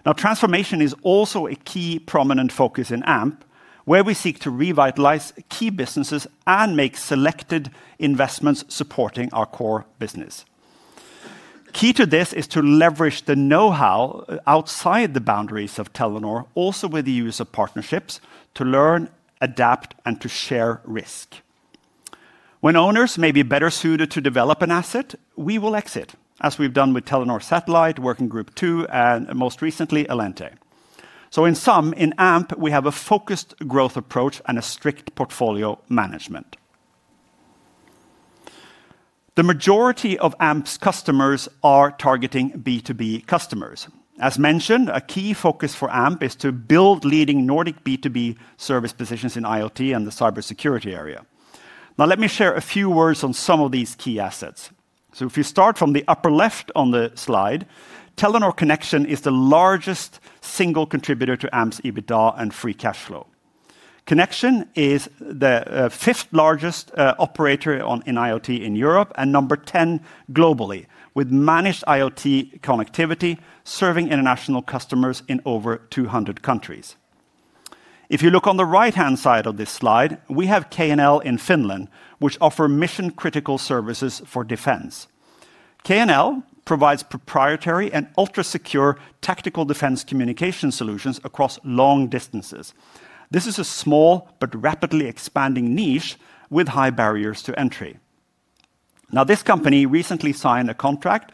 Now, transformation is also a key prominent focus in AMP, where we seek to revitalize key businesses and make selected investments supporting our core business. Key to this is to leverage the know-how outside the boundaries of Telenor, also with the use of partnerships to learn, adapt, and to share risk. When owners may be better suited to develop an asset, we will exit, as we've done with Telenor Satellite, Working Group 2, and most recently, Alente. In sum, in AMP, we have a focused growth approach and a strict portfolio management. The majority of AMP's customers are targeting B2B customers. As mentioned, a key focus for AMP is to build leading Nordic B2B service positions in IoT and the cybersecurity area. Now, let me share a few words on some of these key assets. If you start from the upper left on the slide, Telenor Connection is the largest single contributor to AMP's EBITDA and free cash flow. Connection is the fifth largest operator in IoT in Europe and number 10 globally, with managed IoT connectivity serving international customers in over 200 countries. If you look on the right-hand side of this slide, we have KNL in Finland, which offers mission-critical services for defense. KNL provides proprietary and ultra-secure tactical defense communication solutions across long distances. This is a small but rapidly expanding niche with high barriers to entry. Now, this company recently signed a contract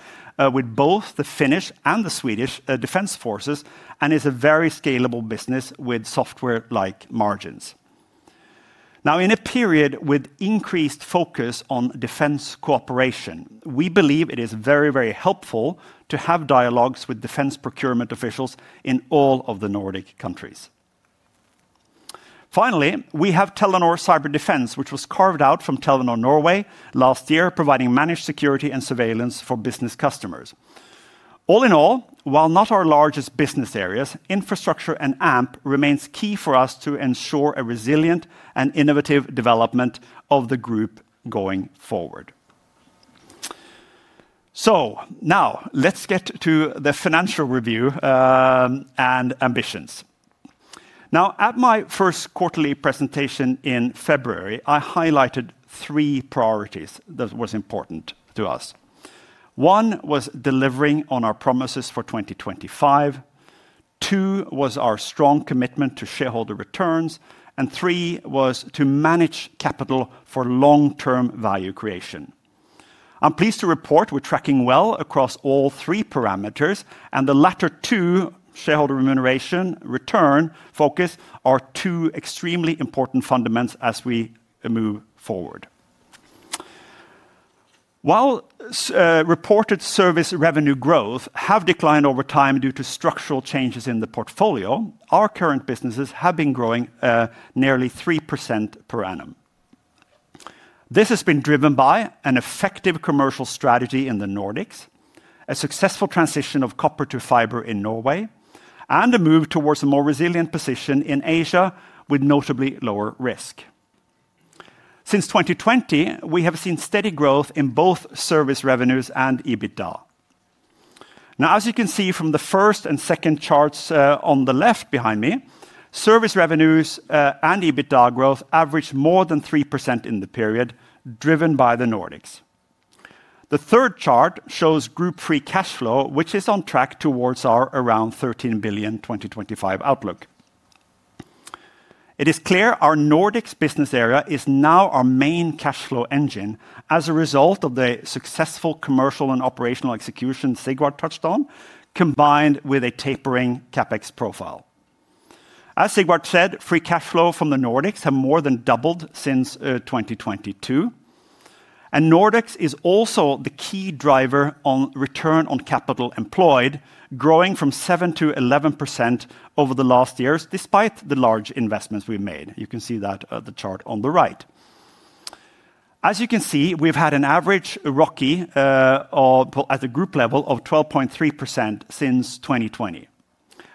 with both the Finnish and the Swedish defense forces and is a very scalable business with software-like margins. Now, in a period with increased focus on defense cooperation, we believe it is very, very helpful to have dialogues with defense procurement officials in all of the Nordic countries. Finally, we have Telenor Cyber Defense, which was carved out from Telenor Norway last year, providing managed security and surveillance for business customers. All in all, while not our largest business areas, infrastructure and AMP remain key for us to ensure a resilient and innovative development of the group going forward. Now, let's get to the financial review and ambitions. Now, at my first quarterly presentation in February, I highlighted three priorities that were important to us. One was delivering on our promises for 2025. Two was our strong commitment to shareholder returns. Three was to manage capital for long-term value creation. I'm pleased to report we're tracking well across all three parameters, and the latter two, shareholder remuneration, return, focus, are two extremely important fundaments as we move forward. While reported service revenue growth has declined over time due to structural changes in the portfolio, our current businesses have been growing nearly 3% per annum. This has been driven by an effective commercial strategy in the Nordics, a successful transition of copper to fiber in Norway, and a move towards a more resilient position in Asia with notably lower risk. Since 2020, we have seen steady growth in both service revenues and EBITDA. Now, as you can see from the first and second charts on the left behind me, service revenues and EBITDA growth averaged more than 3% in the period, driven by the Nordics. The third chart shows group free cash flow, which is on track towards our around 13 billion 2025 outlook. It is clear our Nordics business area is now our main cash flow engine as a result of the successful commercial and operational execution Sigvart touched on, combined with a tapering CapEx profile. As Sigvart said, free cash flow from the Nordics has more than doubled since 2022. Nordics is also the key driver on return on capital employed, growing from 7% to 11% over the last years, despite the large investments we made. You can see that at the chart on the right. As you can see, we've had an average ROCI at the group level of 12.3% since 2020.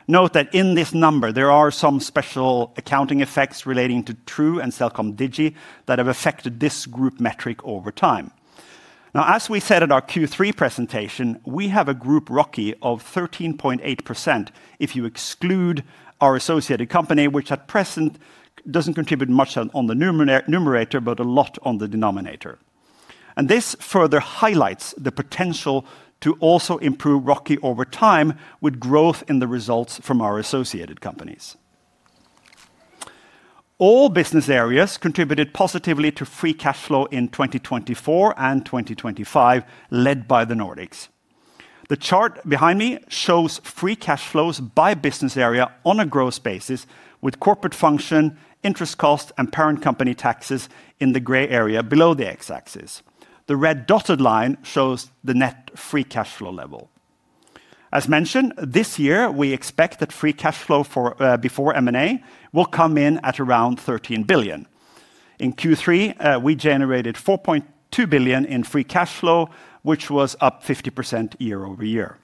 Note that in this number, there are some special accounting effects relating to True and CelcomDigi that have affected this group metric over time. Now, as we said at our Q3 presentation, we have a group ROCI of 13.8% if you exclude our associated company, which at present doesn't contribute much on the numerator, but a lot on the denominator. This further highlights the potential to also improve ROCI over time with growth in the results from our associated companies. All business areas contributed positively to free cash flow in 2024 and 2025, led by the Nordics. The chart behind me shows free cash flows by business area on a gross basis, with corporate function, interest costs, and parent company taxes in the gray area below the X-axis. The red dotted line shows the net free cash flow level. As mentioned, this year, we expect that free cash flow before M&A will come in at around 13 billion. In Q3, we generated 4.2 billion in free cash flow, which was up 50% year over year.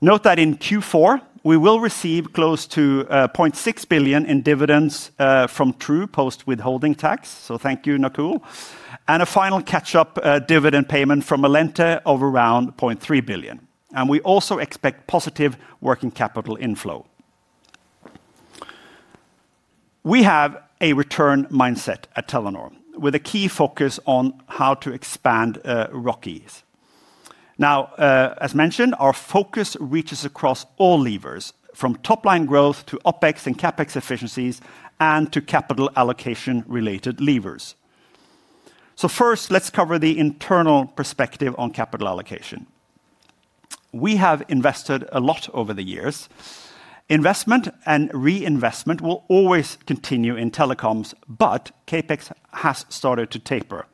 Note that in Q4, we will receive close to 0.6 billion in dividends from True post-withholding tax. Thank you, Nakul. A final catch-up dividend payment from Alente of around 0.3 billion. We also expect positive working capital inflow. We have a return mindset at Telenor, with a key focus on how to expand ROCIs. As mentioned, our focus reaches across all levers, from top-line growth to OpEx and CapEx efficiencies, and to capital allocation-related levers. First, let's cover the internal perspective on capital allocation. We have invested a lot over the years. Investment and reinvestment will always continue in telecoms, but CapEx has started to taper.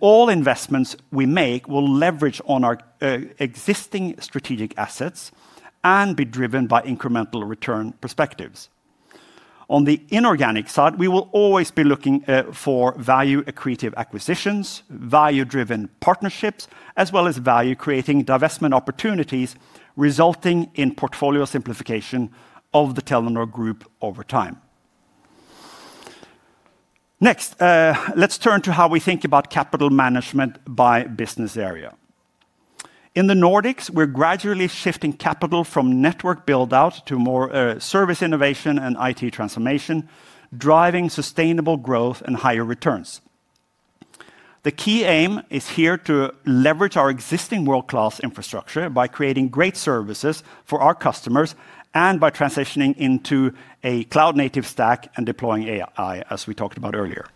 All investments we make will leverage on our existing strategic assets and be driven by incremental return perspectives. On the inorganic side, we will always be looking for value-accretive acquisitions, value-driven partnerships, as well as value-creating divestment opportunities, resulting in portfolio simplification of the Telenor group over time. Next, let's turn to how we think about capital management by business area. In the Nordics, we're gradually shifting capital from network build-out to more service innovation and IT transformation, driving sustainable growth and higher returns. The key aim is here to leverage our existing world-class infrastructure by creating great services for our customers and by transitioning into a cloud-native stack and deploying AI, as we talked about earlier.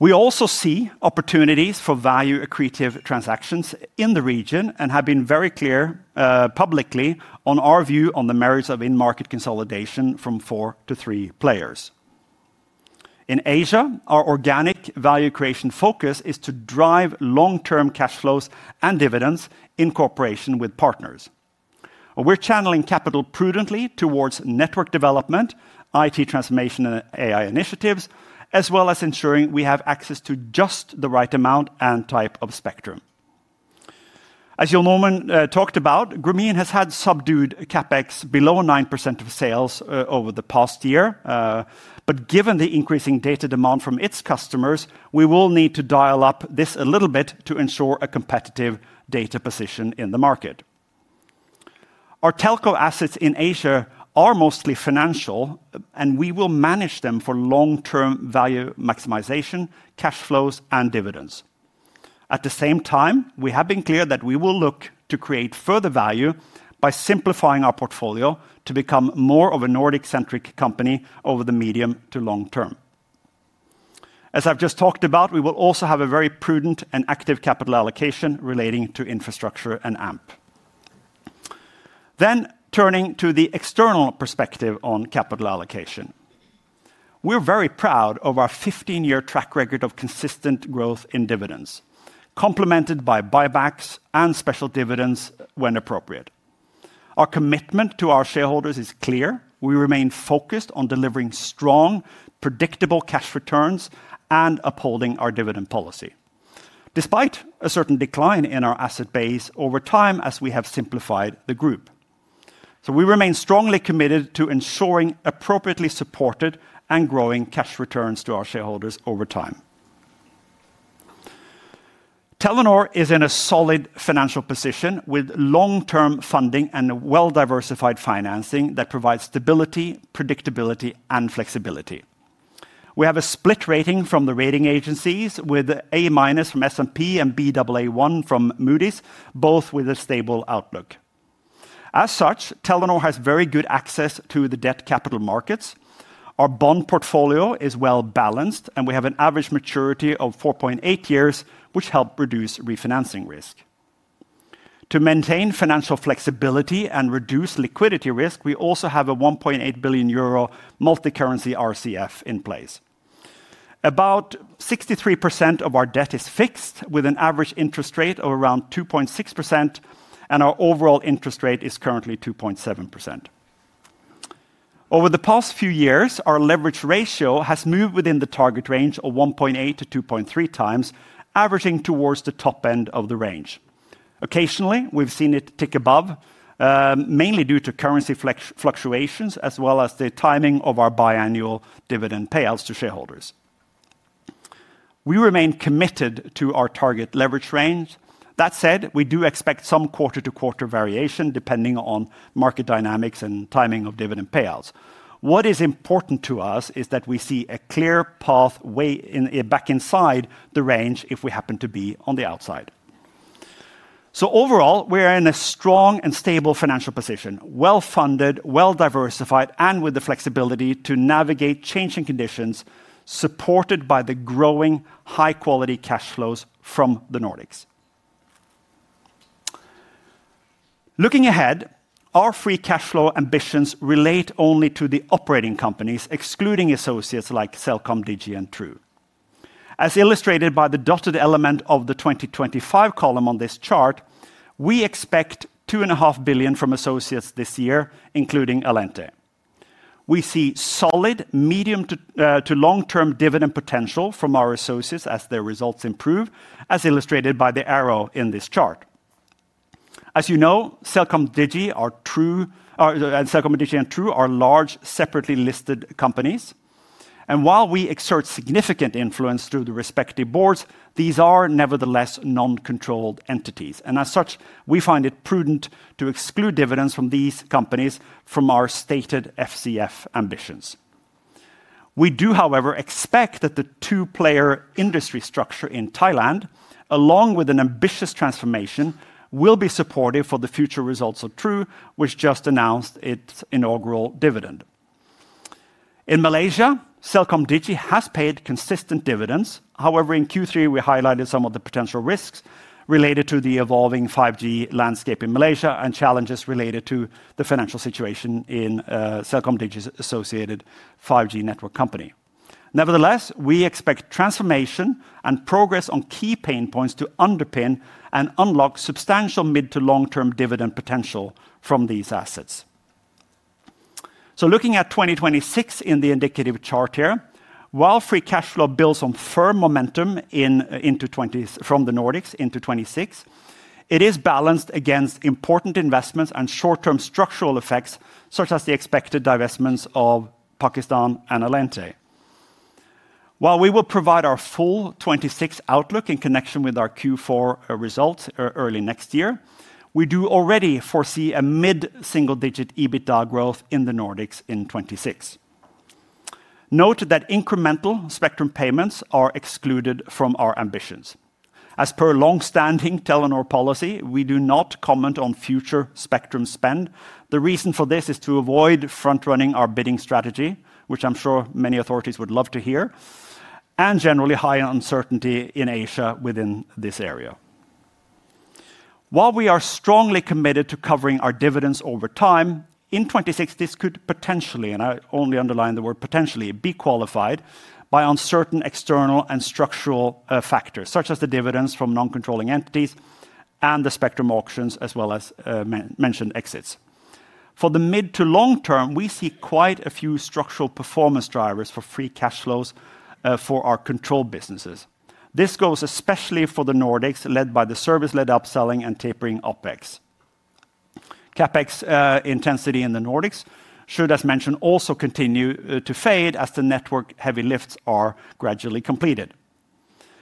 We also see opportunities for value-accretive transactions in the region and have been very clear publicly on our view on the merits of in-market consolidation from four to three players. In Asia, our organic value creation focus is to drive long-term cash flows and dividends in cooperation with partners. We're channeling capital prudently towards network development, IT transformation, and AI initiatives, as well as ensuring we have access to just the right amount and type of spectrum. As Jon Omund talked about, Grameenphone has had subdued CapEx below 9% of sales over the past year. Given the increasing data demand from its customers, we will need to dial up this a little bit to ensure a competitive data position in the market. Our telco assets in Asia are mostly financial, and we will manage them for long-term value maximization, cash flows, and dividends. At the same time, we have been clear that we will look to create further value by simplifying our portfolio to become more of a Nordic-centric company over the medium to long term. As I've just talked about, we will also have a very prudent and active capital allocation relating to infrastructure and AMP. Turning to the external perspective on capital allocation, we're very proud of our 15-year track record of consistent growth in dividends, complemented by buybacks and special dividends when appropriate. Our commitment to our shareholders is clear. We remain focused on delivering strong, predictable cash returns and upholding our dividend policy, despite a certain decline in our asset base over time as we have simplified the group. We remain strongly committed to ensuring appropriately supported and growing cash returns to our shareholders over time. Telenor is in a solid financial position with long-term funding and well-diversified financing that provides stability, predictability, and flexibility. We have a split rating from the rating agencies with A- from S&P and BAA1 from Moody's, both with a stable outlook. As such, Telenor has very good access to the debt capital markets. Our bond portfolio is well-balanced, and we have an average maturity of 4.8 years, which helps reduce refinancing risk. To maintain financial flexibility and reduce liquidity risk, we also have a 1.8 billion euro multicurrency RCF in place. About 63% of our debt is fixed with an average interest rate of around 2.6%, and our overall interest rate is currently 2.7%. Over the past few years, our leverage ratio has moved within the target range of 1.8x-2.3x, averaging towards the top end of the range. Occasionally, we've seen it tick above, mainly due to currency fluctuations as well as the timing of our biannual dividend payouts to shareholders. We remain committed to our target leverage range. That said, we do expect some quarter-to-quarter variation depending on market dynamics and timing of dividend payouts. What is important to us is that we see a clear path back inside the range if we happen to be on the outside. Overall, we are in a strong and stable financial position, well-funded, well-diversified, and with the flexibility to navigate changing conditions supported by the growing high-quality cash flows from the Nordics. Looking ahead, our free cash flow ambitions relate only to the operating companies, excluding associates like CelcomDigi and True. As illustrated by the dotted element of the 2025 column on this chart, we expect 2.5 billion from associates this year, including Alente. We see solid medium- to long-term dividend potential from our associates as their results improve, as illustrated by the arrow in this chart. As you know, CelcomDigi and True are large separately listed companies. While we exert significant influence through the respective boards, these are nevertheless non-controlled entities. As such, we find it prudent to exclude dividends from these companies from our stated FCF ambitions. We do, however, expect that the two-player industry structure in Thailand, along with an ambitious transformation, will be supportive for the future results of True, which just announced its inaugural dividend. In Malaysia, CelcomDigi has paid consistent dividends. However, in Q3, we highlighted some of the potential risks related to the evolving 5G landscape in Malaysia and challenges related to the financial situation in CelcomDigi's associated 5G network company. Nevertheless, we expect transformation and progress on key pain points to underpin and unlock substantial mid to long-term dividend potential from these assets. Looking at 2026 in the indicative chart here, while free cash flow builds on firm momentum into 2026 from the Nordics, it is balanced against important investments and short-term structural effects, such as the expected divestments of Pakistan and Alente. While we will provide our full 2026 outlook in connection with our Q4 results early next year, we do already foresee a mid-single-digit EBITDA growth in the Nordics in 2026. Note that incremental spectrum payments are excluded from our ambitions. As per long-standing Telenor policy, we do not comment on future spectrum spend. The reason for this is to avoid front-running our bidding strategy, which I am sure many authorities would love to hear, and generally high uncertainty in Asia within this area. While we are strongly committed to covering our dividends over time, in 2026, this could potentially, and I only underline the word potentially, be qualified by uncertain external and structural factors, such as the dividends from non-controlling entities and the spectrum auctions, as well as mentioned exits. For the mid to long term, we see quite a few structural performance drivers for free cash flows for our controlled businesses. This goes especially for the Nordics, led by the service-led upselling and tapering OpEx. CapEx intensity in the Nordics should, as mentioned, also continue to fade as the network-heavy lifts are gradually completed.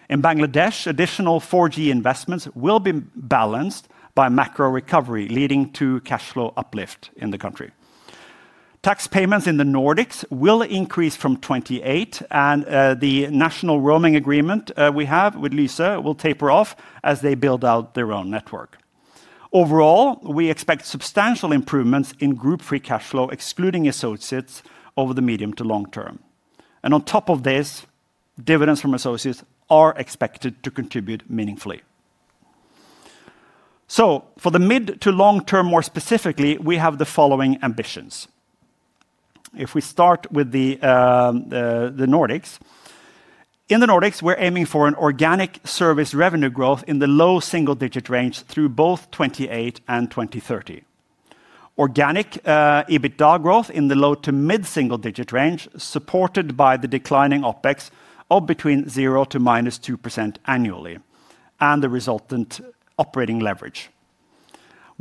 In Bangladesh, additional 4G investments will be balanced by macro recovery, leading to cash flow uplift in the country. Tax payments in the Nordics will increase from 2028, and the national roaming agreement we have with Elisa will taper off as they build out their own network. Overall, we expect substantial improvements in group free cash flow, excluding associates over the medium to long term. On top of this, dividends from associates are expected to contribute meaningfully. For the mid to long term, more specifically, we have the following ambitions. If we start with the Nordics, in the Nordics, we're aiming for an organic service revenue growth in the low single-digit range through both 2028 and 2030. Organic EBITDA growth in the low to mid-single-digit range, supported by the declining OpEx of between 0% to -2% annually and the resultant operating leverage.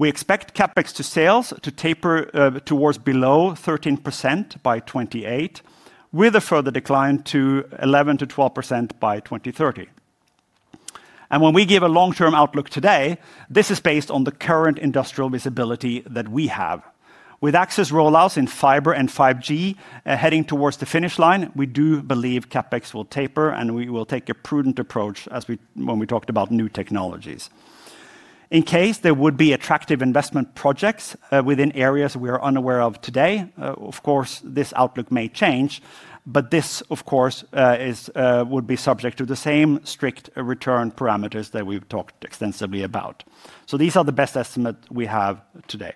We expect CapEx to sales to taper towards below 13% by 2028, with a further decline to 11%-12% by 2030. When we give a long-term outlook today, this is based on the current industrial visibility that we have. With access rollouts in fiber and 5G heading towards the finish line, we do believe CapEx will taper, and we will take a prudent approach as we when we talked about new technologies. In case there would be attractive investment projects within areas we are unaware of today, of course, this outlook may change, but this, of course, would be subject to the same strict return parameters that we've talked extensively about. These are the best estimates we have today.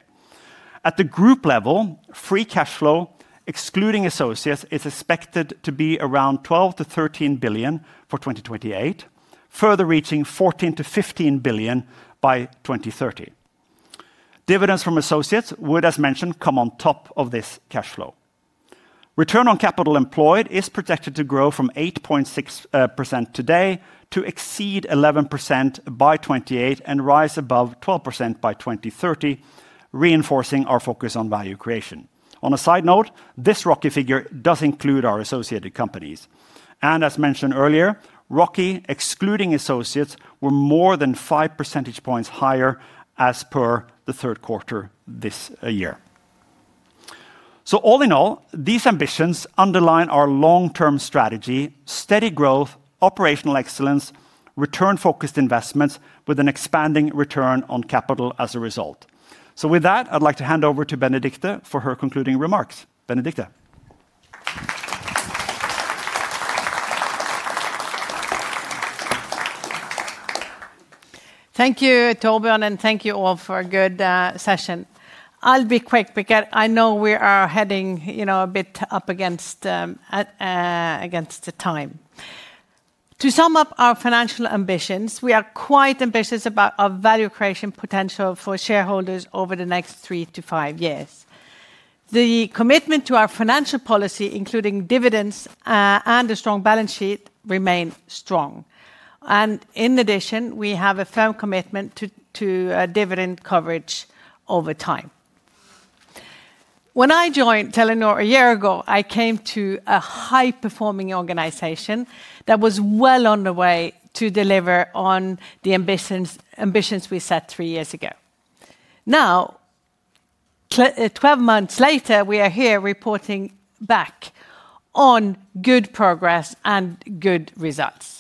At the group level, free cash flow, excluding associates, is expected to be around 12 billion-13 billion for 2028, further reaching 14 billion-15 billion by 2030. Dividends from associates would, as mentioned, come on top of this cash flow. Return on capital employed is projected to grow from 8.6% today to exceed 11% by 2028 and rise above 12% by 2030, reinforcing our focus on value creation. On a side note, this ROCI figure does include our associated companies. And as mentioned earlier, ROCI, excluding associates, were more than five percentage points higher as per the third quarter this year. All in all, these ambitions underline our long-term strategy, steady growth, operational excellence, return-focused investments with an expanding return on capital as a result. With that, I'd like to hand over to Benedicte for her concluding remarks. Benedicte. Thank you, Torbjørn, and thank you all for a good session. I'll be quick because I know we are heading, you know, a bit up against the time. To sum up our financial ambitions, we are quite ambitious about our value creation potential for shareholders over the next three to five years. The commitment to our financial policy, including dividends and a strong balance sheet, remains strong. In addition, we have a firm commitment to dividend coverage over time. When I joined Telenor a year ago, I came to a high-performing organization that was well on the way to deliver on the ambitions we set three years ago. Now, 12 months later, we are here reporting back on good progress and good results.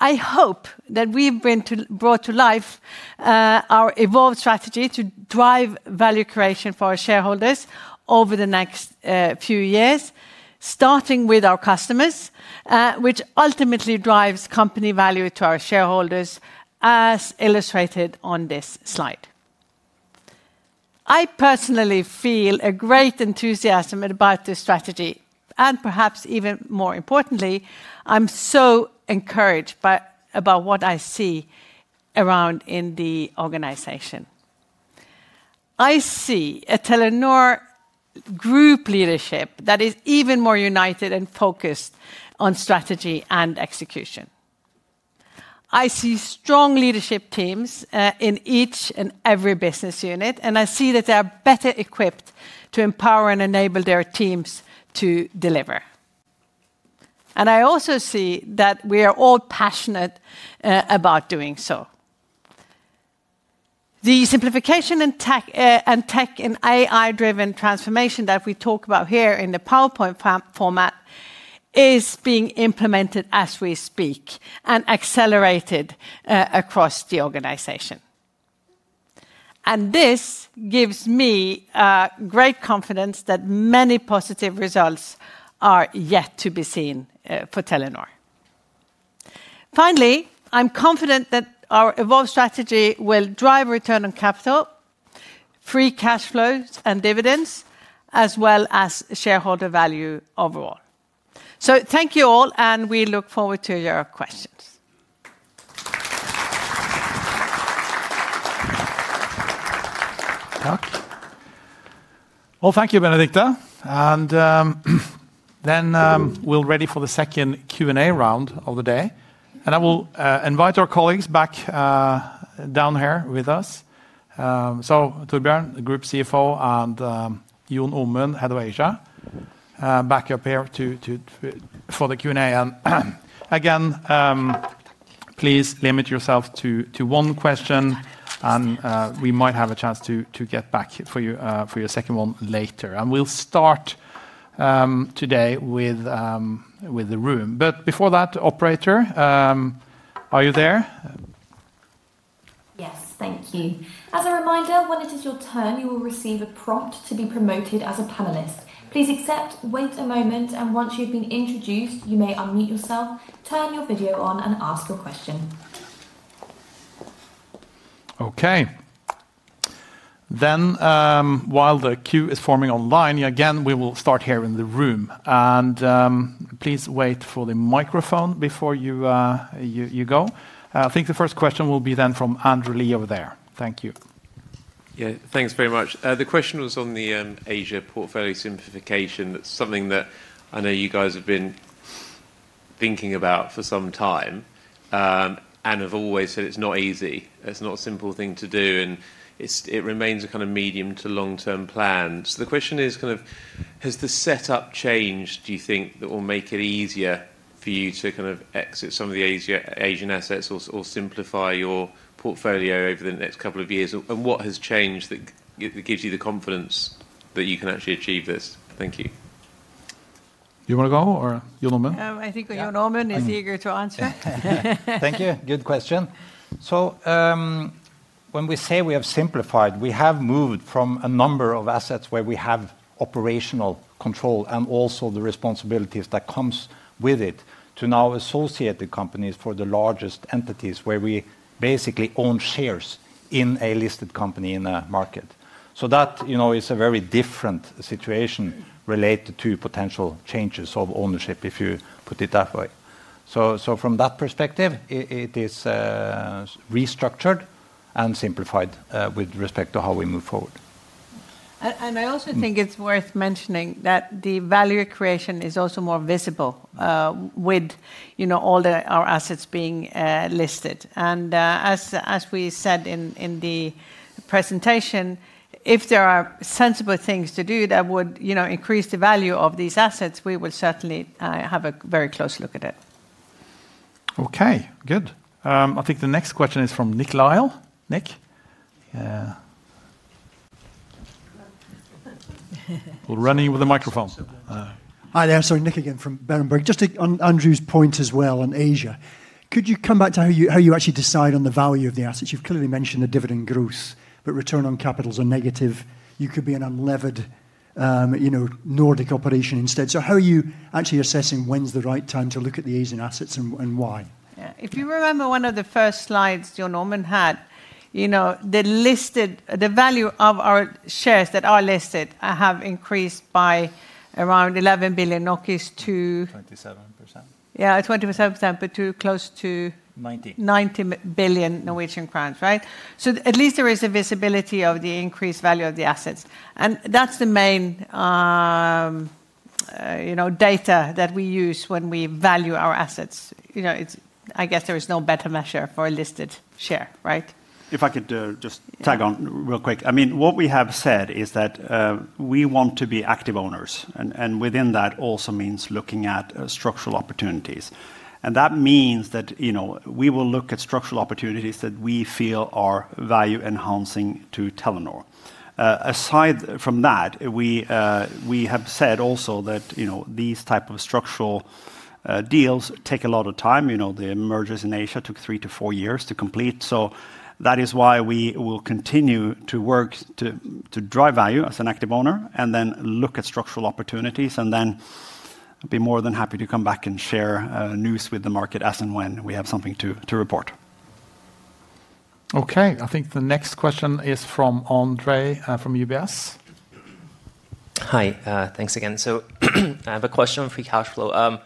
I hope that we've brought to life our evolved strategy to drive value creation for our shareholders over the next few years, starting with our customers, which ultimately drives company value to our shareholders, as illustrated on this slide. I personally feel a great enthusiasm about this strategy, and perhaps even more importantly, I'm so encouraged by what I see around in the organization. I see a Telenor group leadership that is even more united and focused on strategy and execution. I see strong leadership teams in each and every business unit, and I see that they are better equipped to empower and enable their teams to deliver. I also see that we are all passionate about doing so. The simplification and tech and AI-driven transformation that we talk about here in the PowerPoint format is being implemented as we speak and accelerated across the organization. This gives me great confidence that many positive results are yet to be seen for Telenor. Finally, I'm confident that our evolved strategy will drive return on capital, free cash flows and dividends, as well as shareholder value overall. Thank you all, and we look forward to your questions. Thank you, Benedicte. We are ready for the second Q&A round of the day. I will invite our colleagues back down here with us. Torbjørn, Group CFO, and Jon Omund, Head of Asia, back up here for the Q&A. Again, please limit yourself to one question, and we might have a chance to get back for your second one later. We will start today with the room. Before that, Operator, are you there? Yes, thank you. As a reminder, when it is your turn, you will receive a prompt to be promoted as a panelist. Please accept, wait a moment, and once you have been introduced, you may unmute yourself, turn your video on, and ask your question. Okay. While the queue is forming online, we will start here in the room. Please wait for the microphone before you go. I think the first question will be from Andrew Lee over there. Thank you. Yeah, thanks very much. The question was on the Asia portfolio simplification. That's something that I know you guys have been thinking about for some time and have always said it's not easy. It's not a simple thing to do, and it remains a kind of medium to long-term plan. The question is kind of, has the setup changed, do you think, that will make it easier for you to kind of exit some of the Asian assets or simplify your portfolio over the next couple of years? What has changed that gives you the confidence that you can actually achieve this? Thank you. You want to go or Jon Omund? I think Jon Omund is eager to answer. Thank you. Good question. When we say we have simplified, we have moved from a number of assets where we have operational control and also the responsibilities that come with it to now associated companies for the largest entities where we basically own shares in a listed company in a market. That, you know, is a very different situation related to potential changes of ownership, if you put it that way. From that perspective, it is restructured and simplified with respect to how we move forward. I also think it's worth mentioning that the value creation is also more visible with, you know, all our assets being listed. As we said in the presentation, if there are sensible things to do that would increase the value of these assets, we will certainly have a very close look at it. Okay, good. I think the next question is from Nick Lyall. Nick? Running with the microphone. Hi, there. Sorry, Nick again from Berenberg. Just to Andrew's point as well on Asia, could you come back to how you actually decide on the value of the assets? You've clearly mentioned the dividend growth, but return on capitals are negative. You could be an unlevered, you know, Nordic operation instead. How are you actually assessing when's the right time to look at the Asian assets and why? If you remember one of the first slides Jon Omund had, you know, the value of our shares that are listed have increased by around 11 billion to 27%. Yeah, 27%, but to close to 90 billion Norwegian crowns, right? At least there is a visibility of the increased value of the assets. That's the main, you know, data that we use when we value our assets. You know, I guess there is no better measure for a listed share, right? If I could just tag on real quick, I mean, what we have said is that we want to be active owners, and within that also means looking at structural opportunities. That means that, you know, we will look at structural opportunities that we feel are value enhancing to Telenor. Aside from that, we have said also that, you know, these types of structural deals take a lot of time. You know, the mergers in Asia took three to four years to complete. That is why we will continue to work to drive value as an active owner and then look at structural opportunities and then be more than happy to come back and share news with the market as and when we have something to report. Okay, I think the next question is from Ondrej from UBS. Hi, thanks again. I have a question on free cash flow.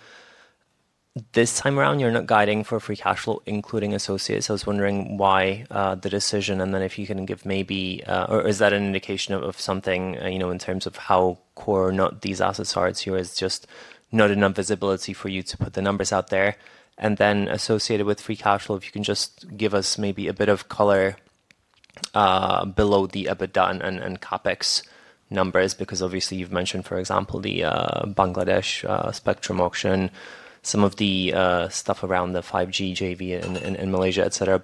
This time around, you're not guiding for free cash flow, including associates. I was wondering why the decision, and then if you can give maybe, or is that an indication of something, you know, in terms of how core or not these assets are to you, it's just not enough visibility for you to put the numbers out there. And then associated with free cash flow, if you can just give us maybe a bit of color below the EBITDA and CapEx numbers, because obviously you've mentioned, for example, the Bangladesh spectrum auction, some of the stuff around the 5G, JV in Malaysia, etc.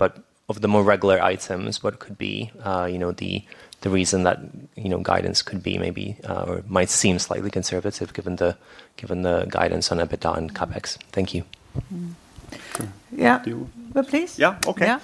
Of the more regular items, what could be, you know, the reason that, you know, guidance could be maybe, or might seem slightly conservative given the guidance on EBITDA and CapEx? Thank you. Yeah, please. Yeah, okay.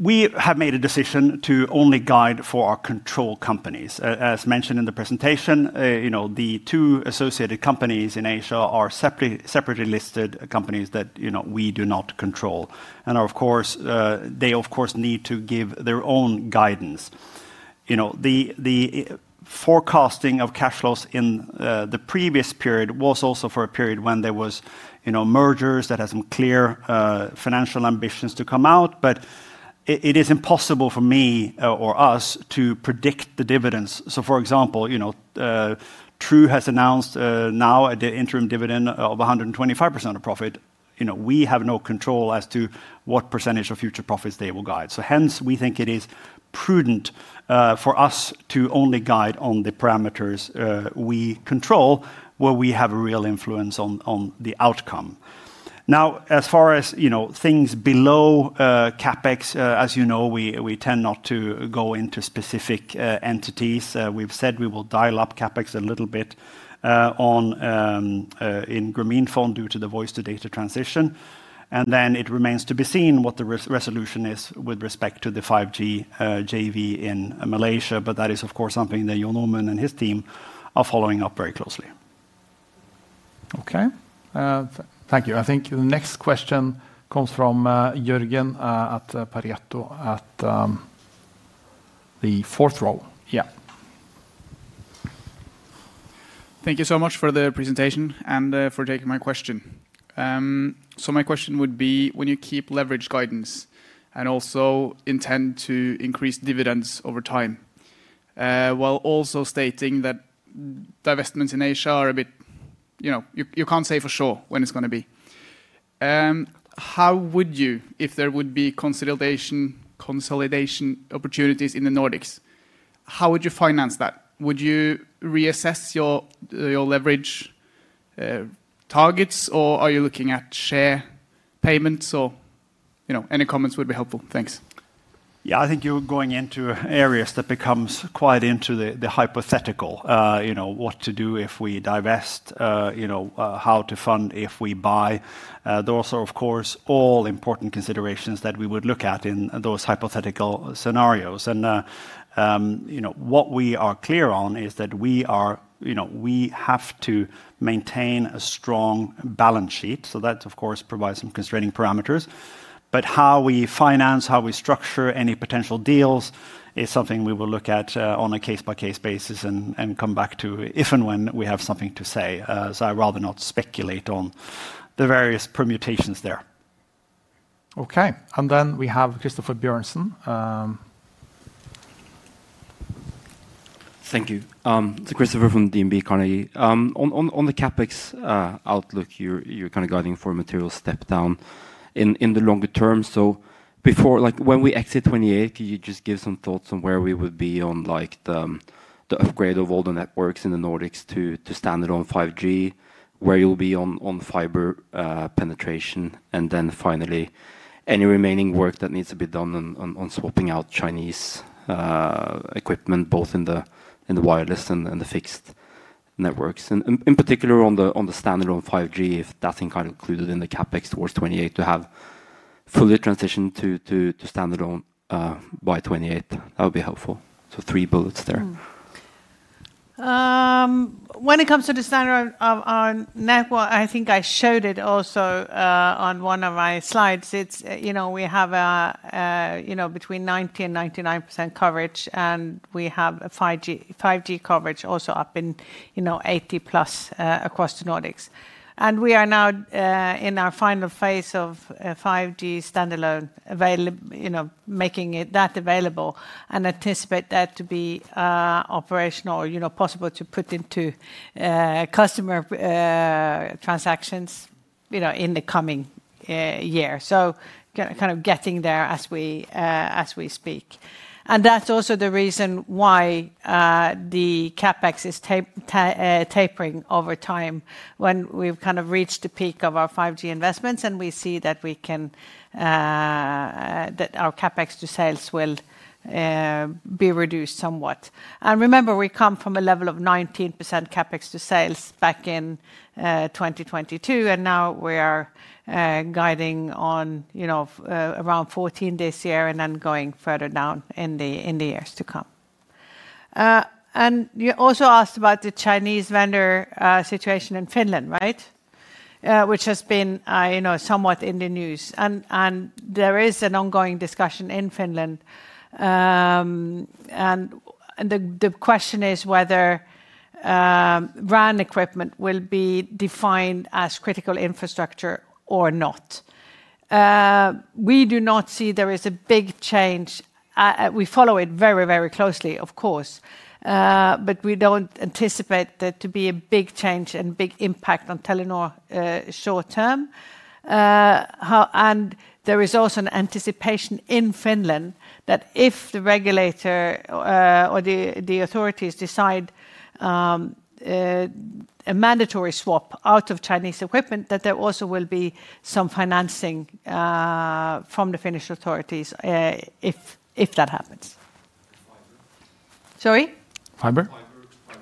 We have made a decision to only guide for our control companies. As mentioned in the presentation, you know, the two associated companies in Asia are separately listed companies that, you know, we do not control. Of course, they, of course, need to give their own guidance. You know, the forecasting of cash flows in the previous period was also for a period when there was, you know, mergers that had some clear financial ambitions to come out, but it is impossible for me or us to predict the dividends. For example, you know, True has announced now the interim dividend of 125% of profit. You know, we have no control as to what percentage of future profits they will guide. Hence, we think it is prudent for us to only guide on the parameters we control where we have a real influence on the outcome. Now, as far as, you know, things below CapEx, as you know, we tend not to go into specific entities. We have said we will dial up CapEx a little bit in Grameenphone due to the Voice to Data transition. It remains to be seen what the resolution is with respect to the 5G JV in Malaysia, but that is, of course, something that Jon Omund and his team are following up very closely. Okay, thank you. I think the next question comes from Jørgen at Pareto at the fourth row. Yeah. Thank you so much for the presentation and for taking my question. My question would be, when you keep leverage guidance and also intend to increase dividends over time, while also stating that the investments in Asia are a bit, you know, you can't say for sure when it's going to be. How would you, if there would be consolidation opportunities in the Nordics, how would you finance that? Would you reassess your leverage targets or are you looking at share payments or, you know, any comments would be helpful? Thanks. Yeah, I think you're going into areas that become quite into the hypothetical, you know, what to do if we divest, you know, how to fund if we buy. Those are, of course, all important considerations that we would look at in those hypothetical scenarios. You know, what we are clear on is that we are, you know, we have to maintain a strong balance sheet. That, of course, provides some constraining parameters. How we finance, how we structure any potential deals is something we will look at on a case-by-case basis and come back to if and when we have something to say. I'd rather not speculate on the various permutations there. Okay, and then we have Christoffer Bjørnsen. Thank you. So Christoffer from DNB Carnegie. On the CapEx outlook, you're kind of guiding for a material step down in the longer term. Before, like when we exit 2028, can you just give some thoughts on where we would be on, like, the upgrade of all the networks in the Nordics to standard on 5G, where you'll be on fiber penetration, and then finally, any remaining work that needs to be done on swapping out Chinese equipment, both in the wireless and the fixed networks, and in particular on the standard on 5G, if that's included in the CapEx towards 2028 to have fully transitioned to standard on by 2028, that would be helpful. Three bullets there. When it comes to the standard on network, I think I showed it also on one of my slides. It's, you know, we have a, you know, between 90%-99% coverage, and we have a 5G coverage also up in, you know, 80+% across the Nordics. We are now in our final phase of 5G Standalone available, you know, making that available and anticipate that to be operational or, you know, possible to put into customer transactions, you know, in the coming year. Kind of getting there as we speak. That is also the reason why the CapEx is tapering over time when we have kind of reached the peak of our 5G investments and we see that we can, that our CapEx to sales will be reduced somewhat. Remember, we come from a level of 19% CapEx to sales back in 2022, and now we are guiding on, you know, around 14% this year and then going further down in the years to come. You also asked about the Chinese vendor situation in Finland, right? Which has been, you know, somewhat in the news. There is an ongoing discussion in Finland. The question is whether RAN equipment will be defined as critical infrastructure or not. We do not see there is a big change. We follow it very, very closely, of course, but we do not anticipate that to be a big change and big impact on Telenor short term. There is also an anticipation in Finland that if the regulator or the authorities decide a mandatory swap out of Chinese equipment, that there also will be some financing from the Finnish authorities if that happens. Sorry? Fiber? Fiber on,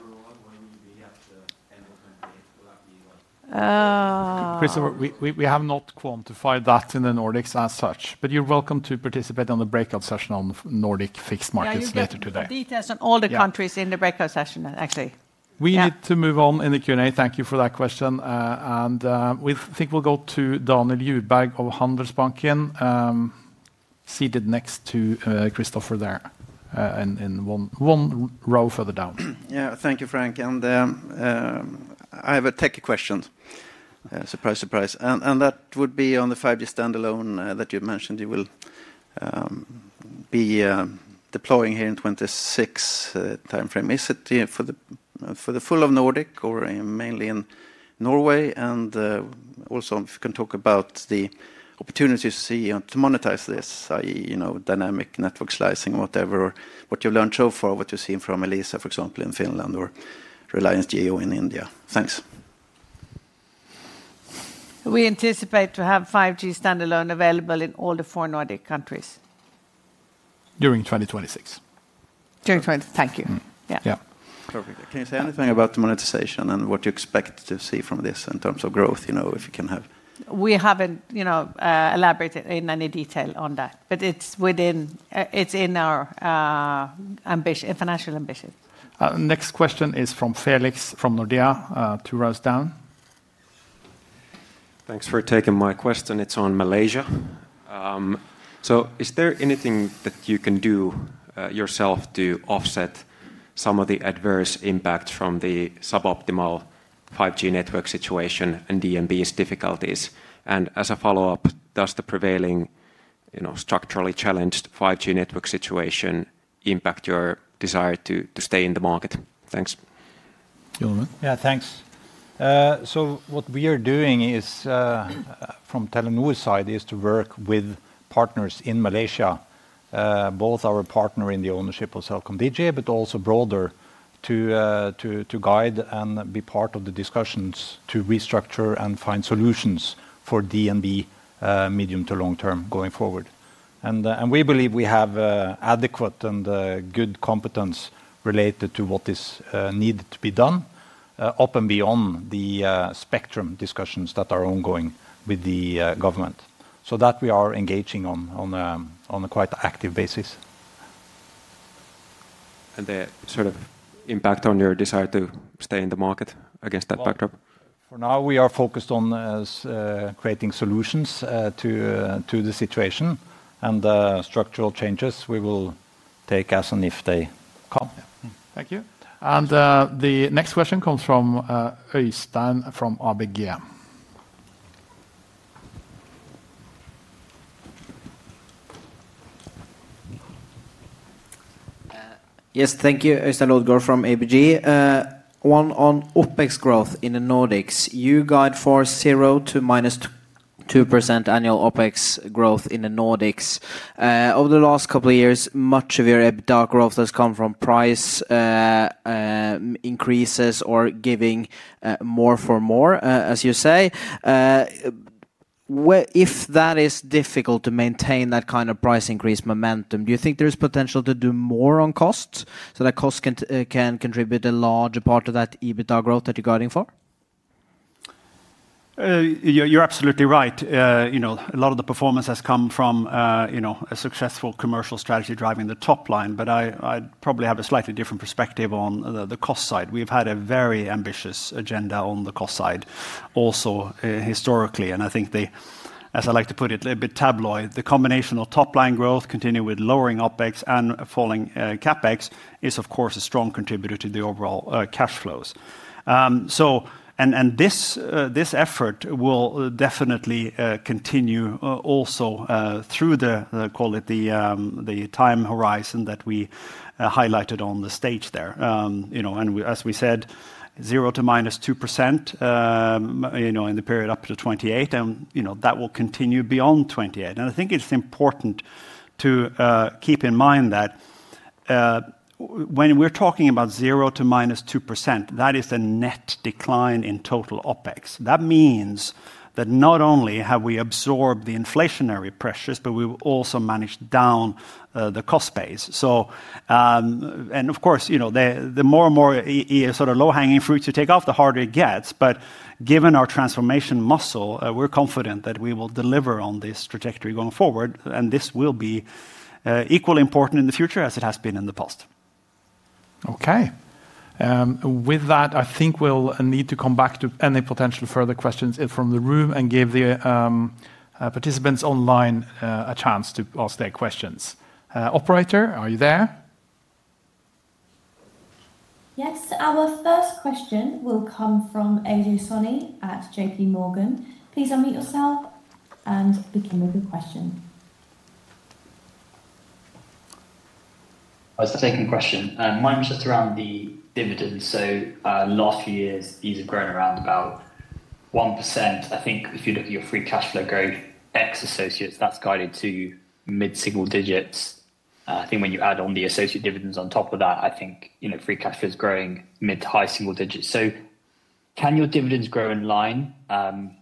when will you be at the end of 2028? Christoffer, we have not quantified that in the Nordics as such, but you are welcome to participate on the breakout session on Nordic fixed markets later today. Details on all the countries in the breakout session, actually. We need to move on in the Q&A. Thank you for that question. We think we'll go to Daniel Ljubak of Handelsbanken, seated next to Christoffer there in one row further down. Yeah, thank you, Frank. I have a tech question. Surprise, surprise. That would be on the 5G Standalone that you mentioned you will be deploying here in the 2026 timeframe. Is it for the full of Nordic or mainly in Norway? Also, if you can talk about the opportunities to see and to monetize this, i.e., you know, dynamic network slicing, whatever, what you've learned so far, what you've seen from Elisa, for example, in Finland or Reliance Jio in India. Thanks. We anticipate to have 5G Standalone available in all the four Nordic countries. During 2026. During 2026, thank you. Yeah. Yeah. Perfect. Can you say anything about the monetization and what you expect to see from this in terms of growth, you know, if you can have? We have not, you know, elaborated in any detail on that, but it is within, it is in our financial ambition. Next question is from Felix from Nordea to Rose Dan. Thanks for taking my question. It is on Malaysia. Is there anything that you can do yourself to offset some of the adverse impacts from the suboptimal 5G network situation and DNB's difficulties? As a follow-up, does the prevailing, you know, structurally challenged 5G network situation impact your desire to stay in the market? Thanks. Yeah, thanks. What we are doing from Telenor's side is to work with partners in Malaysia, both our partner in the ownership of CelcomDigi, but also broader to guide and be part of the discussions to restructure and find solutions for DNB medium to long term going forward. We believe we have adequate and good competence related to what is needed to be done up and beyond the spectrum discussions that are ongoing with the government. We are engaging on a quite active basis. The sort of impact on your desire to stay in the market against that backdrop? For now, we are focused on creating solutions to the situation and structural changes we will take as and if they come. Thank you. The next question comes from Øystein from ABG. Yes, thank you. Øystein Lodgaard from ABG. One on OpEx growth in the Nordics. You guide for 0% to -2% annual OpEx growth in the Nordics. Over the last couple of years, much of your EBITDA growth has come from price increases or giving more for more, as you say. If that is difficult to maintain, that kind of price increase momentum, do you think there is potential to do more on costs so that costs can contribute a larger part of that EBITDA growth that you are guiding for? You are absolutely right. You know, a lot of the performance has come from, you know, a successful commercial strategy driving the top line, but I probably have a slightly different perspective on the cost side. We've had a very ambitious agenda on the cost side also historically, and I think the, as I like to put it, a bit tabloid, the combination of top line growth, continuing with lowering OpEx and falling CapEx is, of course, a strong contributor to the overall cash flows. This effort will definitely continue also through the, call it the time horizon that we highlighted on the stage there, you know, and as we said, 0% to -2%, you know, in the period up to 2028, and you know, that will continue beyond 2028. I think it's important to keep in mind that when we're talking about 0% to -2%, that is a net decline in total OpEx. That means that not only have we absorbed the inflationary pressures, but we've also managed down the cost base. And of course, you know, the more and more sort of low hanging fruits you take off, the harder it gets, but given our transformation muscle, we're confident that we will deliver on this trajectory going forward, and this will be equally important in the future as it has been in the past. Okay. With that, I think we'll need to come back to any potential further questions from the room and give the participants online a chance to ask their questions. Operator, are you there? Yes, our first question will come from Ajay Soni at JPMorgan. Please unmute yourself and begin with your question. Thanks for taking the question. My question is just around the dividends. Last few years, these have grown around about 1%. I think if you look at your free cash flow growth ex associates, that's guided to mid-single digits. I think when you add on the associate dividends on top of that, I think, you know, free cash flow is growing mid to high single digits. Can your dividends grow in line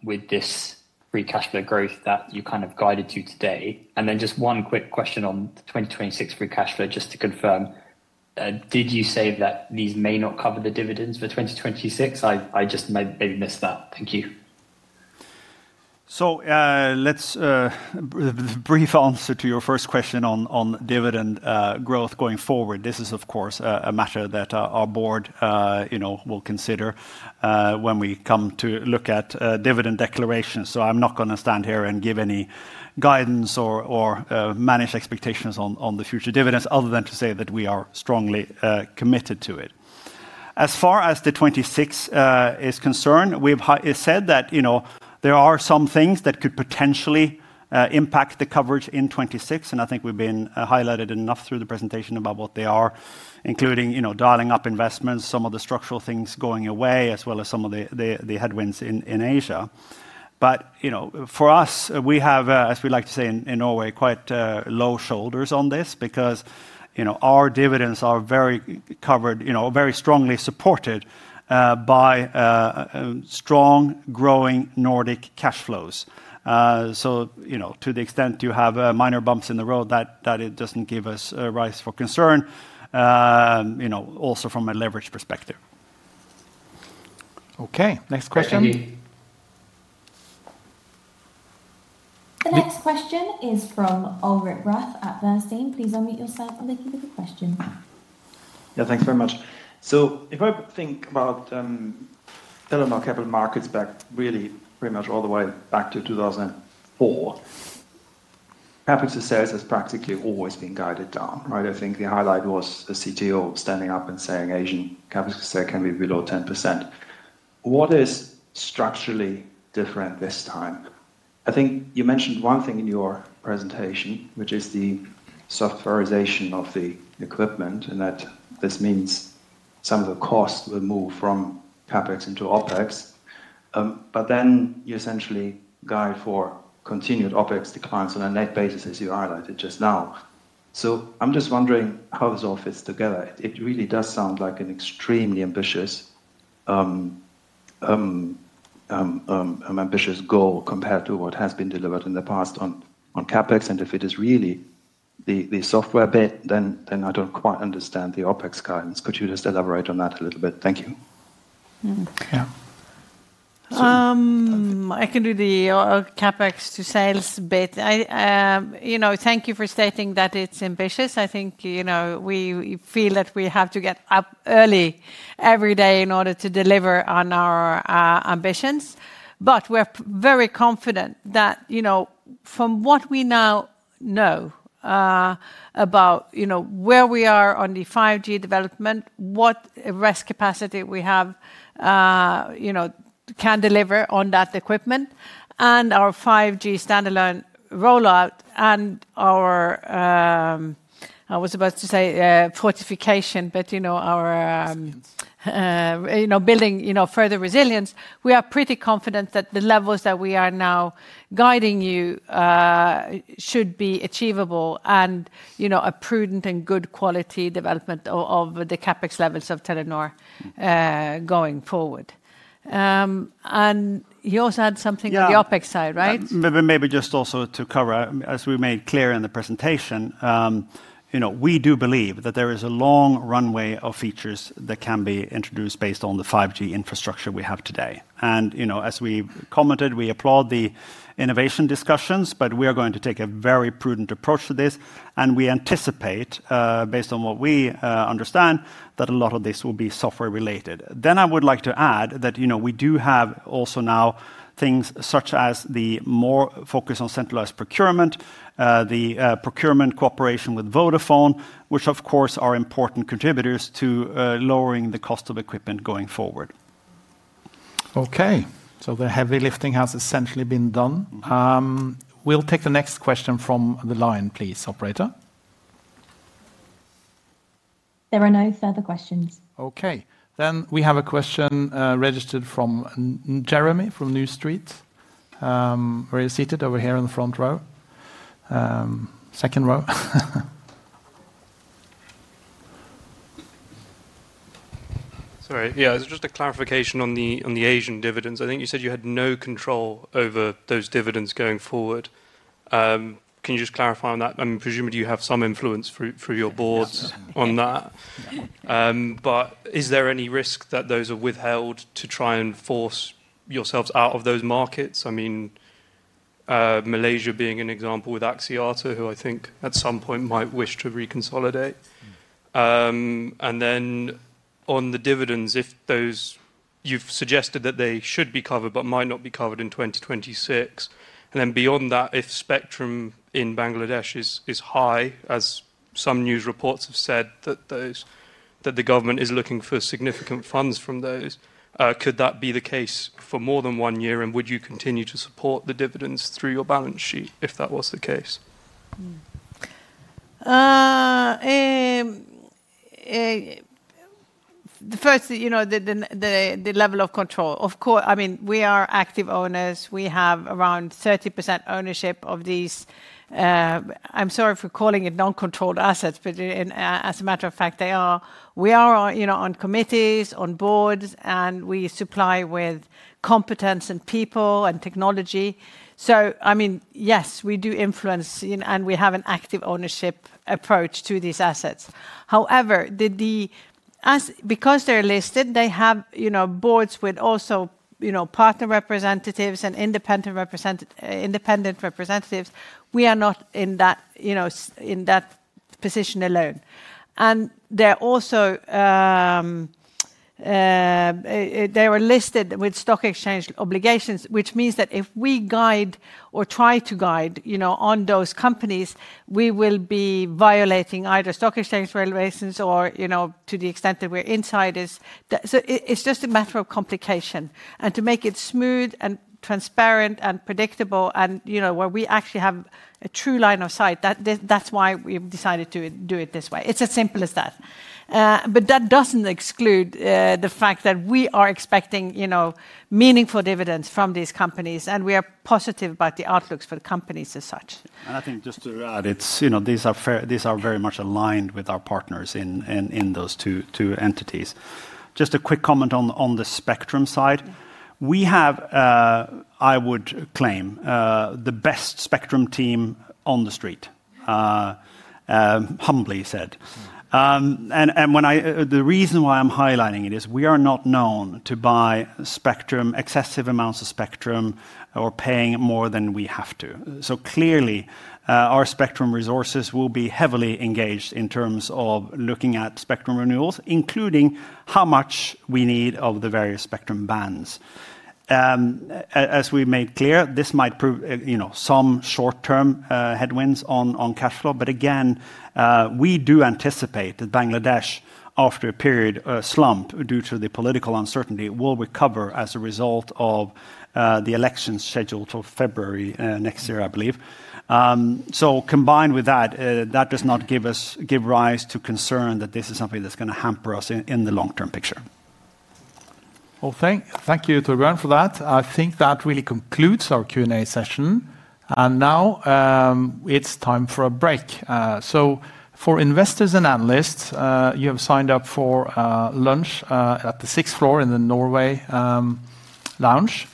with this free cash flow growth that you kind of guided to today? One quick question on the 2026 free cash flow, just to confirm, did you say that these may not cover the dividends for 2026? I just maybe missed that. Thank you. Brief answer to your first question on dividend growth going forward. This is, of course, a matter that our board, you know, will consider when we come to look at dividend declarations. I am not going to stand here and give any guidance or manage expectations on the future dividends other than to say that we are strongly committed to it. As far as the 2026 is concerned, we've said that, you know, there are some things that could potentially impact the coverage in 2026, and I think we've been highlighted enough through the presentation about what they are, including, you know, dialing up investments, some of the structural things going away, as well as some of the headwinds in Asia. You know, for us, we have, as we like to say in Norway, quite low shoulders on this because, you know, our dividends are very covered, you know, very strongly supported by strong growing Nordic cash flows. You know, to the extent you have minor bumps in the road, that it doesn't give us a rise for concern, you know, also from a leverage perspective. Okay, next question. The next question is from Ulrich Rathe at Bernstein. Please unmute yourself and then give your question. Yeah, thanks very much. If I think about Telenor capital markets back really pretty much all the way back to 2004, capital sales has practically always been guided down, right? I think the highlight was a CTO standing up and saying Asian capital sale can be below 10%. What is structurally different this time? I think you mentioned one thing in your presentation, which is the softwarization of the equipment and that this means some of the costs will move from CapEx into OpEx. Then you essentially guide for continued OpEx declines on a net basis, as you highlighted just now. I'm just wondering how this all fits together. It really does sound like an extremely ambitious goal compared to what has been delivered in the past on CapEx. If it is really the software bit, then I don't quite understand the OpEx guidance. Could you just elaborate on that a little bit? Thank you. Yeah. I can do the CapEx to sales bit. You know, thank you for stating that it's ambitious. I think, you know, we feel that we have to get up early every day in order to deliver on our ambitions. But we're very confident that, you know, from what we now know about, you know, where we are on the 5G development, what risk capacity we have, you know, can deliver on that equipment and our 5G Standalone rollout and our, I was about to say fortification, but you know, our, you know, building, you know, further resilience. We are pretty confident that the levels that we are now guiding you should be achievable and, you know, a prudent and good quality development of the CapEx levels of Telenor going forward. You also had something on the OpEx side, right? Maybe just also to cover, as we made clear in the presentation, you know, we do believe that there is a long runway of features that can be introduced based on the 5G infrastructure we have today. You know, as we commented, we applaud the innovation discussions, but we are going to take a very prudent approach to this. We anticipate, based on what we understand, that a lot of this will be software related. I would like to add that, you know, we do have also now things such as the more focus on centralized procurement, the procurement cooperation with Vodafone, which of course are important contributors to lowering the cost of equipment going forward. Okay, the heavy lifting has essentially been done. We'll take the next question from the line, please, Operator. There are no further questions. Okay, then we have a question registered from Jeremy from New Street. We're seated over here in the front row. Second row. Sorry, yeah, it's just a clarification on the Asian dividends. I think you said you had no control over those dividends going forward. Can you just clarify on that? I'm presuming you have some influence through your boards on that. Is there any risk that those are withheld to try and force yourselves out of those markets? I mean, Malaysia being an example with Axiata, who I think at some point might wish to reconsolidate. On the dividends, if those you've suggested that they should be covered but might not be covered in 2026. Then beyond that, if spectrum in Bangladesh is high, as some news reports have said that the government is looking for significant funds from those, could that be the case for more than one year? Would you continue to support the dividends through your balance sheet if that was the case? The first, you know, the level of control. Of course, I mean, we are active owners. We have around 30% ownership of these. I'm sorry for calling it non-controlled assets, but as a matter of fact, they are. We are, you know, on committees, on boards, and we supply with competence and people and technology. I mean, yes, we do influence and we have an active ownership approach to these assets. However, because they're listed, they have, you know, boards with also, you know, partner representatives and independent representatives. We are not in that, you know, in that position alone. They are also, they are listed with stock exchange obligations, which means that if we guide or try to guide, you know, on those companies, we will be violating either stock exchange regulations or, you know, to the extent that we're insiders. It is just a matter of complication. To make it smooth and transparent and predictable and, you know, where we actually have a true line of sight, that is why we have decided to do it this way. It is as simple as that. That does not exclude the fact that we are expecting, you know, meaningful dividends from these companies and we are positive about the outlooks for the companies as such. I think just to add, it is, you know, these are very much aligned with our partners in those two entities. Just a quick comment on the spectrum side. We have, I would claim, the best spectrum team on the street, humbly said. The reason why I'm highlighting it is we are not known to buy spectrum, excessive amounts of spectrum or paying more than we have to. Clearly, our spectrum resources will be heavily engaged in terms of looking at spectrum renewals, including how much we need of the various spectrum bands. As we made clear, this might prove, you know, some short-term headwinds on cash flow. Again, we do anticipate that Bangladesh, after a period slump due to the political uncertainty, will recover as a result of the elections scheduled for February next year, I believe. Combined with that, that does not give us, give rise to concern that this is something that's going to hamper us in the long-term picture. Thank you to everyone for that. I think that really concludes our Q&A session. It is now time for a break. For investors and analysts, you have signed up for lunch at the sixth floor in the Norway lounge,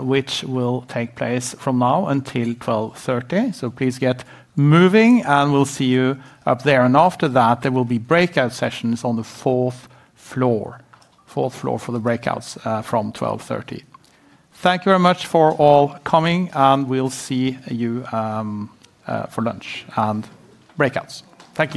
which will take place from now until 12:30. Please get moving and we will see you up there. After that, there will be breakout sessions on the fourth floor. Fourth floor for the breakouts from 12:30. Thank you very much for all coming and we will see you for lunch and breakouts. Thank you.